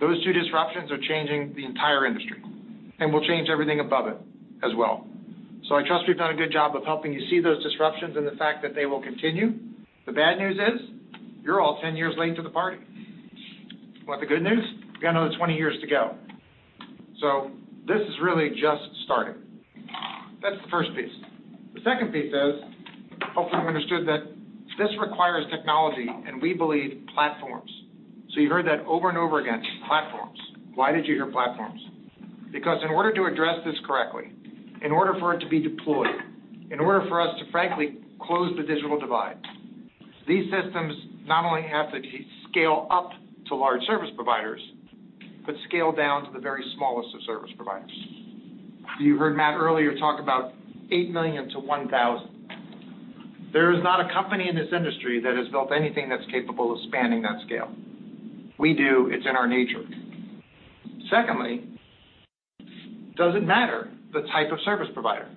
Those two disruptions are changing the entire industry and will change everything above it as well. I trust we've done a good job of helping you see those disruptions and the fact that they will continue. The bad news is you're all 10 years late to the party. You want the good news? We've got another 20 years to go. This is really just starting. That's the first piece. The second piece is, hopefully, you understood that this requires technology, and we believe platforms. You heard that over and over again, platforms. Why did you hear platforms? In order to address this correctly, in order for it to be deployed, in order for us to frankly close the digital divide, these systems not only have to scale up to large service providers, but scale down to the very smallest of service providers. You heard Matt earlier talk about 8 million to 1,000. There is not a company in this industry that has built anything that's capable of spanning that scale. We do. It's in our nature. Secondly, does it matter the type of service provider?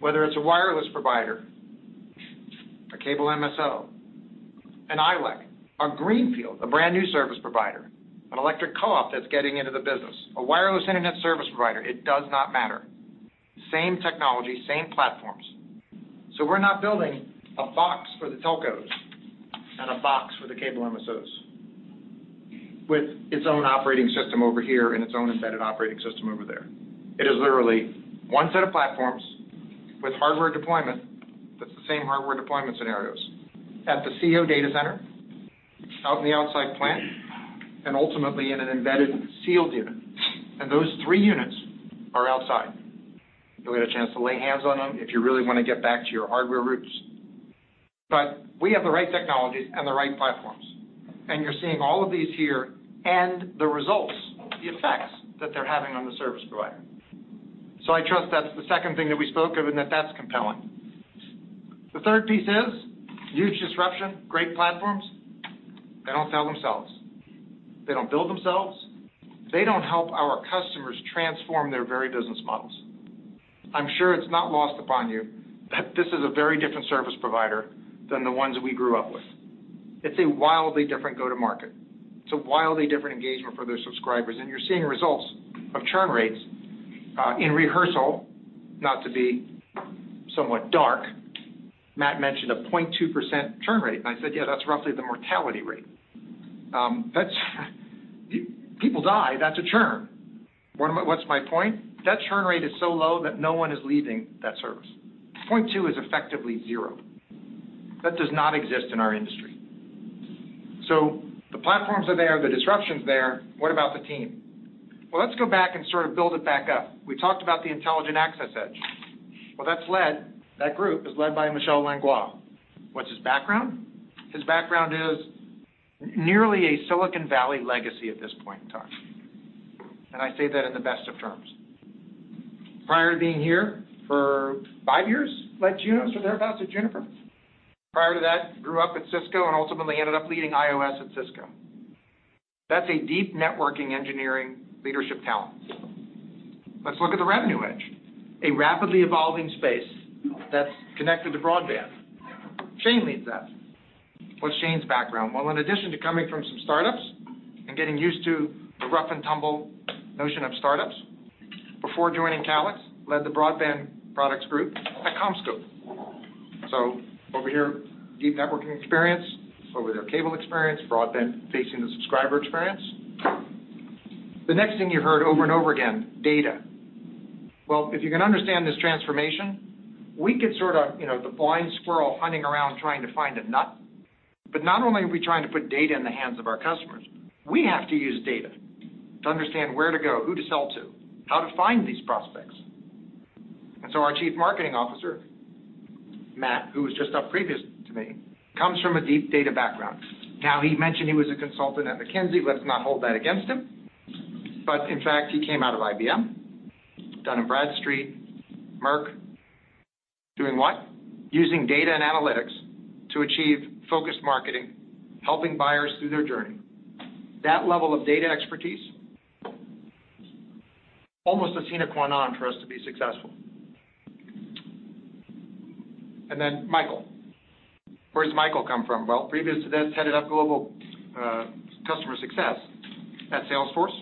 Whether it's a wireless provider, Cable MSO, an ILEC, a greenfield, a brand new service provider, an electric co-op that's getting into the business, a wireless internet service provider, it does not matter. Same technology, same platforms. We're not building a box for the telcos and a box for the cable MSOs, with its own operating system over here and its own embedded operating system over there. It is literally one set of platforms with hardware deployment, that's the same hardware deployment scenarios, at the CO data center, out in the outside plant, and ultimately in an embedded sealed unit. Those three units are outside. You'll get a chance to lay hands on them if you really want to get back to your hardware roots. We have the right technologies and the right platforms, and you're seeing all of these here and the results, the effects that they're having on the service provider. I trust that's the second thing that we spoke of, and that that's compelling. The third piece is huge disruption, great platforms. They don't sell themselves. They don't build themselves. They don't help our customers transform their very business models. I'm sure it's not lost upon you that this is a very different service provider than the ones we grew up with. It's a wildly different go-to-market. It's a wildly different engagement for their subscribers, and you're seeing results of churn rates. In rehearsal, not to be somewhat dark, Matt mentioned a 0.2% churn rate, and I said, "Yeah, that's roughly the mortality rate." People die, that's a churn. What's my point? That churn rate is so low that no one is leaving that service. 0.2 is effectively zero. That does not exist in our industry. The platforms are there, the disruption's there. What about the team? Well, let's go back and sort of build it back up. We talked about the Intelligent Access EDGE. Well, that group is led by Michel Langlois. What's his background? His background is nearly a Silicon Valley legacy at this point in time. I say that in the best of terms. Prior to being here for five years, led Junos or thereabouts at Juniper. Prior to that, grew up at Cisco and ultimately ended up leading IOS at Cisco. That's a deep networking engineering leadership talent. Let's look at the Revenue EDGE, a rapidly evolving space that's connected to broadband. Shane leads that. What's Shane's background? Well, in addition to coming from some startups and getting used to the rough and tumble notion of startups, before joining Calix, led the broadband products group at CommScope. Over here, deep networking experience. Over here, cable experience, broadband facing the subscriber experience. The next thing you heard over and over again, data. Well, if you can understand this transformation, we get sort of the blind squirrel hunting around trying to find a nut. Not only are we trying to put data in the hands of our customers, we have to use data to understand where to go, who to sell to, how to find these prospects. Our Chief Marketing Officer, Matt, who was just up previously to me, comes from a deep data background. Now, he mentioned he was a consultant at McKinsey. Let's not hold that against him. In fact, he came out of IBM, Dun & Bradstreet, Merck. Doing what? Using data and analytics to achieve focused marketing, helping buyers through their journey. That level of data expertise, almost a sine qua non for us to be successful. Michael. Where's Michael come from? Well, previous to this, headed up global customer success at Salesforce.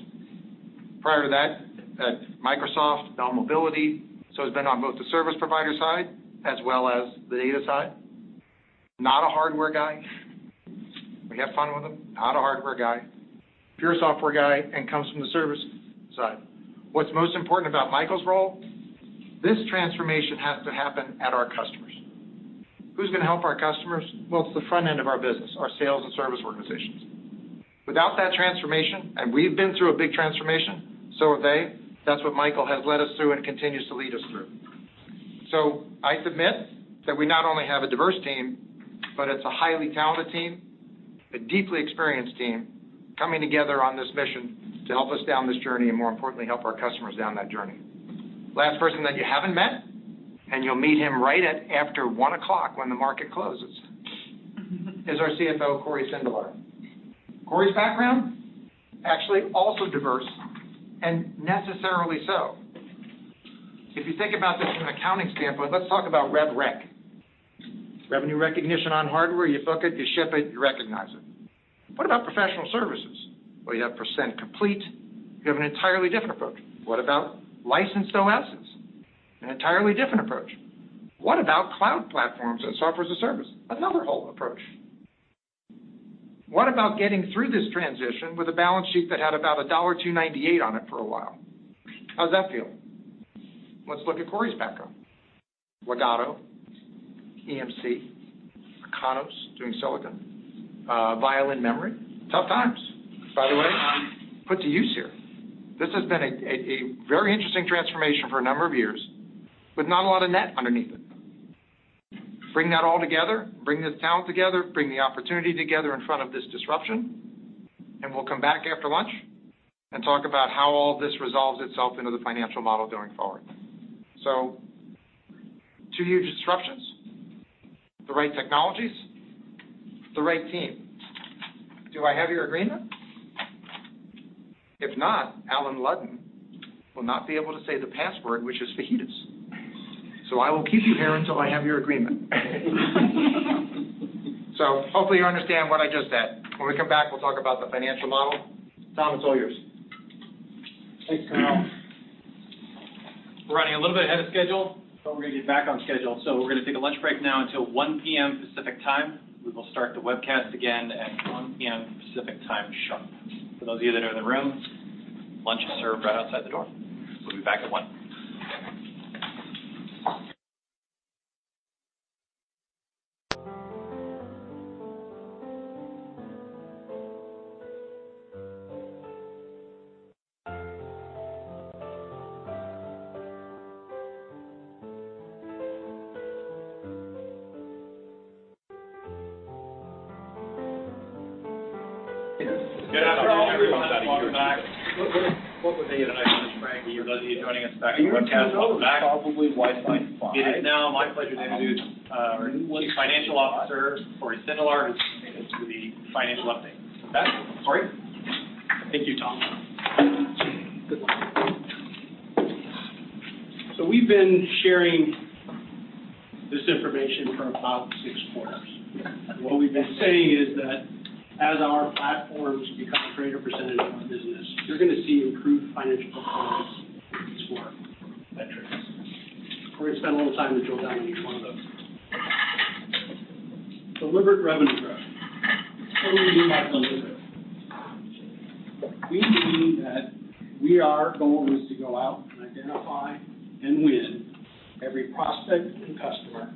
Prior to that, at Microsoft, Dell Mobility. He's been on both the service provider side as well as the data side. Not a hardware guy. We have fun with him. Not a hardware guy, pure software guy, and comes from the service side. What's most important about Michael's role, this transformation has to happen at our customers. Who's going to help our customers? Well, it's the front end of our business, our sales and service organizations. Without that transformation, and we've been through a big transformation, so have they, that's what Michael has led us through and continues to lead us through. I submit that we not only have a diverse team, but it's a highly talented team, a deeply experienced team, coming together on this mission to help us down this journey and more importantly, help our customers down that journey. Last person that you haven't met, and you'll meet him right at after one o'clock when the market closes, is our CFO, Cory Sindelar. Cory's background, actually also diverse and necessarily so. If you think about this from an accounting standpoint, let's talk about rev rec. Revenue recognition on hardware. You book it, you ship it, you recognize it. What about professional services? Well, you have percent complete. You have an entirely different approach. What about licensed OSs? An entirely different approach. What about cloud platforms and software as a service? Another whole approach. What about getting through this transition with a balance sheet that had about a $1.298 on it for a while? How's that feel? Let's look at Cory's background. Legato, EMC, Ikanos, doing silicon, Violin Memory. Tough times, by the way, put to use here. This has been a very interesting transformation for a number of years with not a lot of net underneath it. Bring that all together, bring this talent together, bring the opportunity together in front of this disruption, and we'll come back after lunch and talk about how all this resolves itself into the financial model going forward. Two huge disruptions, the right technologies, the right team. Do I have your agreement? If not, Alan Ludden will not be able to say the password, which is fajitas. I will keep you here until I have your agreement. Hopefully you understand what I just said. When we come back, we will talk about the financial model. Tom, it is all yours. Thanks, Carl. We're running a little bit ahead of schedule, but we're going to get back on schedule. We're going to take a lunch break now until 1:00 P.M. Pacific Time. We will start the webcast again at 1:00 P.M. Pacific Time sharp. For those of you that are in the room, lunch is served right outside the door. We'll be back at 1:00. Good afternoon, everyone. Welcome back. For those of you joining us back on the webcast, welcome back. It is now my pleasure to introduce our Chief Financial Officer, Cory Sindelar, who's going to take us through the financial update. Back, Cory. Thank you, Tom. We've been sharing this information for about six quarters. What we've been saying is that as our platforms become a greater percentage of our business, you're going to see improved financial performance for our metrics. We're going to spend a little time to drill down on each one of those. Deliberate revenue growth. What do we mean by deliberate? We mean that we are focused to go out and identify and win every prospect and customer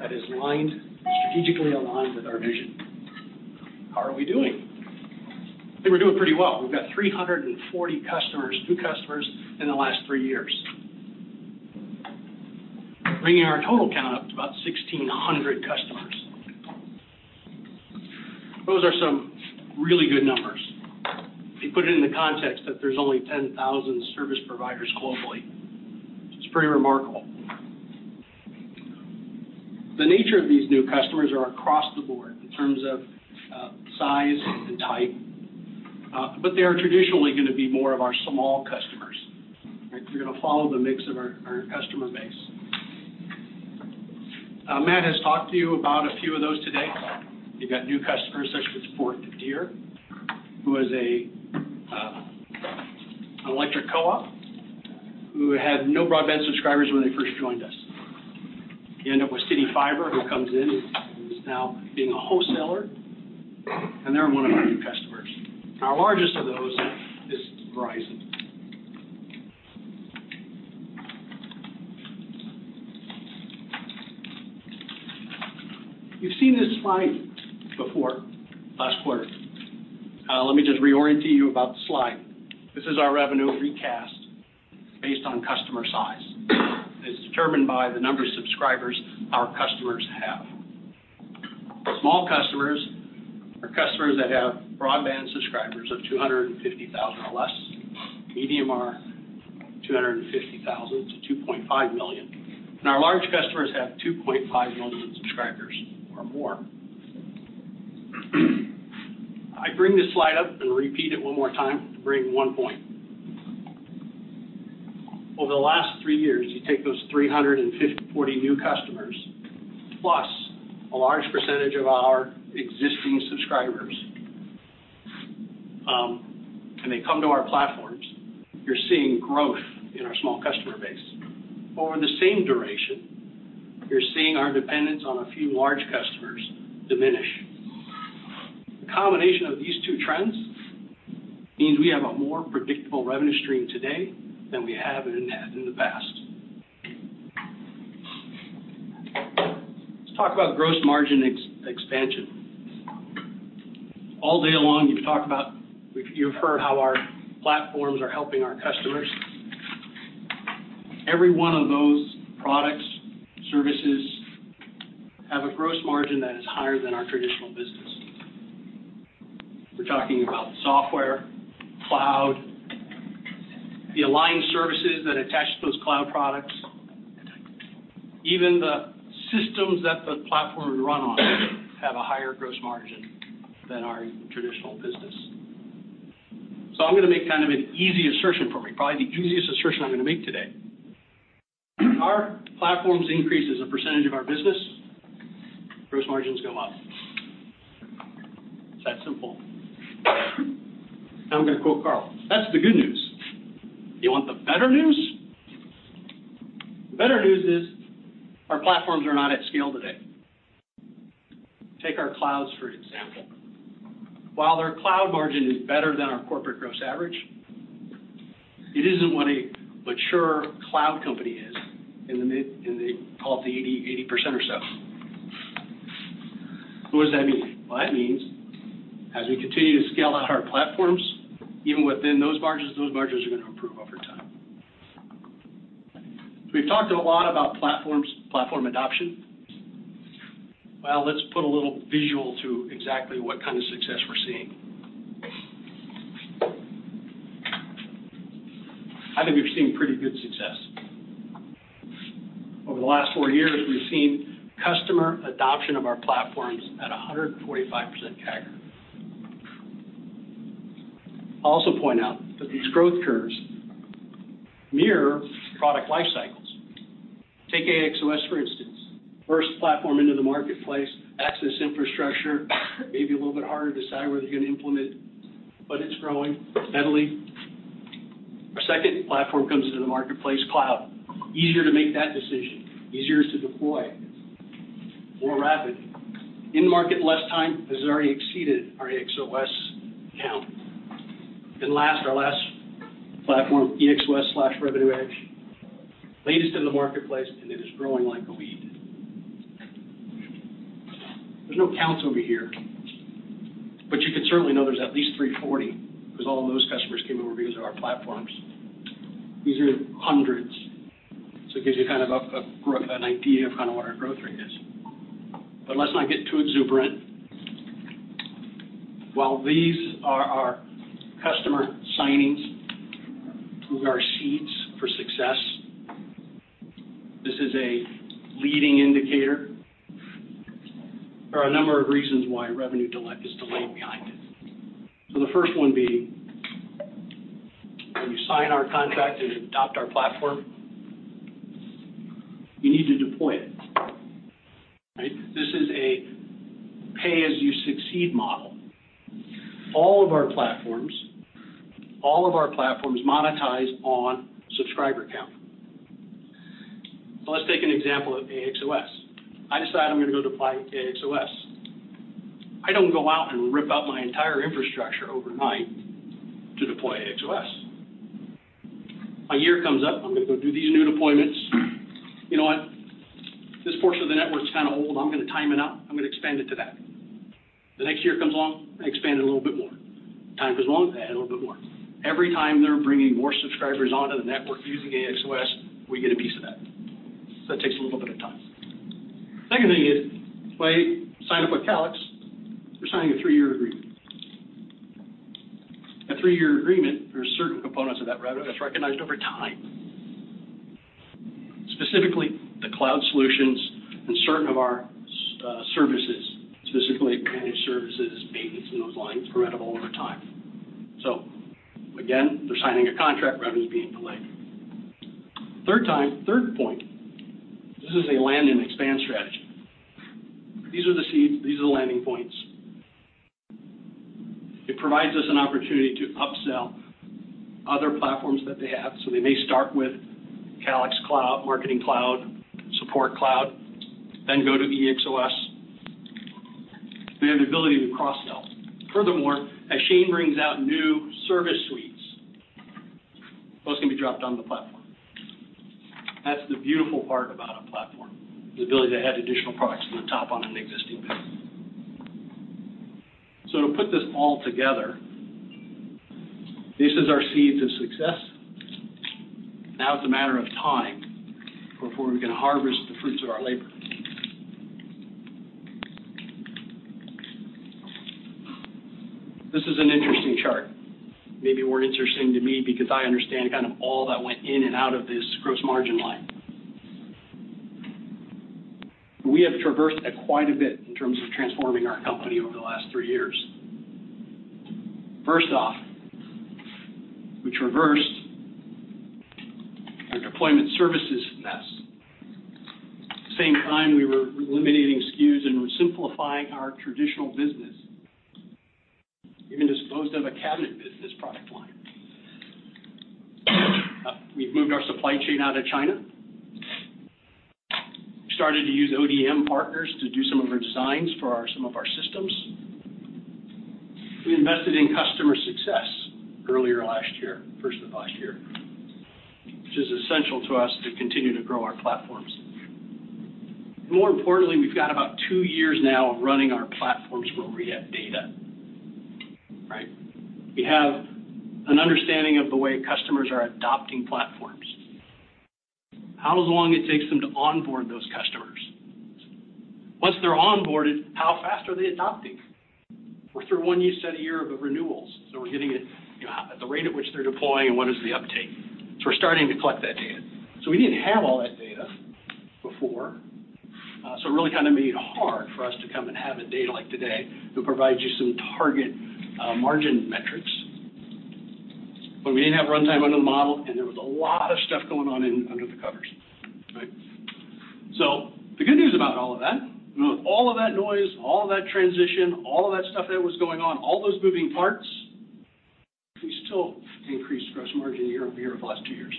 that is strategically aligned with our vision. How are we doing? I think we're doing pretty well. We've got 340 customers, new customers, in the last three years, bringing our total count up to about 1,600 customers. Those are some really good numbers. If you put it into context that there's only 10,000 service providers globally, it's pretty remarkable. The nature of these new customers are across the board in terms of size and type, but they are traditionally going to be more of our small customers. They're going to follow the mix of our customer base. Matt has talked to you about a few of those today. We've got new customers such as Forked Deer, who is an electric co-op who had no broadband subscribers when they first joined us. You end up with CityFibre, who comes in, who is now being a wholesaler, and they're one of our new customers. Our largest of those is Verizon. You've seen this slide before, last quarter. Let me just reorient you about the slide. This is our revenue recast based on customer size. It's determined by the number of subscribers our customers have. Small customers are customers that have broadband subscribers of 250,000 or less. Medium are 250,000 to 2.5 million. Our large customers have 2.5 million subscribers or more. I bring this slide up and repeat it one more time to bring one point. Over the last three years, you take those 340 new customers plus a large percentage of our existing subscribers, and they come to our platforms. You're seeing growth in our small customer base. Over the same duration, you're seeing our dependence on a few large customers diminish. The combination of these two trends means we have a more predictable revenue stream today than we have had in the past. Let's talk about gross margin expansion. All day long, you've heard how our platforms are helping our customers. Every one of those products, services, have a gross margin that is higher than our traditional business. We're talking about software, cloud, the aligned services that attach to those cloud products. Even the systems that the platform would run on have a higher gross margin than our traditional business. I'm going to make kind of an easy assertion for me, probably the easiest assertion I'm going to make today. Our platforms increase as a percentage of our business, gross margins go up. It's that simple. I'm going to quote Carl. "That's the good news. You want the better news?" The better news is our platforms are not at scale today. Take our clouds, for example. While their cloud margin is better than our corporate gross average, it isn't what a mature cloud company is in the 80% or so. What does that mean? That means as we continue to scale out our platforms, even within those margins, those margins are going to improve over time. We've talked a lot about platform adoption. Well, let's put a little visual to exactly what kind of success we're seeing. I think we've seen pretty good success. Over the last four years, we've seen customer adoption of our platforms at 145% CAGR. I'll also point out that these growth curves mirror product life cycles. Take AXOS, for instance. First platform into the marketplace, access infrastructure, maybe a little bit harder to decide where they're going to implement, but it's growing steadily. Our second platform comes into the marketplace, cloud. Easier to make that decision, easier to deploy, more rapid. In market less time. It has already exceeded our AXOS count. Last, our last platform, EXOS/Revenue EDGE, latest in the marketplace, and it is growing like a weed. There's no counts over here, you can certainly know there's at least 340 because all of those customers came over to use our platforms. These are hundreds. It gives you kind of an idea of what our growth rate is. Let's not get too exuberant. While these are our customer signings, these are our seeds for success. This is a leading indicator. There are a number of reasons why revenue is delayed behind it. The first one being, when you sign our contract and adopt our platform, you need to deploy it, right? This is a pay-as-you-succeed model. All of our platforms monetize on subscriber count. Let's take an example of AXOS. I decide I'm going to go deploy AXOS. I don't go out and rip out my entire infrastructure overnight to deploy AXOS. A year comes up, I'm going to go do these new deployments. You know what? This portion of the network's kind of old. I'm going to time it out. I'm going to expand it to that. The next year comes along, I expand it a little bit more. Time goes on, I add a little bit more. Every time they're bringing more subscribers onto the network using AXOS, we get a piece of that. That takes a little bit of time. Second thing is, when I sign up with Calix, we're signing a three-year agreement. A three-year agreement, there are certain components of that revenue that's recognized over time. Specifically, the cloud solutions and certain of our services, specifically managed services, maintenance, and those lines are rentable over time. Again, they're signing a contract, revenue's being delayed. Third point, this is a land and expand strategy. These are the seeds. These are the landing points. It provides us an opportunity to upsell other platforms that they have. They may start with Calix Cloud, Marketing Cloud, Support Cloud, then go to EXOS. We have the ability to cross-sell. Furthermore, as Shane brings out new service suites, those can be dropped on the platform. That's the beautiful part about a platform, the ability to add additional products on the top on an existing build. To put this all together, this is our seeds of success. Now it's a matter of time before we can harvest the fruits of our labor. This is an interesting chart. Maybe more interesting to me because I understand kind of all that went in and out of this gross margin line. We have traversed that quite a bit in terms of transforming our company over the last three years. First off, we traversed the deployment services mess. At the same time, we were eliminating SKUs and were simplifying our traditional business. Even disposed of a cabinet business product line. We've moved our supply chain out of China. We started to use ODM partners to do some of our designs for some of our systems. We invested in customer success earlier last year, first of last year, which is essential to us to continue to grow our platforms. We've got about two years now of running our platforms where we have data. Right? We have an understanding of the way customers are adopting platforms, how long it takes them to onboard those customers. Once they're onboarded, how fast are they adopting? We're through one you said a year of renewals, we're getting the rate at which they're deploying and what is the uptake. We're starting to collect that data. We didn't have all that data before. It really kind of made it hard for us to come and have a day like today to provide you some target margin metrics when we didn't have runtime under the model, and there was a lot of stuff going on under the covers. Right? The good news about all of that, with all of that noise, all of that transition, all of that stuff that was going on, all those moving parts, we still increased gross margin year-over-year of the last two years.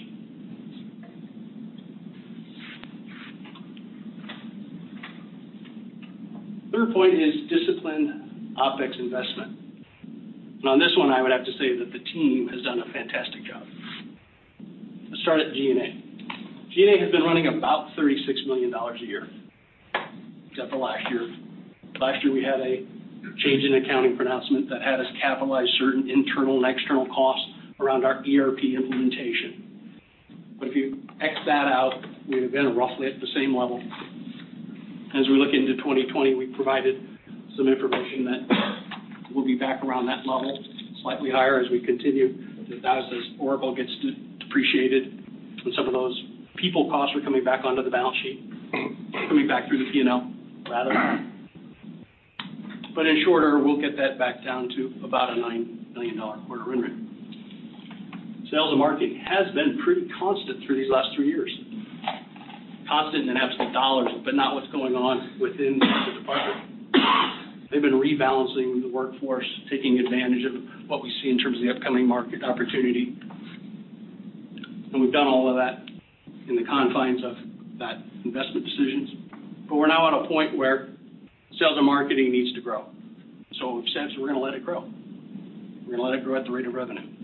Third point is disciplined OpEx investment. On this one, I would have to say that the team has done a fantastic job. Let's start at G&A. G&A has been running about $36 million a year, except for last year. Last year, we had a change in accounting pronouncement that had us capitalize certain internal and external costs around our ERP implementation. If you X that out, we would've been roughly at the same level. As we look into 2020, we provided some information that we'll be back around that level, slightly higher as we continue as Oracle gets depreciated, and some of those people costs are coming back onto the balance sheet, coming back through the P&L rather. In short order, we'll get that back down to about a $9 million quarter run rate. Sales and marketing has been pretty constant through these last three years. Constant in absolute dollars, but not what's going on within the department. They've been rebalancing the workforce, taking advantage of what we see in terms of the upcoming market opportunity. We've done all of that in the confines of that investment decisions. We're now at a point where sales and marketing needs to grow. We've said we're going to let it grow. We're going to let it grow at the rate of revenue.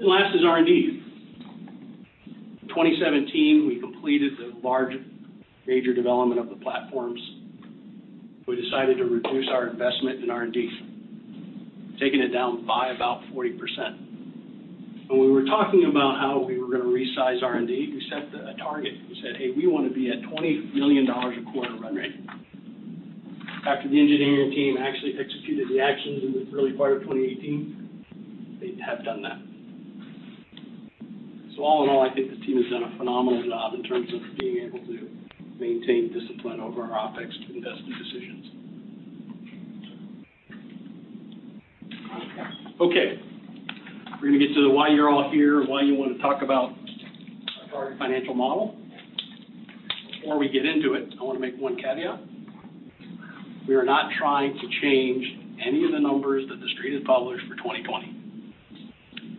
Last is R&D. 2017, we completed the large major development of the platforms. We decided to reduce our investment in R&D, taking it down by about 40%. When we were talking about how we were going to resize R&D, we set a target. We said, "Hey, we want to be at $20 million a quarter run rate." After the engineering team actually executed the actions in the early part of 2018, they have done that. All in all, I think the team has done a phenomenal job in terms of being able to maintain discipline over our OpEx investment decisions. Okay. We're going to get to the why you're all here, why you want to talk about our financial model. Before we get into it, I want to make one caveat. We are not trying to change any of the numbers that the Street has published for 2020.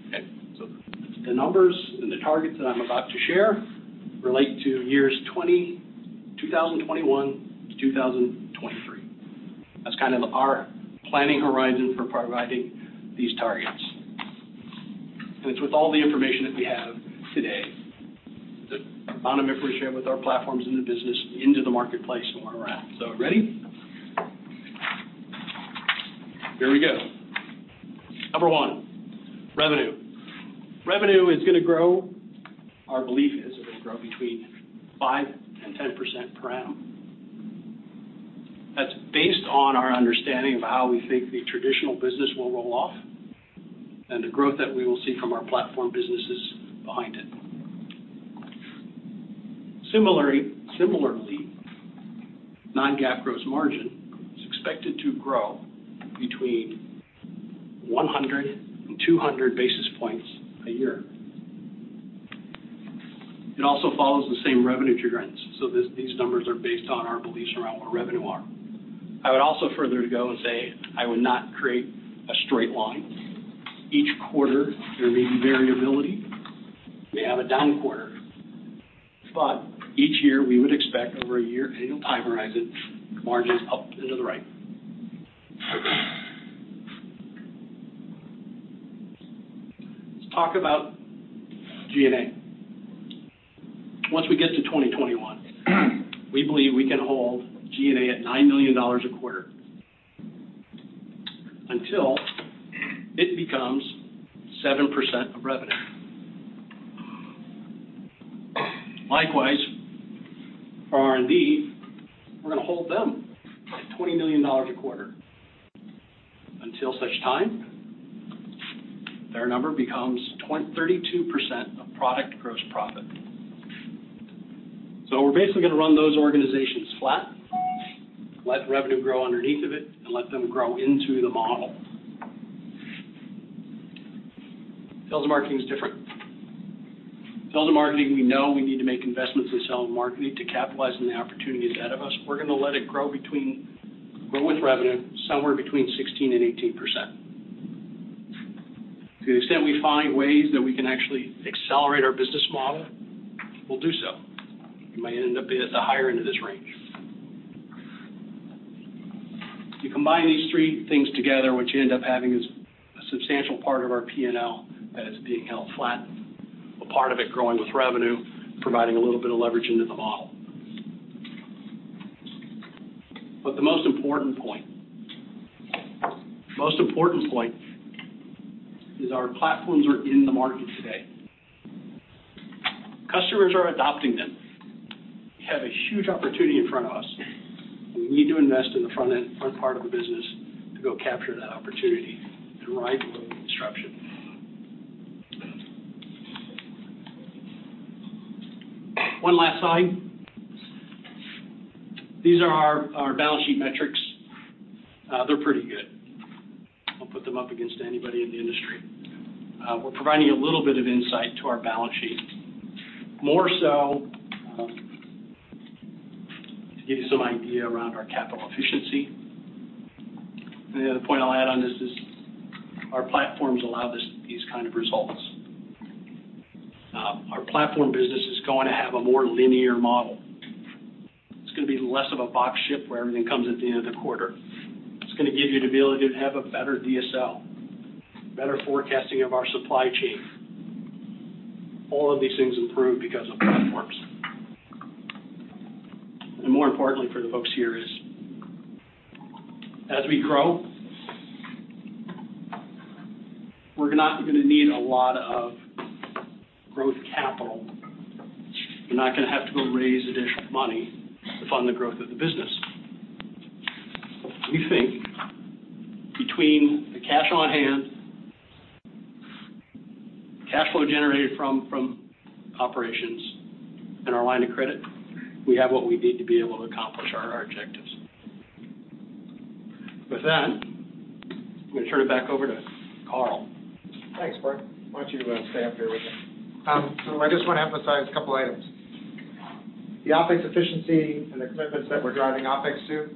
Okay. The numbers and the targets that I'm about to share relate to years 2021 to 2023. That's kind of our planning horizon for providing these targets. It's with all the information that we have today, the amount of information with our platforms in the business into the marketplace and where we're at. Ready? Here we go. Number 1, revenue. Revenue is going to grow. Our belief is it will grow between 5% and 10% per annum. That's based on our understanding of how we think the traditional business will roll off and the growth that we will see from our platform businesses behind it. Similarly, non-GAAP gross margin is expected to grow between 100 and 200 basis points a year. It also follows the same revenue trends. These numbers are based on our beliefs around where revenue are. I would also further to go and say I would not create a straight line. Each quarter, there may be variability. We may have a down quarter. Each year, we would expect over a year annual time horizon, margins up and to the right. Let's talk about G&A. Once we get to 2021, we believe we can hold G&A at $9 million a quarter until it becomes 7% of revenue. Likewise, for R&D, we're going to hold them at $20 million a quarter until such time their number becomes 32% of product gross profit. We're basically going to run those organizations flat, let revenue grow underneath of it, and let them grow into the model. Sales and marketing is different. Sales and marketing, we know we need to make investments in sales and marketing to capitalize on the opportunities ahead of us. We're going to let it grow with revenue somewhere between 16% and 18%. To the extent we find ways that we can actually accelerate our business model, we'll do so. We might end up at the higher end of this range. You combine these three things together, what you end up having is a substantial part of our P&L that is being held flat, a part of it growing with revenue, providing a little bit of leverage into the model. The most important point is our platforms are in the market today. Customers are adopting them. We have a huge opportunity in front of us, we need to invest in the front end part of the business to go capture that opportunity and ride the wave of disruption. One last slide. These are our balance sheet metrics. They're pretty good. I'll put them up against anybody in the industry. We're providing a little bit of insight to our balance sheet. More so to give you some idea around our capital efficiency. The other point I'll add on this is our platforms allow these kind of results. Our platform business is going to have a more linear model. It's going to be less of a box ship where everything comes at the end of the quarter. It's going to give you the ability to have a better DSO, better forecasting of our supply chain. All of these things improve because of platforms. More importantly for the folks here is as we grow, we're not going to need a lot of growth capital. We're not going to have to go raise additional money to fund the growth of the business. We think between the cash on hand, cash flow generated from operations, and our line of credit, we have what we need to be able to accomplish our objectives. With that, I'm going to turn it back over to Carl. Thanks, Budd. Why don't you stay up here with me? I just want to emphasize a couple items. The OpEx efficiency and the commitments that we're driving OpEx to,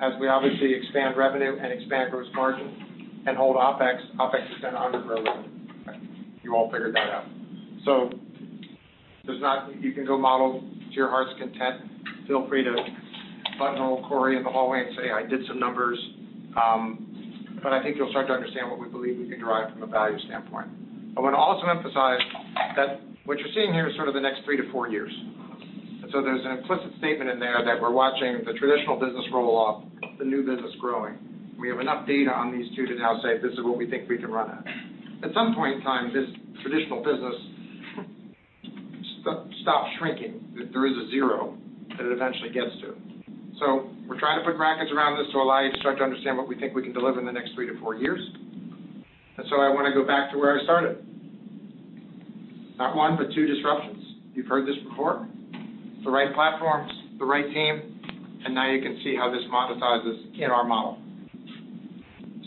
as we obviously expand revenue and expand gross margin and hold OpEx is going to undergrow revenue. You all figured that out. You can go model to your heart's content. Feel free to buttonhole Cory in the hallway and say, "I did some numbers." I think you'll start to understand what we believe we can derive from a value standpoint. I want to also emphasize that what you're seeing here is sort of the next 3-4 years. There's an implicit statement in there that we're watching the traditional business roll off, the new business growing. We have enough data on these two to now say, "This is what we think we can run at." At some point in time, this traditional business stops shrinking. There is a zero that it eventually gets to. We're trying to put brackets around this to allow you to start to understand what we think we can deliver in the next three to four years. I want to go back to where I started. Not one, but two disruptions. You've heard this before. The right platforms, the right team, and now you can see how this monetizes in our model.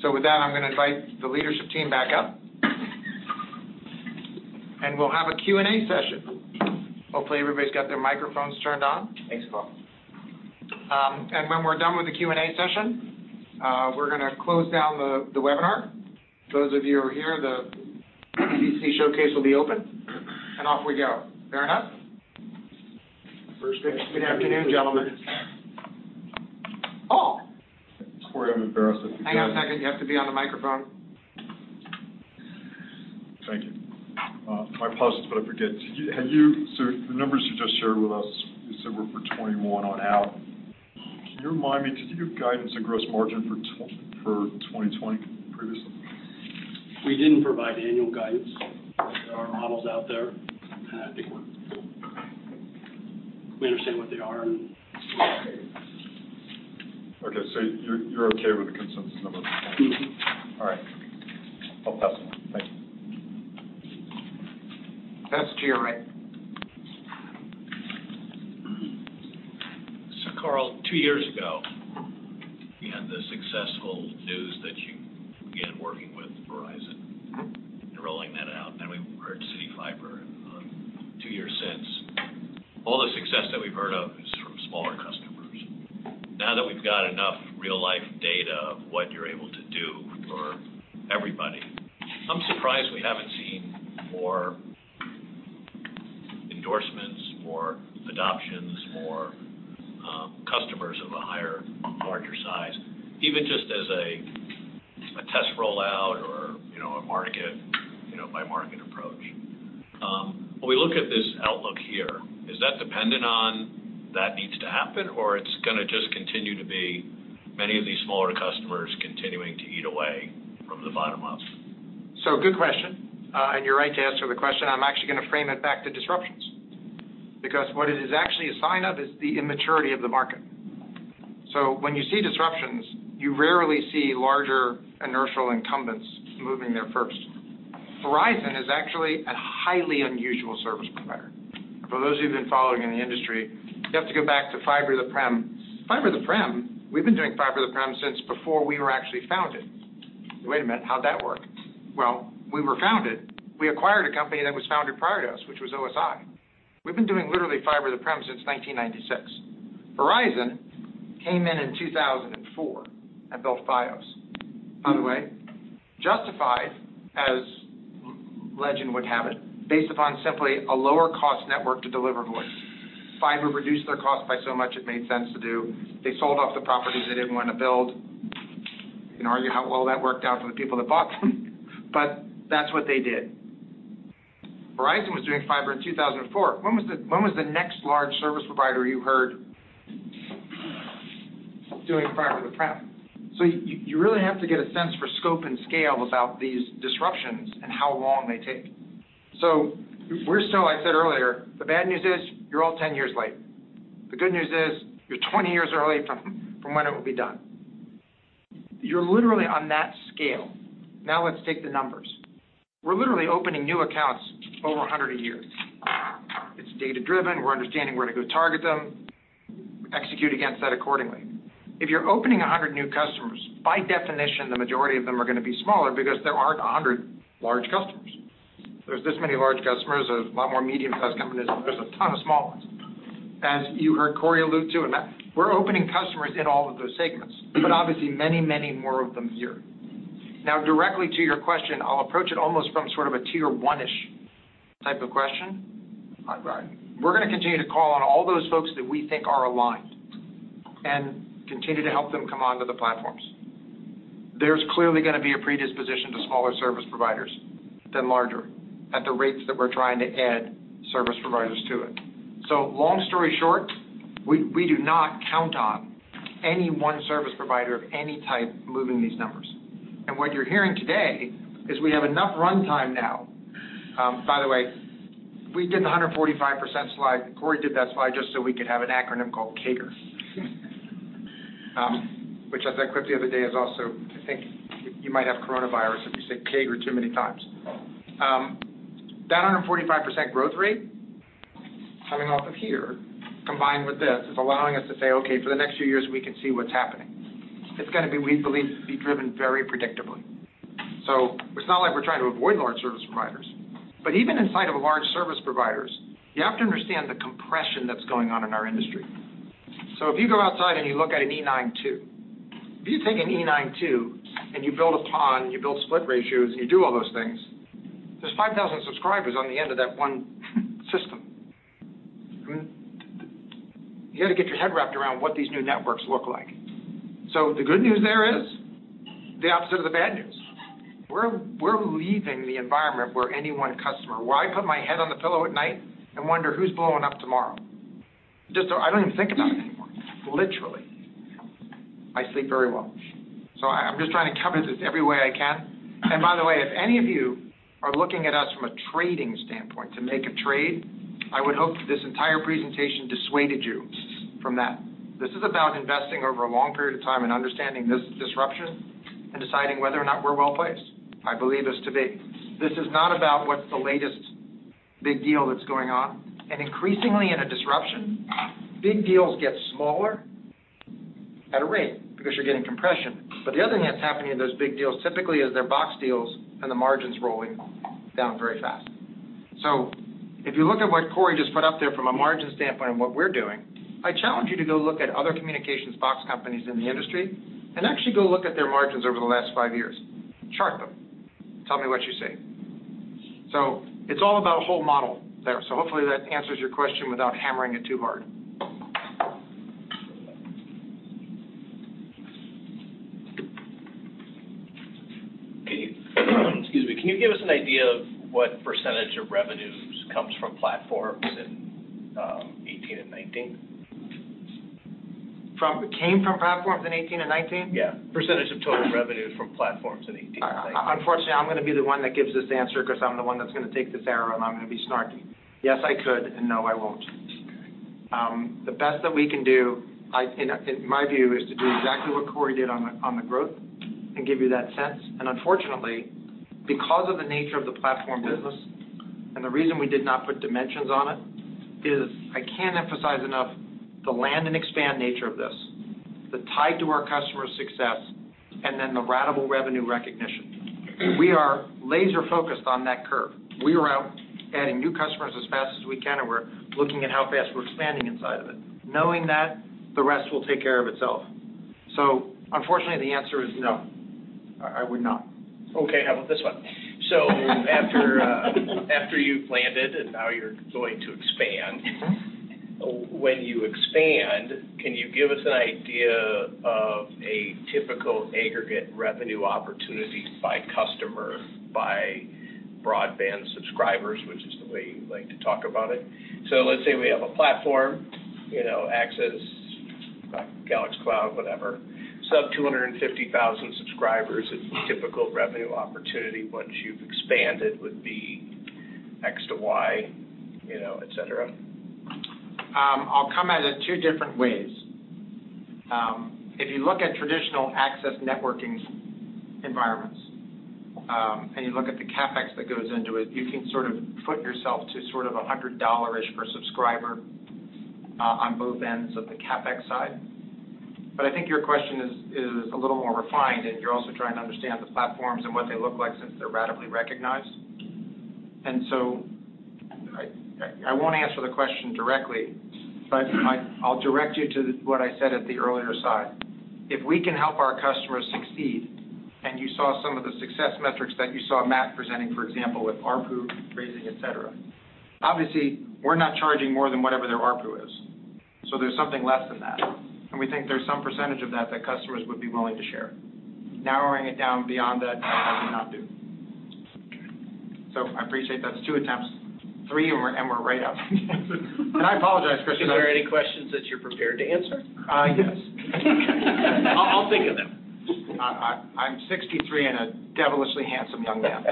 With that, I'm going to invite the leadership team back up, and we'll have a Q&A session. Hopefully, everybody's got their microphones turned on. Thanks, Carl. When we're done with the Q&A session, we're going to close down the webinar. Those of you who are here, the CDC showcase will be open, and off we go. Fair enough? First thing- Good afternoon, gentlemen. Paul. Cory, I'm embarrassed. Hang on a second. You have to be on the microphone. Thank you. My pause is what I forget. The numbers you just shared with us, you said were for 2021 on out. Can you remind me, did you give guidance on gross margin for 2020 previously? We didn't provide annual guidance. There are models out there. I think we're cool. We understand what they are. Okay. You're okay with the consensus number? All right. I'll pass then. Thank you. That's to your right. Carl, two years ago, we had the successful news that you began working with Verizon and rolling that out, and then we heard CityFibre. In the two years since, all the success that we've heard of is from smaller customers. Now that we've got enough real life data of what you're able to do for everybody, I'm surprised we haven't seen more endorsements, more adoptions, more customers of a higher, larger size, even just as a test rollout or a market by market approach. When we look at this outlook here, is that dependent on that needs to happen, or it's going to just continue to be many of these smaller customers continuing to eat away from the bottom up? Good question. You're right to ask the question. I'm actually going to frame it back to disruptions, because what it is actually a sign of is the immaturity of the market. When you see disruptions, you rarely see larger inertial incumbents moving there first. Verizon is actually a highly unusual service provider. For those who've been following in the industry, you have to go back to fiber to the prem. Fiber to the prem, we've been doing fiber to the prem since before we were actually founded. Wait a minute, how'd that work? Well, we were founded. We acquired a company that was founded prior to us, which was OSI. We've been doing literally fiber to the prem since 1996. Verizon came in in 2004 and built Fios. By the way, justified as legend would have it, based upon simply a lower cost network to deliver voice. Fiber reduced their cost by so much it made sense to do. They sold off the properties they didn't want to build. You can argue how well that worked out for the people that bought them, but that's what they did. Verizon was doing fiber in 2004. When was the next large service provider you heard doing fiber to the prem? You really have to get a sense for scope and scale about these disruptions and how long they take. I said earlier, the bad news is you're all 10 years late. The good news is you're 20 years early from when it will be done. You're literally on that scale. Now let's take the numbers. We're literally opening new accounts over 100 a year. It's data driven. We're understanding where to go target them, execute against that accordingly. If you're opening 100 new customers, by definition, the majority of them are going to be smaller because there aren't 100 large customers. There's this many large customers, there's a lot more medium size companies, there's a ton of small ones. As you heard Cory allude to, we're opening customers in all of those segments, but obviously many more of them here. Now, directly to your question, I'll approach it almost from sort of a tier 1-ish type of question. Right. We're going to continue to call on all those folks that we think are aligned and continue to help them come onto the platforms. There's clearly going to be a predisposition to smaller service providers than larger at the rates that we're trying to add service providers to it. Long story short, we do not count on any one service provider of any type moving these numbers. What you're hearing today is we have enough runtime now. By the way, we did the 145% slide, Cory did that slide just so we could have an acronym called CAGR, which as I quipped the other day, is also, I think you might have coronavirus if you say CAGR too many times. That 145% growth rate coming off of here, combined with this, is allowing us to say, okay, for the next few years, we can see what's happening. It's going to be, we believe, to be driven very predictably. It's not like we're trying to avoid large service providers, but even inside of large service providers, you have to understand the compression that's going on in our industry. If you go outside and you look at an E9-2, if you take an E9-2 and you build a PON, you build split ratios, and you do all those things, there's 5,000 subscribers on the end of that one system. You got to get your head wrapped around what these new networks look like. The good news there is the opposite of the bad news. We're leaving the environment where any one customer, where I put my head on the pillow at night and wonder who's blowing up tomorrow. Just, I don't even think about it anymore, literally. I sleep very well. I'm just trying to cover this every way I can. By the way, if any of you are looking at us from a trading standpoint to make a trade, I would hope that this entire presentation dissuaded you from that. This is about investing over a long period of time and understanding this disruption and deciding whether or not we're well-placed, I believe us to be. This is not about what's the latest big deal that's going on. Increasingly in a disruption, big deals get smaller at a rate because you're getting compression. The other thing that's happening in those big deals typically is they're box deals and the margin's rolling down very fast. If you look at what Cory just put up there from a margin standpoint on what we're doing, I challenge you to go look at other communications box companies in the industry and actually go look at their margins over the last five years. Chart them. Tell me what you see. It's all about whole model there. Hopefully that answers your question without hammering it too hard. Excuse me. Can you give us an idea of what percentage of revenues comes from platforms in 2018 and 2019? Came from platforms in 2018 and 2019? Yeah. Percentage of total revenues from platforms in 2018 and 2019. Unfortunately, I'm gonna be the one that gives this answer because I'm the one that's gonna take this arrow, and I'm gonna be snarky. Yes, I could, and no, I won't. Okay. The best that we can do in my view, is to do exactly what Cory did on the growth and give you that sense. Unfortunately, because of the nature of the platform business and the reason we did not put dimensions on it is I can't emphasize enough the land-and-expand nature of this, the tie to our customer success, and then the ratable revenue recognition. We are laser-focused on that curve. We are out adding new customers as fast as we can, and we're looking at how fast we're expanding inside of it, knowing that the rest will take care of itself. Unfortunately, the answer is no. I would not. Okay, how about this one? After you've landed and now you're going to expand. When you expand, can you give us an idea of a typical aggregate revenue opportunity by customer, by broadband subscribers, which is the way you like to talk about it? Let's say we have a platform, access, Calix Cloud, whatever, sub 250,000 subscribers. A typical revenue opportunity once you've expanded would be X to Y, et cetera. I'll come at it two different ways. If you look at traditional access networking environments, and you look at the CapEx that goes into it, you can sort of foot yourself to sort of $100-ish per subscriber on both ends of the CapEx side. I think your question is a little more refined, and you're also trying to understand the platforms and what they look like since they're ratably recognized. I won't answer the question directly, but I'll direct you to what I said at the earlier side. If we can help our customers succeed, and you saw some of the success metrics that you saw Matt presenting, for example, with ARPU raising, et cetera. Obviously, we're not charging more than whatever their ARPU is. There's something less than that, and we think there's some percentage of that that customers would be willing to share. Narrowing it down beyond that, I cannot do. I appreciate that. That's two attempts. Three, we're right up against it. I apologize for- Is there any questions that you're prepared to answer? Yes. I'll think of them. I'm 63 and a devilishly handsome young man.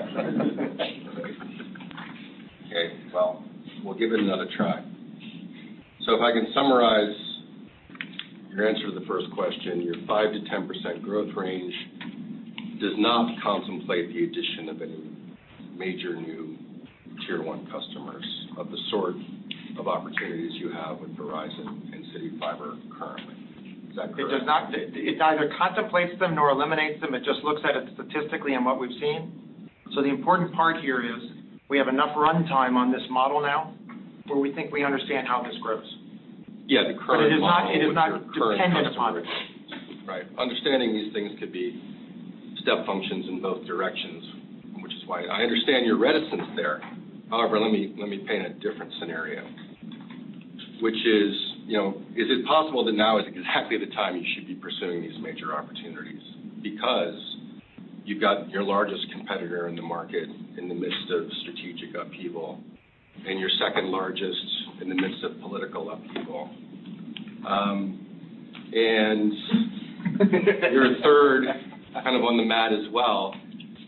Okay. Well, we'll give it another try. If I can summarize your answer to the first question, your 5%-10% growth range does not contemplate the addition of any major new tier 1 customers of the sort of opportunities you have with Verizon and CityFibre currently. Is that correct? It neither contemplates them nor eliminates them. It just looks at it statistically and what we've seen. The important part here is we have enough runtime on this model now where we think we understand how this grows. Yeah. It is not dependent upon it. With your current customers. Right. Understanding these things could be step functions in both directions, which is why I understand your reticence there. However, let me paint a different scenario, which is it possible that now is exactly the time you should be pursuing these major opportunities because You've got your largest competitor in the market in the midst of strategic upheaval, and your second largest in the midst of political upheaval. Your third kind of on the mat as well,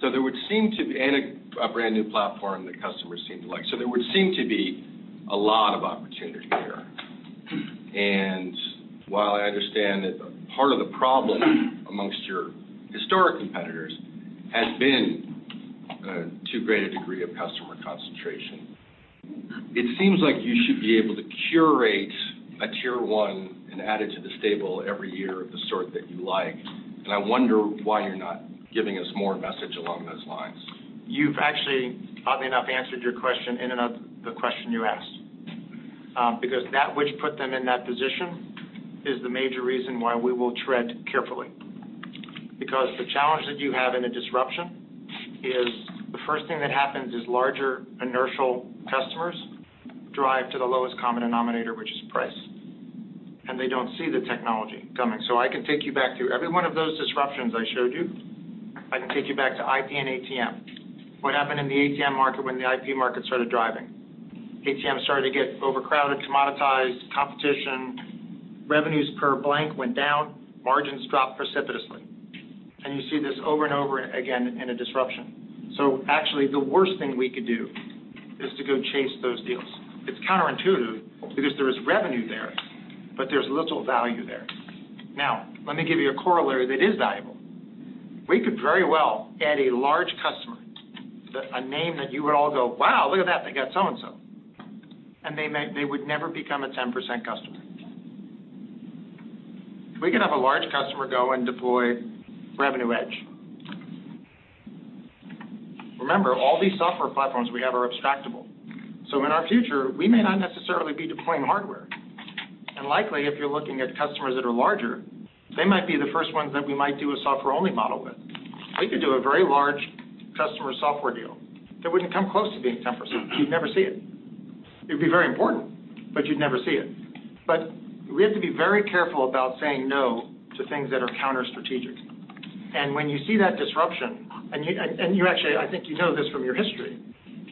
and a brand new platform that customers seem to like. There would seem to be a lot of opportunity here. While I understand that part of the problem amongst your historic competitors has been too great a degree of customer concentration, it seems like you should be able to curate a tier 1 and add it to the stable every year of the sort that you like. I wonder why you're not giving us more message along those lines. You've actually, oddly enough, answered your question in and of the question you asked. That which put them in that position is the major reason why we will tread carefully. The challenge that you have in a disruption is the first thing that happens is larger inertial customers drive to the lowest common denominator, which is price, and they don't see the technology coming. I can take you back through every one of those disruptions I showed you, I can take you back to IP and ATM. What happened in the ATM market when the IP market started driving? ATM started to get overcrowded, commoditized, competition, revenues per blank went down, margins dropped precipitously. You see this over and over again in a disruption. Actually, the worst thing we could do is to go chase those deals. It's counterintuitive because there is revenue there, but there's little value there. Let me give you a corollary that is valuable. We could very well add a large customer, a name that you would all go, "Wow, look at that. They got so and so." They would never become a 10% customer. We could have a large customer go and deploy Revenue EDGE. Remember, all these software platforms we have are abstractable. In our future, we may not necessarily be deploying hardware. Likely, if you're looking at customers that are larger, they might be the first ones that we might do a software-only model with. We could do a very large customer software deal that wouldn't come close to being 10%. You'd never see it. It would be very important, but you'd never see it. We have to be very careful about saying no to things that are counter-strategic. When you see that disruption, and you actually, I think you know this from your history,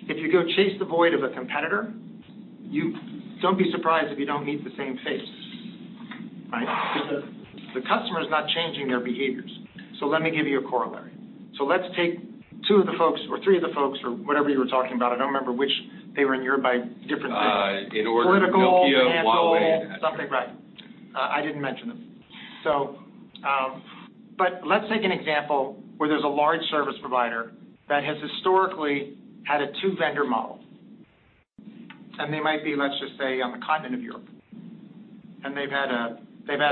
if you go chase the void of a competitor, don't be surprised if you don't meet the same fate. Right. Because the customer is not changing their behaviors. Let me give you a corollary. Let's take two of the folks or three of the folks or whatever you were talking about. I don't remember which they were in your by different. In order of Nokia, Huawei- Political, mantle, something, right. I didn't mention them. Let's take an example where there's a large service provider that has historically had a two-vendor model. They might be, let's just say, on the continent of Europe. They've had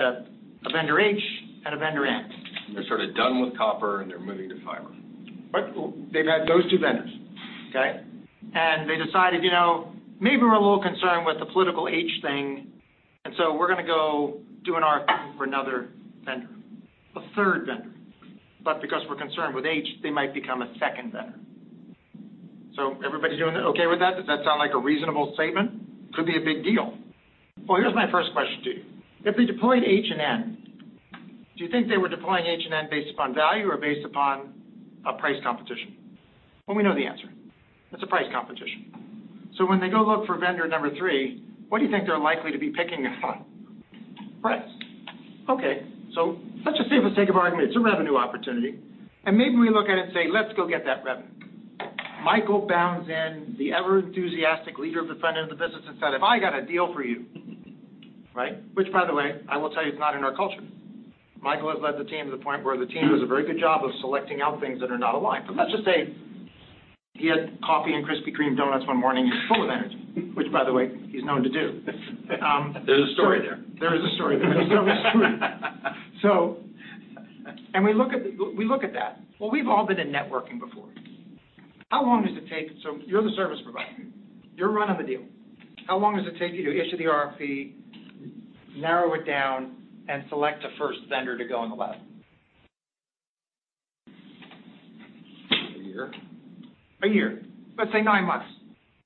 a vendor H and a vendor N. They're sort of done with copper and they're moving to fiber. Right. They've had those two vendors, okay? They decided, "Maybe we're a little concerned with the political Huawei thing, we're going to go do an RFP for another vendor," a third vendor. Because we're concerned with Huawei, they might become a second vendor. Everybody doing okay with that? Does that sound like a reasonable statement? Could be a big deal. Well, here's my first question to you. If we deployed Huawei and Nokia, do you think they were deploying Huawei and Nokia based upon value or based upon a price competition? Well, we know the answer. That's a price competition. When they go look for vendor number three, what do you think they're likely to be picking on? Price. Okay. Let's just say for the sake of argument, it's a revenue opportunity, and maybe we look at it and say, "Let's go get that revenue." Michael bounds in, the ever-enthusiastic leader of the front end of the business and said, "Have I got a deal for you." Right. Which, by the way, I will tell you, is not in our culture. Michael has led the team to the point where the team does a very good job of selecting out things that are not aligned. Let's just say he had coffee and Krispy Kreme donuts one morning and he's full of energy, which, by the way, he's known to do. There's a story there. There is a story there. It's true. We look at that. Well, we've all been in networking before. You're the service provider. You're running the deal. How long does it take you to issue the RFP, narrow it down, and select a first vendor to go in the lab? A year. A year. Let's say nine months,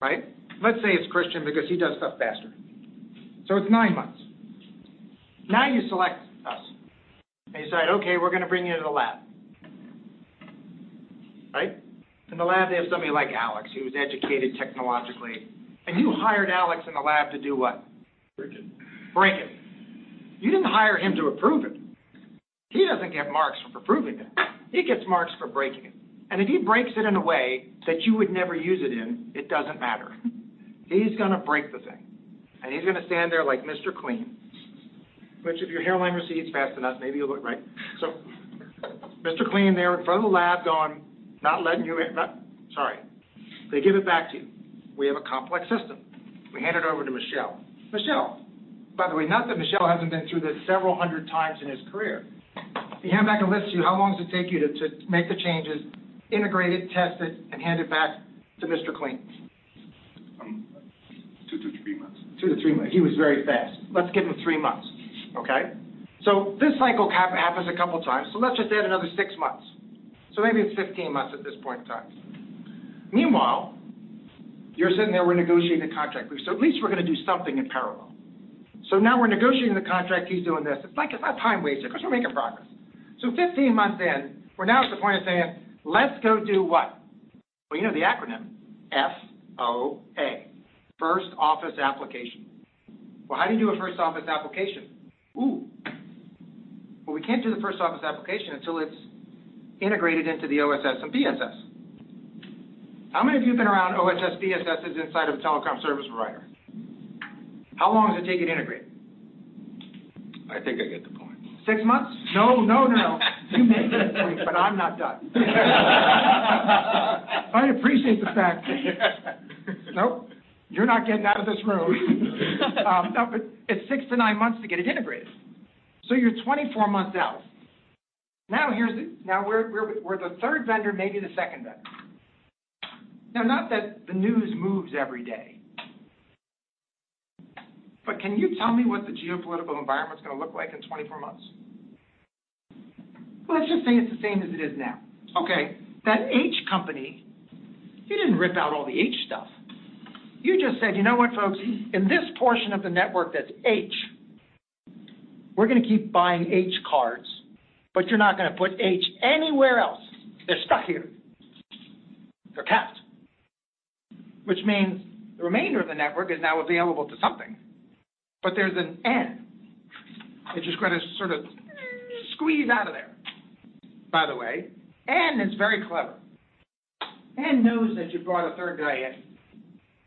right? Let's say it's Christian because he does stuff faster. It's nine months. Now you select us and you decide, "Okay, we're going to bring you to the lab." Right? In the lab, they have somebody like Alex who is educated technologically, and you hired Alex in the lab to do what? Break it. Break it. You didn't hire him to approve it. He doesn't get marks for approving it. He gets marks for breaking it. If he breaks it in a way that you would never use it in, it doesn't matter. He's going to break the thing, and he's going to stand there like Mr. Clean. Which if your hairline recedes fast enough, maybe you'll look like. Mr. Clean there in front of the lab going, not letting you in. Sorry. They give it back to you. We have a complex system. We hand it over to Michel. Michel, by the way, not that Michel hasn't been through this several hundred times in his career. He hand it back and looks to you, how long does it take you to make the changes, integrate it, test it, and hand it back to Mr. Clean? Two to three months. Two to three months. He was very fast. Let's give him three months. Okay? This cycle happens a couple times. Let's just add another six months. Maybe it's 15 months at this point in time. Meanwhile, you're sitting there, we're negotiating the contract. At least we're going to do something in parallel. Now we're negotiating the contract, he's doing this. It's not time wasted because we're making progress. 15 months in, we're now at the point of saying, "Let's go do what?" Well, you know the acronym, FOA, first office application. Well, how do you do a first office application? Ooh. Well, we can't do the first office application until it's integrated into the OSS and BSS. How many of you have been around OSS/BSS's inside of a telecom service provider? How long does it take to get integrated? I think I get the point. 6 months? No, no. You may get the point, but I'm not done. I appreciate the fact. Nope, you're not getting out of this room. It's 6-9 months to get it integrated. You're 24 months out. We're the third vendor, maybe the second vendor. Not that the news moves every day, can you tell me what the geopolitical environment's going to look like in 24 months? Let's just say it's the same as it is now. Okay. That H company, you didn't rip out all the H stuff. You just said, "You know what, folks? In this portion of the network that's H, we're going to keep buying H cards, but you're not going to put H anywhere else." They're stuck here. They're capped. The remainder of the network is now available to something. There's an N, which is going to sort of squeeze out of there. By the way, N is very clever. N knows that you brought a third guy in.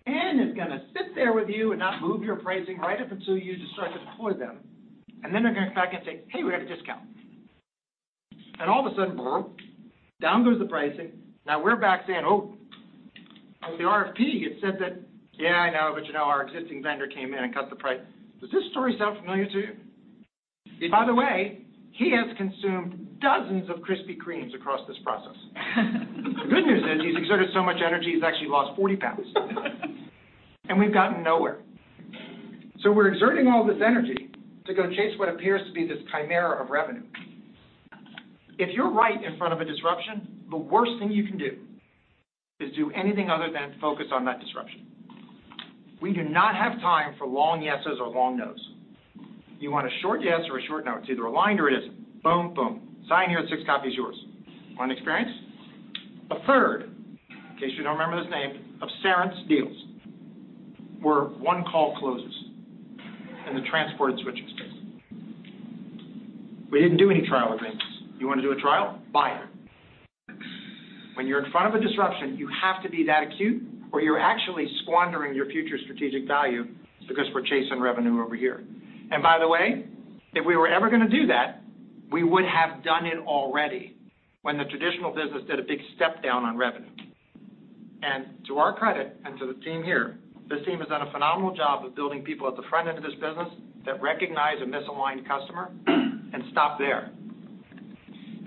N is going to sit there with you and not move your pricing right up until you start to deploy them, and then they're going to come back and say, "Hey, we have a discount." All of a sudden, down goes the pricing. Now we're back saying, "Oh, on the RFP, it said that." "Yeah, I know, but you know, our existing vendor came in and cut the price." Does this story sound familiar to you? By the way, he has consumed dozens of Krispy Kremes across this process. The good news is he's exerted so much energy, he's actually lost 40 pounds. We've gotten nowhere. We're exerting all this energy to go chase what appears to be this chimera of revenue. If you're right in front of a disruption, the worst thing you can do is do anything other than focus on that disruption. We do not have time for long yeses or long noes. You want a short yes or a short no. It's either aligned or it isn't. Boom, boom. Sign here, six copies yours. Want an experience? A third, in case you don't remember his name, of Cerence deals were one call closes in the transport and switches space. We didn't do any trial agreements. You want to do a trial? Buy it. When you're in front of a disruption, you have to be that acute, or you're actually squandering your future strategic value because we're chasing revenue over here. By the way, if we were ever going to do that, we would have done it already when the traditional business did a big step down on revenue. To our credit, and to the team here, this team has done a phenomenal job of building people at the front end of this business that recognize a misaligned customer and stop there.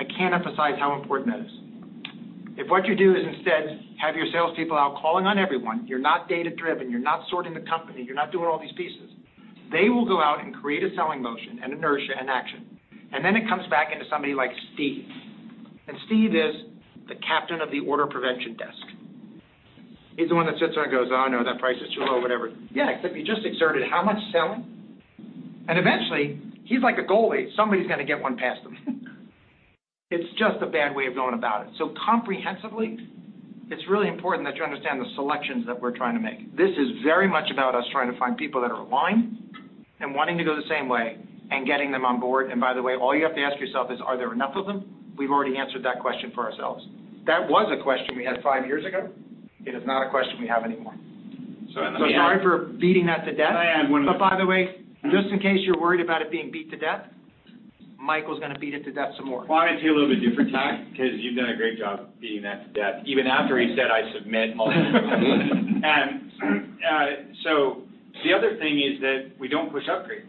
I can't emphasize how important that is. If what you do is instead have your salespeople out calling on everyone, you're not data-driven, you're not sorting the company, you're not doing all these pieces. They will go out and create a selling motion and inertia and action, and then it comes back into somebody like Steve. Steve is the captain of the order prevention desk. He's the one that sits there and goes, "Oh, no, that price is too low," whatever. Yeah, except you just exerted how much selling? Eventually, he's like a goalie, somebody's got to get one past him. It's just a bad way of going about it. Comprehensively, it's really important that you understand the selections that we're trying to make. This is very much about us trying to find people that are aligned and wanting to go the same way and getting them on board. By the way, all you have to ask yourself is are there enough of them? We've already answered that question for ourselves. That was a question we had five years ago. It is not a question we have anymore. So, and then- Sorry for beating that to death. Can I add one more thing? By the way, just in case you're worried about it being beat to death, Michael's going to beat it to death some more. Well, I'm going to take a little bit different tack because you've done a great job of beating that to death, even after he said, "I submit." The other thing is that we don't push upgrades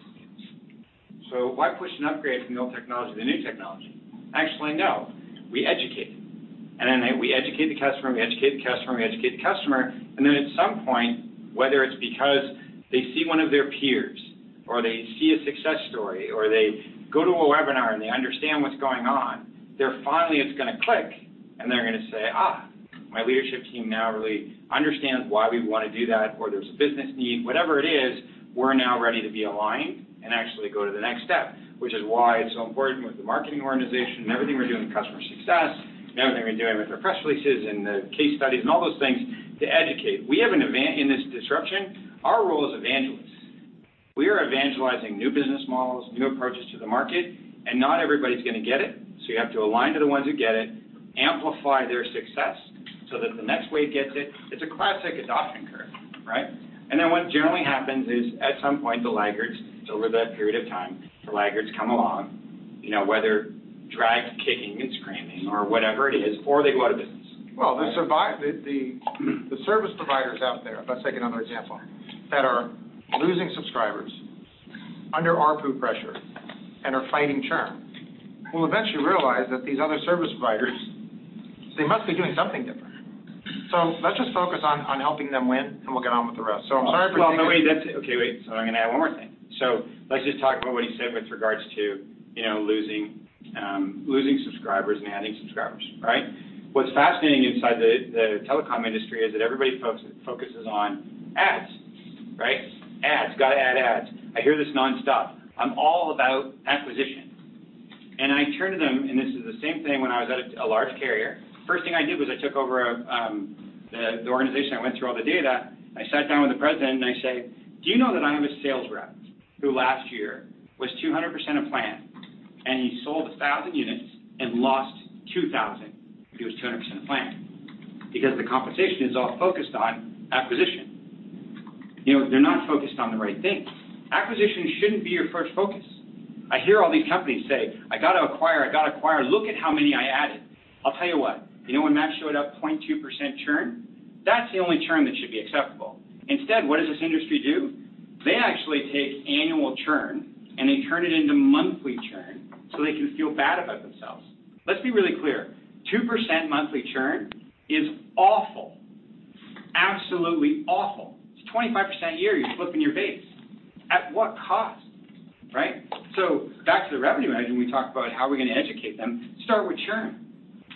to customers. Why push an upgrade from the old technology to the new technology? Actually, no. We educate. We educate the customer, we educate the customer, we educate the customer, and then at some point, whether it's because they see one of their peers, or they see a success story, or they go to a webinar and they understand what's going on, there finally is going to click, and they're going to say, "My leadership team now really understands why we want to do that," or, "There's a business need." Whatever it is, we're now ready to be aligned and actually go to the next step, which is why it's so important with the marketing organization and everything we're doing with customer success and everything we're doing with our press releases and the case studies and all those things to educate. In this disruption, our role is evangelists. We are evangelizing new business models, new approaches to the market, and not everybody's going to get it, so you have to align to the ones who get it, amplify their success so that the next wave gets it. It's a classic adoption curve, right? What generally happens is, at some point, the laggards, over that period of time, the laggards come along, whether dragged, kicking and screaming or whatever it is, or they go out of business. Well, the service providers out there, let's take another example, that are losing subscribers under ARPU pressure and are fighting churn will eventually realize that these other service providers, they must be doing something different. Let's just focus on helping them win, and we'll get on with the rest. I'm sorry. Well, no, wait. That's it. Okay, wait. I'm going to add one more thing. Let's just talk about what he said with regards to losing subscribers and adding subscribers. Right? What's fascinating inside the telecom industry is that everybody focuses on ads. Right? Ads. Got to add ads. I hear this nonstop. I'm all about acquisition. I turn to them, and this is the same thing when I was at a large carrier. First thing I did was I took over the organization. I went through all the data. I sat down with the president and I say, "Do you know that I have a sales rep, who last year was 200% of plan, and he sold 1,000 units and lost 2,000, but he was 200% of plan?" Because the compensation is all focused on acquisition. They're not focused on the right things. Acquisition shouldn't be your first focus. I hear all these companies say, "I got to acquire, I got to acquire. Look at how many I added." I'll tell you what. You know when Matt showed up 0.2% churn? That's the only churn that should be acceptable. Instead, what does this industry do? They actually take annual churn and they turn it into monthly churn so they can feel bad about themselves. Let's be really clear, 2% monthly churn is awful. Absolutely awful. It's 25% a year, you're flipping your base. At what cost? Right? Back to the revenue engine, we talked about how we're going to educate them, start with churn.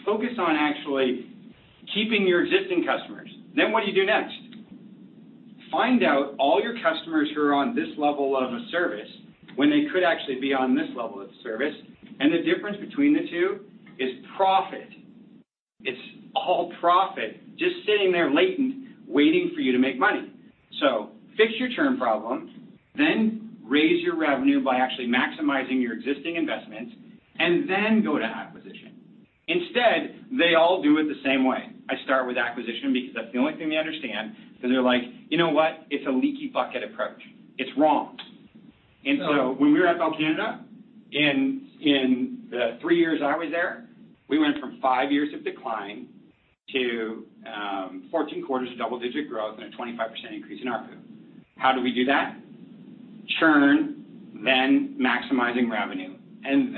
Focus on actually keeping your existing customers. Then what do you do next? Find out all your customers who are on this level of a service when they could actually be on this level of service, and the difference between the two is profit. It's all profit, just sitting there latent, waiting for you to make money. Fix your churn problem, then raise your revenue by actually maximizing your existing investment, then go to acquisition. Instead, they all do it the same way. I start with acquisition because that's the only thing they understand because they're like, you know what? It's a leaky bucket approach. It's wrong. When we were at Bell Canada, in the three years I was there, we went from five years of decline to 14 quarters of double-digit growth and a 25% increase in ARPU. How did we do that? Churn, then maximizing revenue, then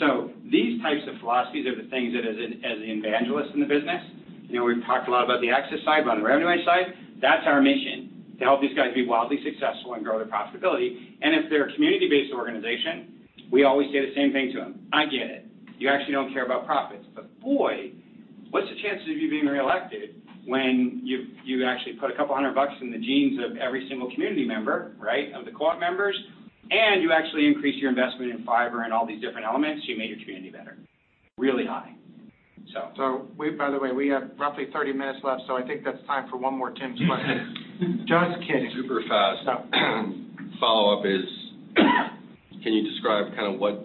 acquisition. These types of philosophies are the things that as an evangelist in the business, we've talked a lot about the Access EDGE side, about the Revenue EDGE side. That's our mission, to help these guys be wildly successful and grow their profitability. If they're a community-based organization, we always say the same thing to them. I get it. You actually don't care about profits. But boy, what's the chances of you being reelected when you actually put a couple hundred bucks in the jeans of every single community member, right, of the co-op members, and you actually increase your investment in fiber and all these different elements, you made your community better? Really high. We, by the way, have roughly 30 minutes left, so I think that's time for one more Tim's question. Yeah. Just kidding. Super fast. Stop. Follow-up is, can you describe kind of what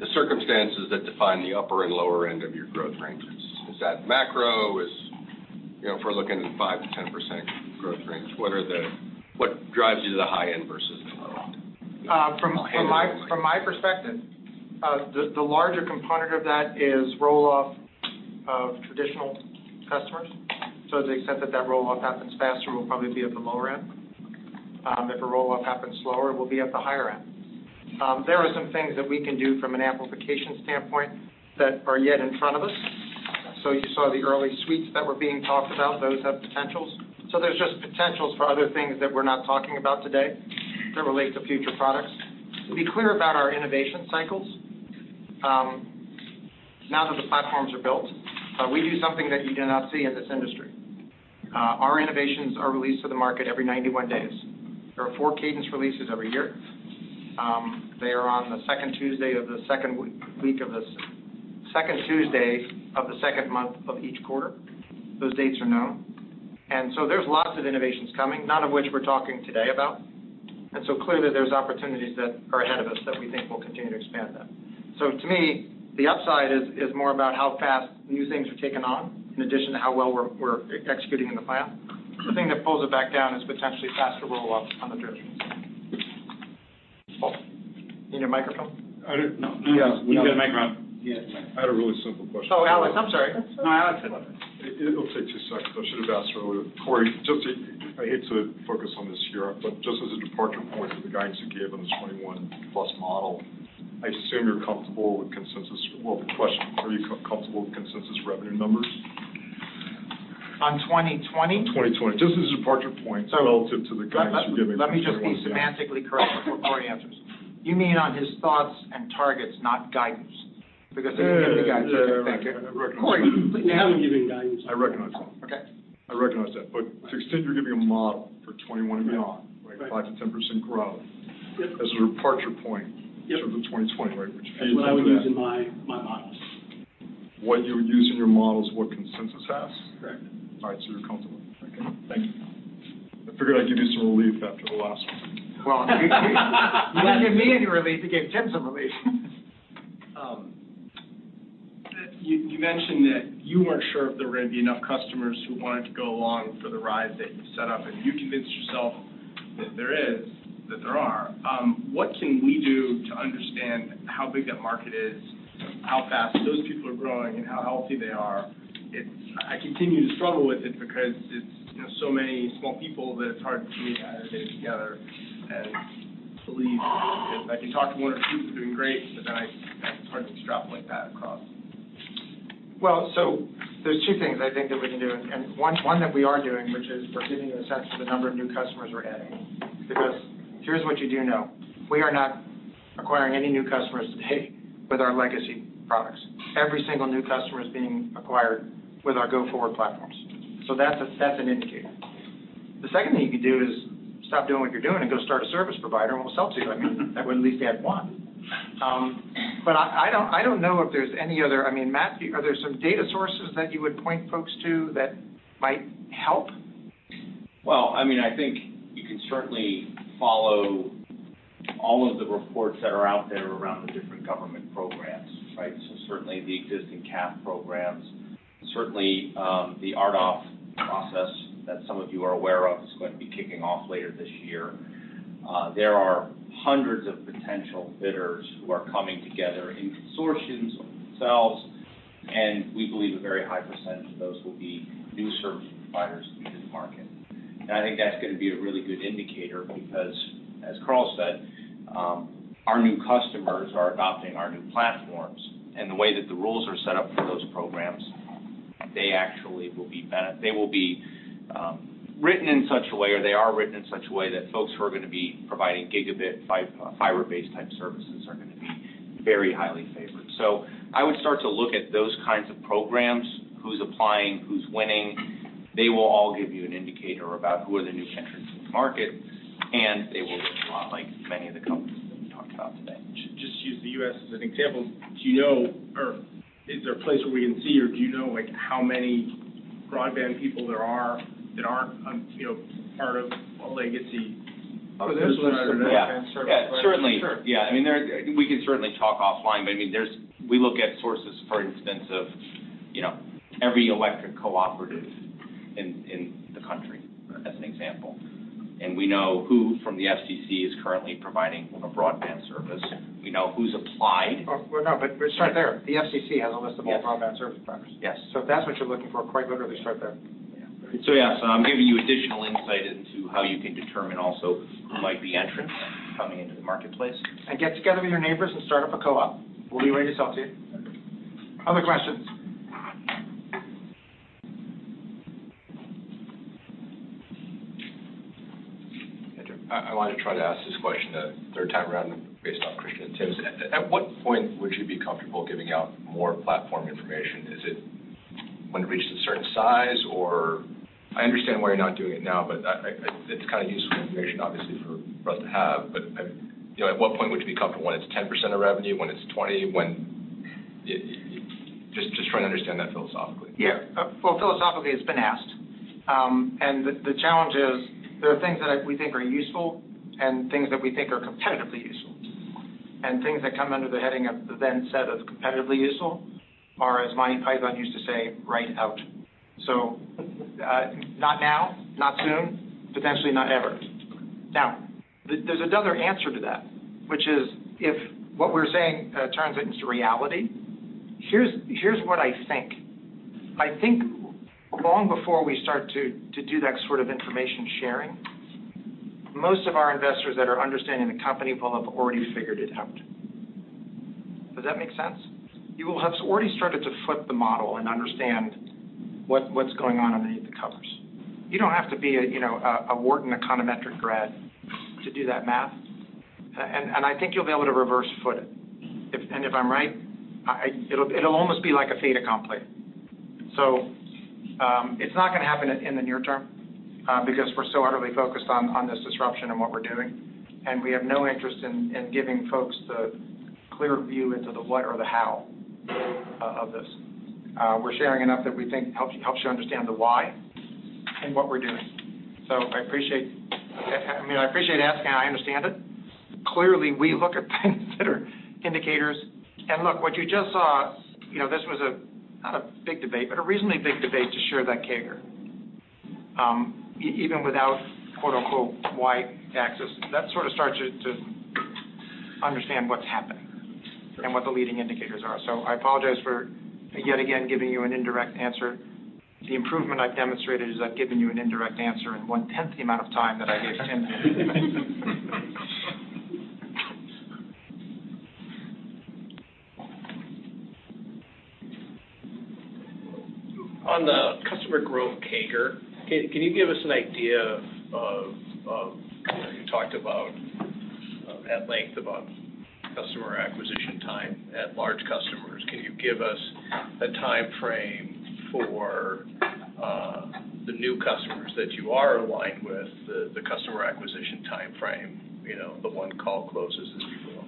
the circumstances that define the upper and lower end of your growth ranges? Is that macro? If we're looking at the 5%-10% growth range, what drives you to the high end versus the low end? From my perspective, the larger component of that is roll-off of traditional customers. To the extent that that roll-off happens faster, we'll probably be at the lower end. If a roll-off happens slower, we'll be at the higher end. There are some things that we can do from an amplification standpoint that are yet in front of us. You saw the early suites that were being talked about. Those have potentials. There's just potentials for other things that we're not talking about today that relate to future products. To be clear about our innovation cycles, now that the platforms are built, we do something that you do not see in this industry. Our innovations are released to the market every 91 days. There are four cadence releases every year. They are on the second Tuesday of the second month of each quarter. Those dates are known. There's lots of innovations coming, none of which we're talking today about. Clearly, there's opportunities that are ahead of us that we think will continue to expand that. To me, the upside is more about how fast new things are taken on, in addition to how well we're executing in the plan. The thing that pulls it back down is potentially faster roll-offs on the directions. Paul. You need a microphone? I don't. No. Yeah. You get a microphone? Yes. I had a really simple question. Oh, Alex, I'm sorry. No, Alex had one. It'll take two seconds. I should have asked earlier. Cory, I hate to focus on this here, but just as a departure point for the guidance you gave on the 21-plus model, I assume you're comfortable with consensus. Are you comfortable with consensus revenue numbers? On 2020? On 2020. Just as a departure point. Sure Relative to the guidance you're giving. Let me just be semantically correct before Cory answers. You mean on his thoughts and targets, not guidance, because they didn't give the guidance. Yeah. Thank you. I recognize that. Cory, you haven't given guidance. I recognize that. Okay. I recognize that, but to the extent you're giving a model for 2021 and beyond- Right 5%-10% growth- Yep as a departure point. Yep sort of to 2020, right? Which you can use. That's what I would use in my models. What you would use in your models, what consensus has? Correct. All right, so you're comfortable. Thank you. Thank you. I figured I'd give you some relief after the last one. Well. You didn't give me any relief. You gave Tim some relief. You mentioned that you weren't sure if there were going to be enough customers who wanted to go along for the ride that you set up, and you convinced yourself that there are. What can we do to understand how big that market is, how fast those people are growing, and how healthy they are? I continue to struggle with it because it's so many small people that it's hard for me to add it together and believe it. I can talk to one or two who are doing great, but then it's hard to extrapolate that across. Well, there's two things I think that we can do. One that we are doing, which is we're giving you a sense of the number of new customers we're adding, because here's what you do know. We are not acquiring any new customers today with our legacy products. Every single new customer is being acquired with our go-forward platforms, so that's an indicator. The second thing you could do is stop doing what you're doing and go start a service provider, and we'll sell it to you. I mean, that would at least add one. I don't know if there's any other I mean, Matt, are there some data sources that you would point folks to that might help? Well, I think you can certainly follow all of the reports that are out there around the different government programs, right? Certainly the existing CAF programs, certainly, the RDOF process that some of you are aware of is going to be kicking off later this year. There are hundreds of potential bidders who are coming together in consortiums of themselves, and we believe a very high percentage of those will be new service providers into the market. I think that's going to be a really good indicator because, as Carl said, our new customers are adopting our new platforms. The way that the rules are set up for those programs, they will be written in such a way, or they are written in such a way that folks who are going to be providing gigabit fiber-based type services are going to be very highly favored. I would start to look at those kinds of programs, who's applying, who's winning. They will all give you an indicator about who are the new entrants in the market, they will look a lot like many of the companies that we talked about today. Use the U.S. as an example. Do you know, or is there a place where we can see, or do you know how many broadband people there are that aren't part of a legacy provider network? Yeah. Certainly. Sure. Yeah. We can certainly talk offline, but we look at sources, for instance, of every electric cooperative in the country, as an example. We know who from the FCC is currently providing a broadband service. We know who's applied. Well, no, but it's right there. The FCC has a list of all broadband service providers. Yes. If that's what you're looking for, quite literally is right there. Yes, giving you additional insight into how you can determine also who might be entrants coming into the marketplace. Get together with your neighbors and start up a co-op. We'll be ready to sell it to you. Other questions? Andrew. I wanted to try to ask this question a third time around based on Christian's tips. At what point would you be comfortable giving out more platform information? Is it when it reaches a certain size or I understand why you're not doing it now, it's kind of useful information, obviously, for us to have. At what point would you be comfortable? When it's 10% of revenue, when it's 20%? Just trying to understand that philosophically. Yeah. Well, philosophically, it's been asked. The challenge is there are things that we think are useful and things that we think are competitively useful. Things that come under the heading of the then set of competitively useful are, as Monty Python used to say, right out. Not now, not soon, potentially not ever. There's another answer to that, which is if what we're saying turns into reality, here's what I think. I think long before we start to do that sort of information sharing, most of our investors that are understanding the company will have already figured it out. Does that make sense? You will have already started to flip the model and understand what's going on underneath the covers. You don't have to be a Wharton econometric grad to do that math. I think you'll be able to reverse foot it. If I'm right, it'll almost be like a fait accompli. It's not going to happen in the near term because we're so utterly focused on this disruption and what we're doing, and we have no interest in giving folks the clear view into the what or the how of this. We're sharing enough that we think helps you understand the why and what we're doing. I appreciate asking. I understand it. Clearly, we look at things that are indicators. Look, what you just saw, this was not a big debate, but a reasonably big debate to share that CAGR. Even without "Y axis," that sort of starts you to understand what's happening and what the leading indicators are. I apologize for yet again giving you an indirect answer. The improvement I've demonstrated is I've given you an indirect answer in one-tenth the amount of time that I gave Tim. On the customer growth CAGR, can you give us an idea. You talked about at length about customer acquisition time at large customers. Can you give us a timeframe for the new customers that you are aligned with, the customer acquisition timeframe? The one call closes is before.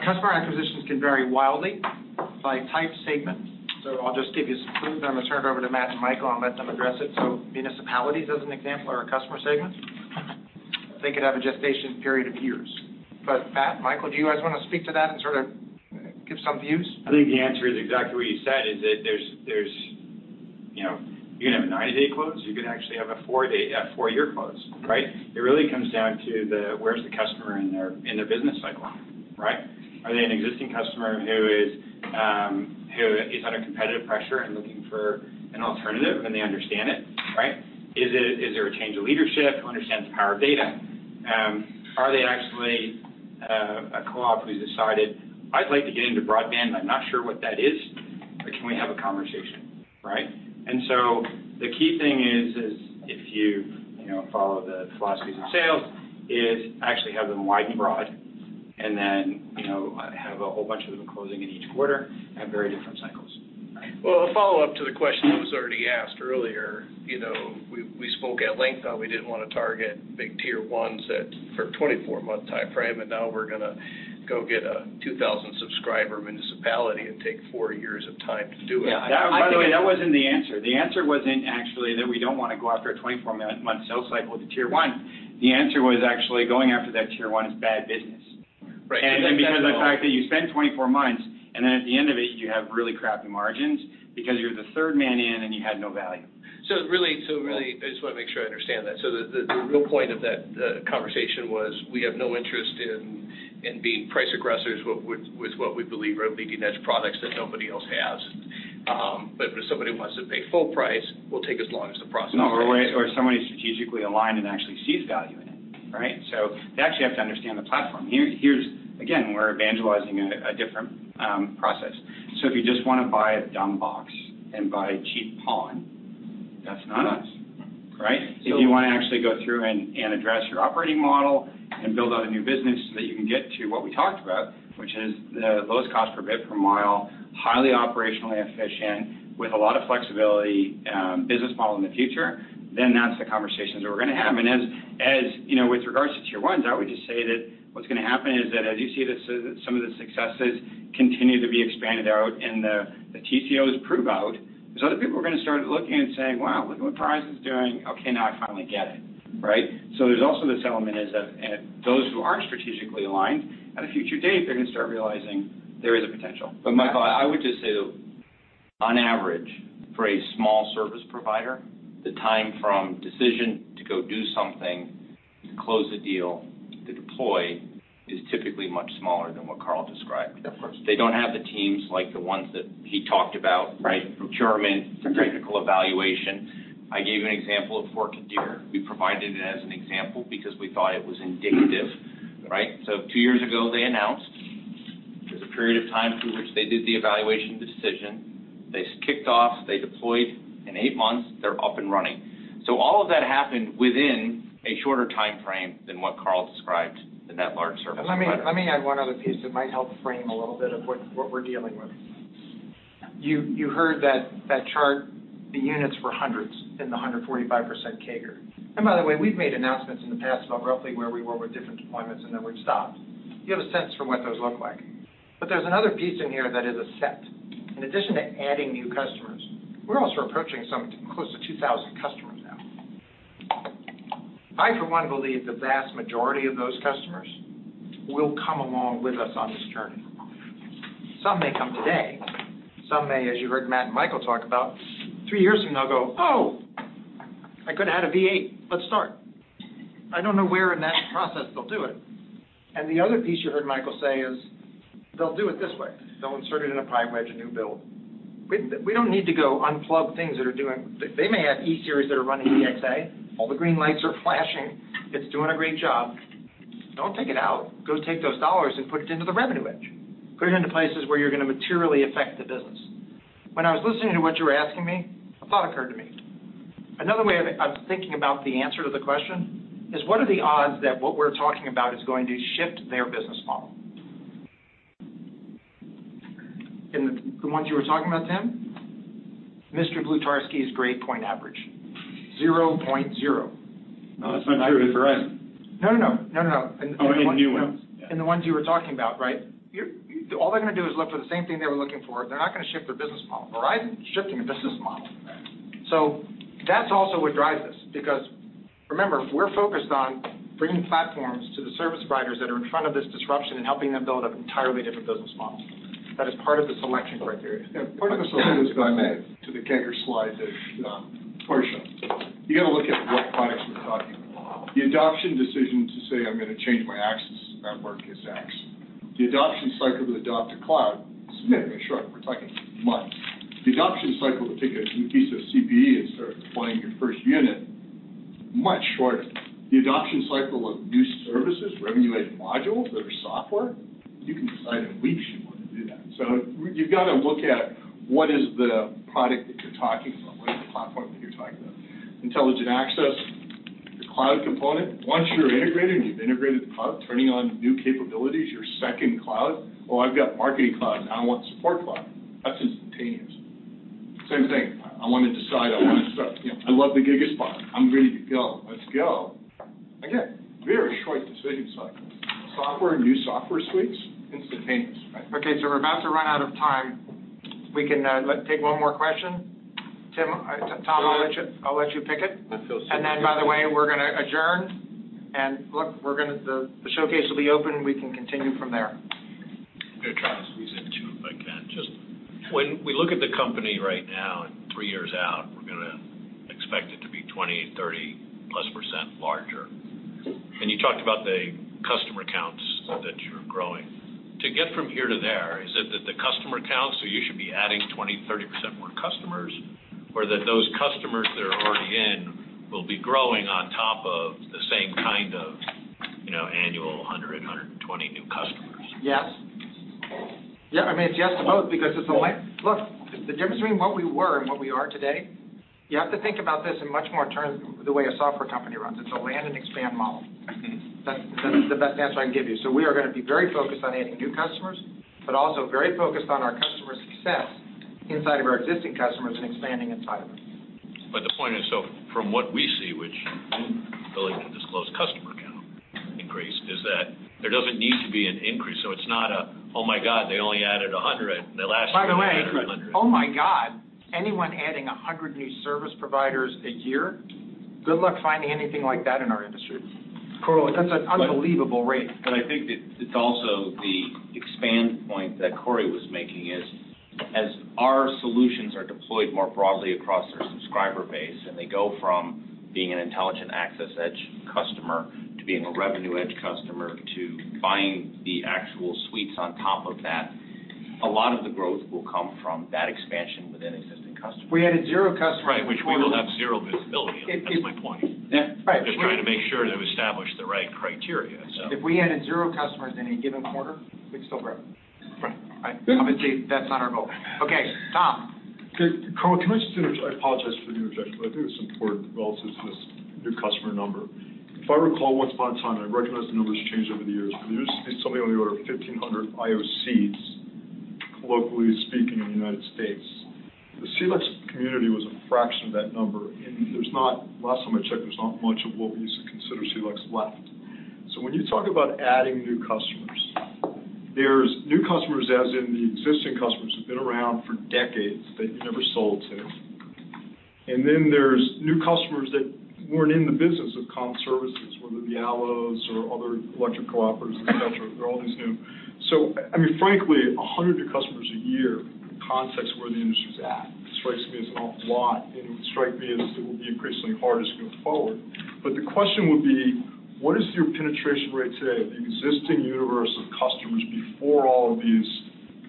Customer acquisitions can vary wildly by type segment. I'll just give you some clues, then I'm going to turn it over to Matt and Michael and let them address it. Municipalities, as an example, are a customer segment. They could have a gestation period of years. Matt, Michael, do you guys want to speak to that and sort of give some views? I think the answer is exactly what you said, is that you can have a 90-day close, you can actually have a four-year close, right? It really comes down to where's the customer in their business cycle, right? Are they an existing customer who is under competitive pressure and looking for an alternative, and they understand it, right? Is there a change of leadership who understands the power of data? Are they actually A co-op who's decided, "I'd like to get into broadband, but I'm not sure what that is." Can we have a conversation? Right? The key thing is, if you follow the philosophies of sales, is actually have them wide and broad, and then have a whole bunch of them closing in each quarter, have very different cycles. Well, a follow-up to the question that was already asked earlier. We spoke at length how we didn't want to target big tier 1s for a 24-month timeframe, but now we're going to go get a 2,000-subscriber municipality and take four years of time to do it. Yeah. By the way, that wasn't the answer. The answer wasn't actually that we don't want to go after a 24-month sales cycle to tier 1. The answer was actually going after that tier 1 is bad business. Right. Because of the fact that you spend 24 months, and then at the end of it, you have really crappy margins because you're the third man in and you had no value. Really, I just want to make sure I understand that. The real point of that conversation was we have no interest in being price aggressors with what we believe are leading-edge products that nobody else has. If somebody wants to pay full price, we'll take as long as the process takes. Somebody strategically aligned and actually sees value in it. Right? They actually have to understand the platform. Here, again, we're evangelizing a different process. If you just want to buy a dumb box and buy cheap PON, that's not us. Right? If you want to actually go through and address your operating model and build out a new business so that you can get to what we talked about, which is the lowest cost per bit per mile, highly operationally efficient with a lot of flexibility, business model in the future, that's the conversations that we're going to have. With regards to tier 1s, I would just say that what's going to happen is that as you see some of the successes continue to be expanded out and the TCOs prove out, is other people are going to start looking and saying, "Wow, look at what Price is doing. Okay, now I finally get it." Right? There's also this element is that those who are strategically aligned, at a future date, they're going to start realizing there is a potential. Michael, I would just say that on average, for a small service provider, the time from decision to go do something, to close the deal, to deploy is typically much smaller than what Carl described. Of course. They don't have the teams like the ones that he talked about, right? Procurement, technical evaluation. I gave you an example of Forked Deer. We provided it as an example because we thought it was indicative, right? Two years ago, they announced. There's a period of time through which they did the evaluation decision. They kicked off, they deployed. In eight months, they're up and running. All of that happened within a shorter timeframe than what Carl described in that large service provider. Let me add one other piece that might help frame a little bit of what we're dealing with. You heard that chart, the units were hundreds in the 145% CAGR. By the way, we've made announcements in the past about roughly where we were with different deployments, then we've stopped. You have a sense for what those look like. There's another piece in here that is a set. In addition to adding new customers, we're also approaching close to 2,000 customers now. I, for one, believe the vast majority of those customers will come along with us on this journey. Some may come today. Some may, as you heard Matt and Michael talk about, three years from now go, "Oh, I could've had a V8. Let's start." I don't know where in that process they'll do it. The other piece you heard Michael say is they'll do it this way. They'll insert it in a pie wedge, a new build. We don't need to go unplug things that are doing. They may have E-series that are running EXA. All the green lights are flashing, it's doing a great job. Don't take it out. Go take those dollars and put it into the Revenue EDGE. Put it into places where you're going to materially affect the business. When I was listening to what you were asking me, a thought occurred to me. Another way of thinking about the answer to the question is what are the odds that what we're talking about is going to shift their business model? In the ones you were talking about, Tim, Mr. Blutarsky's grade point average, 0.0. No, that's not true. Verizon. No, no. No, no. I mean new ones. In the ones you were talking about, right? All they're going to do is look for the same thing they were looking for. They're not going to shift their business model. Verizon's shifting a business model. Right. That's also what drives us because remember, we're focused on bringing platforms to the service providers that are in front of this disruption and helping them build an entirely different business model. That is part of the selection criteria. Part of the selection is going to the CAGR slide portion. You've got to look at what products we're talking about. The adoption decision to say I'm going to change my access network is X. The adoption cycle to adopt a cloud is significantly shorter. We're talking months. The adoption cycle to take a new piece of CPE and start deploying your first unit, much shorter. The adoption cycle of new services, Revenue EDGE modules that are software, you can decide in weeks you want to do that. You've got to look at what is the product that you're talking about, what is the platform that you're talking about. Intelligent Access, your cloud component. Once you're integrated and you've integrated the cloud, turning on new capabilities, your second cloud. Well, I've got Marketing Cloud, now I want Support Cloud. That's instantaneous. Same thing. I want to decide, I want to start. I love the GigaSpire. I'm ready to go. Let's go. Again, very short decision cycle. Software, new software suites, instantaneous. Okay, so we're about to run out of time. We can take one more question. Tim, Tom, I'll let you pick it. I feel so- By the way, we're going to adjourn, and look, the showcase will be open, and we can continue from there. I'm going to try to squeeze in two if I can. Just when we look at the company right now and three years out, we're going to expect it to be 20, 30-plus % larger. You talked about the customer counts that you're growing. To get from here to there, is it that the customer counts, so you should be adding 20, 30% more customers, or that those customers? We'll be growing on top of the same kind of annual 100, 120 new customers. Yes. I mean, it's yes to both because look, the difference between what we were and what we are today, you have to think about this in much more terms, the way a software company runs. It's a land and expand model. That's the best answer I can give you. We are going to be very focused on adding new customers, but also very focused on our customer success inside of our existing customers and expanding inside of it. The point is, from what we see, which you're willing to disclose customer count increase, is that there doesn't need to be an increase. It's not a, "Oh, my God, they only added 100. Last year they added 100. By the way, oh, my God, anyone adding 100 new service providers a year, good luck finding anything like that in our industry. Cory, That's an unbelievable rate. I think it's also the expand point that Cory was making is as our solutions are deployed more broadly across their subscriber base, and they go from being an Intelligent Access EDGE customer to being a Revenue EDGE customer to buying the actual suites on top of that, a lot of the growth will come from that expansion within existing customers. If we added zero customers. Right, which we will have zero visibility on. That's my point. Yeah. Right. Just trying to make sure to establish the right criteria. If we added zero customers in any given quarter, we'd still grow. Right. Obviously, that's not our goal. Okay. Tom. Carl, can I just interject? I apologize for the interjection, but I think it's important relative to this new customer number. If I recall, once upon a time, I recognize the number's changed over the years, but there used to be something on the order of 1,500 IOCs, colloquially speaking, in the United States. The CLEC community was a fraction of that number, and last time I checked, there's not much of what we used to consider CLECs left. When you talk about adding new customers, there's new customers as in the existing customers who've been around for decades that you never sold to, and then there's new customers that weren't in the business of comm services, whether the ALLO or other electric cooperatives, et cetera. They're always new. I mean, frankly, 100 new customers a year in the context of where the industry's at strikes me as an awful lot, and it would strike me as it will be increasingly harder as we go forward. The question would be, what is your penetration rate today of the existing universe of customers before all of these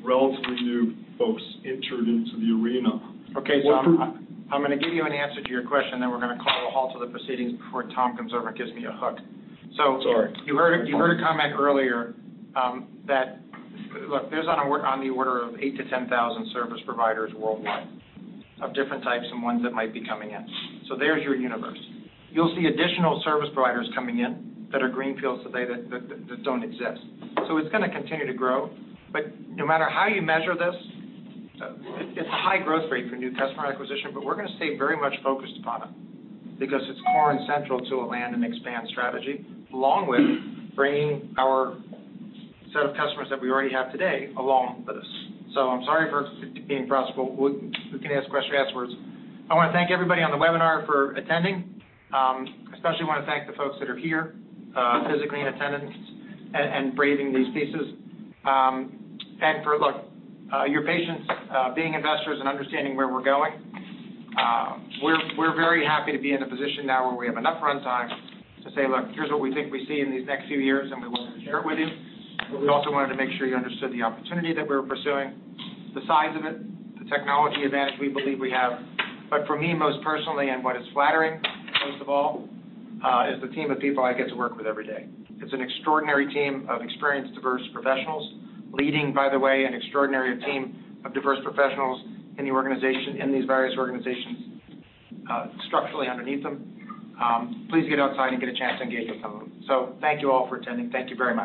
relatively new folks entered into the arena? Okay. What per- I'm going to give you an answer to your question, then we're going to call a halt to the proceedings before Tom comes over and gives me a hook. Sorry. You heard a comment earlier that there's on the order of 8,000 to 10,000 service providers worldwide of different types and ones that might be coming in. There's your universe. You'll see additional service providers coming in that are greenfields today that don't exist. It's going to continue to grow, but no matter how you measure this, it's a high growth rate for new customer acquisition, but we're going to stay very much focused upon it because it's core and central to a land and expand strategy, along with bringing our set of customers that we already have today along with us. I'm sorry for being brusque, but we can ask questions afterwards. I want to thank everybody on the webinar for attending. Especially want to thank the folks that are here physically in attendance and braving these pieces. For your patience, being investors and understanding where we're going. We're very happy to be in the position now where we have enough runtime to say, "Look, here's what we think we see in these next few years, and we wanted to share it with you." We also wanted to make sure you understood the opportunity that we're pursuing, the size of it, the technology advantage we believe we have. For me, most personally, and what is flattering most of all is the team of people I get to work with every day. It's an extraordinary team of experienced, diverse professionals leading, by the way, an extraordinary team of diverse professionals in these various organizations structurally underneath them. Please get outside and get a chance to engage with some of them. Thank you all for attending. Thank you very much.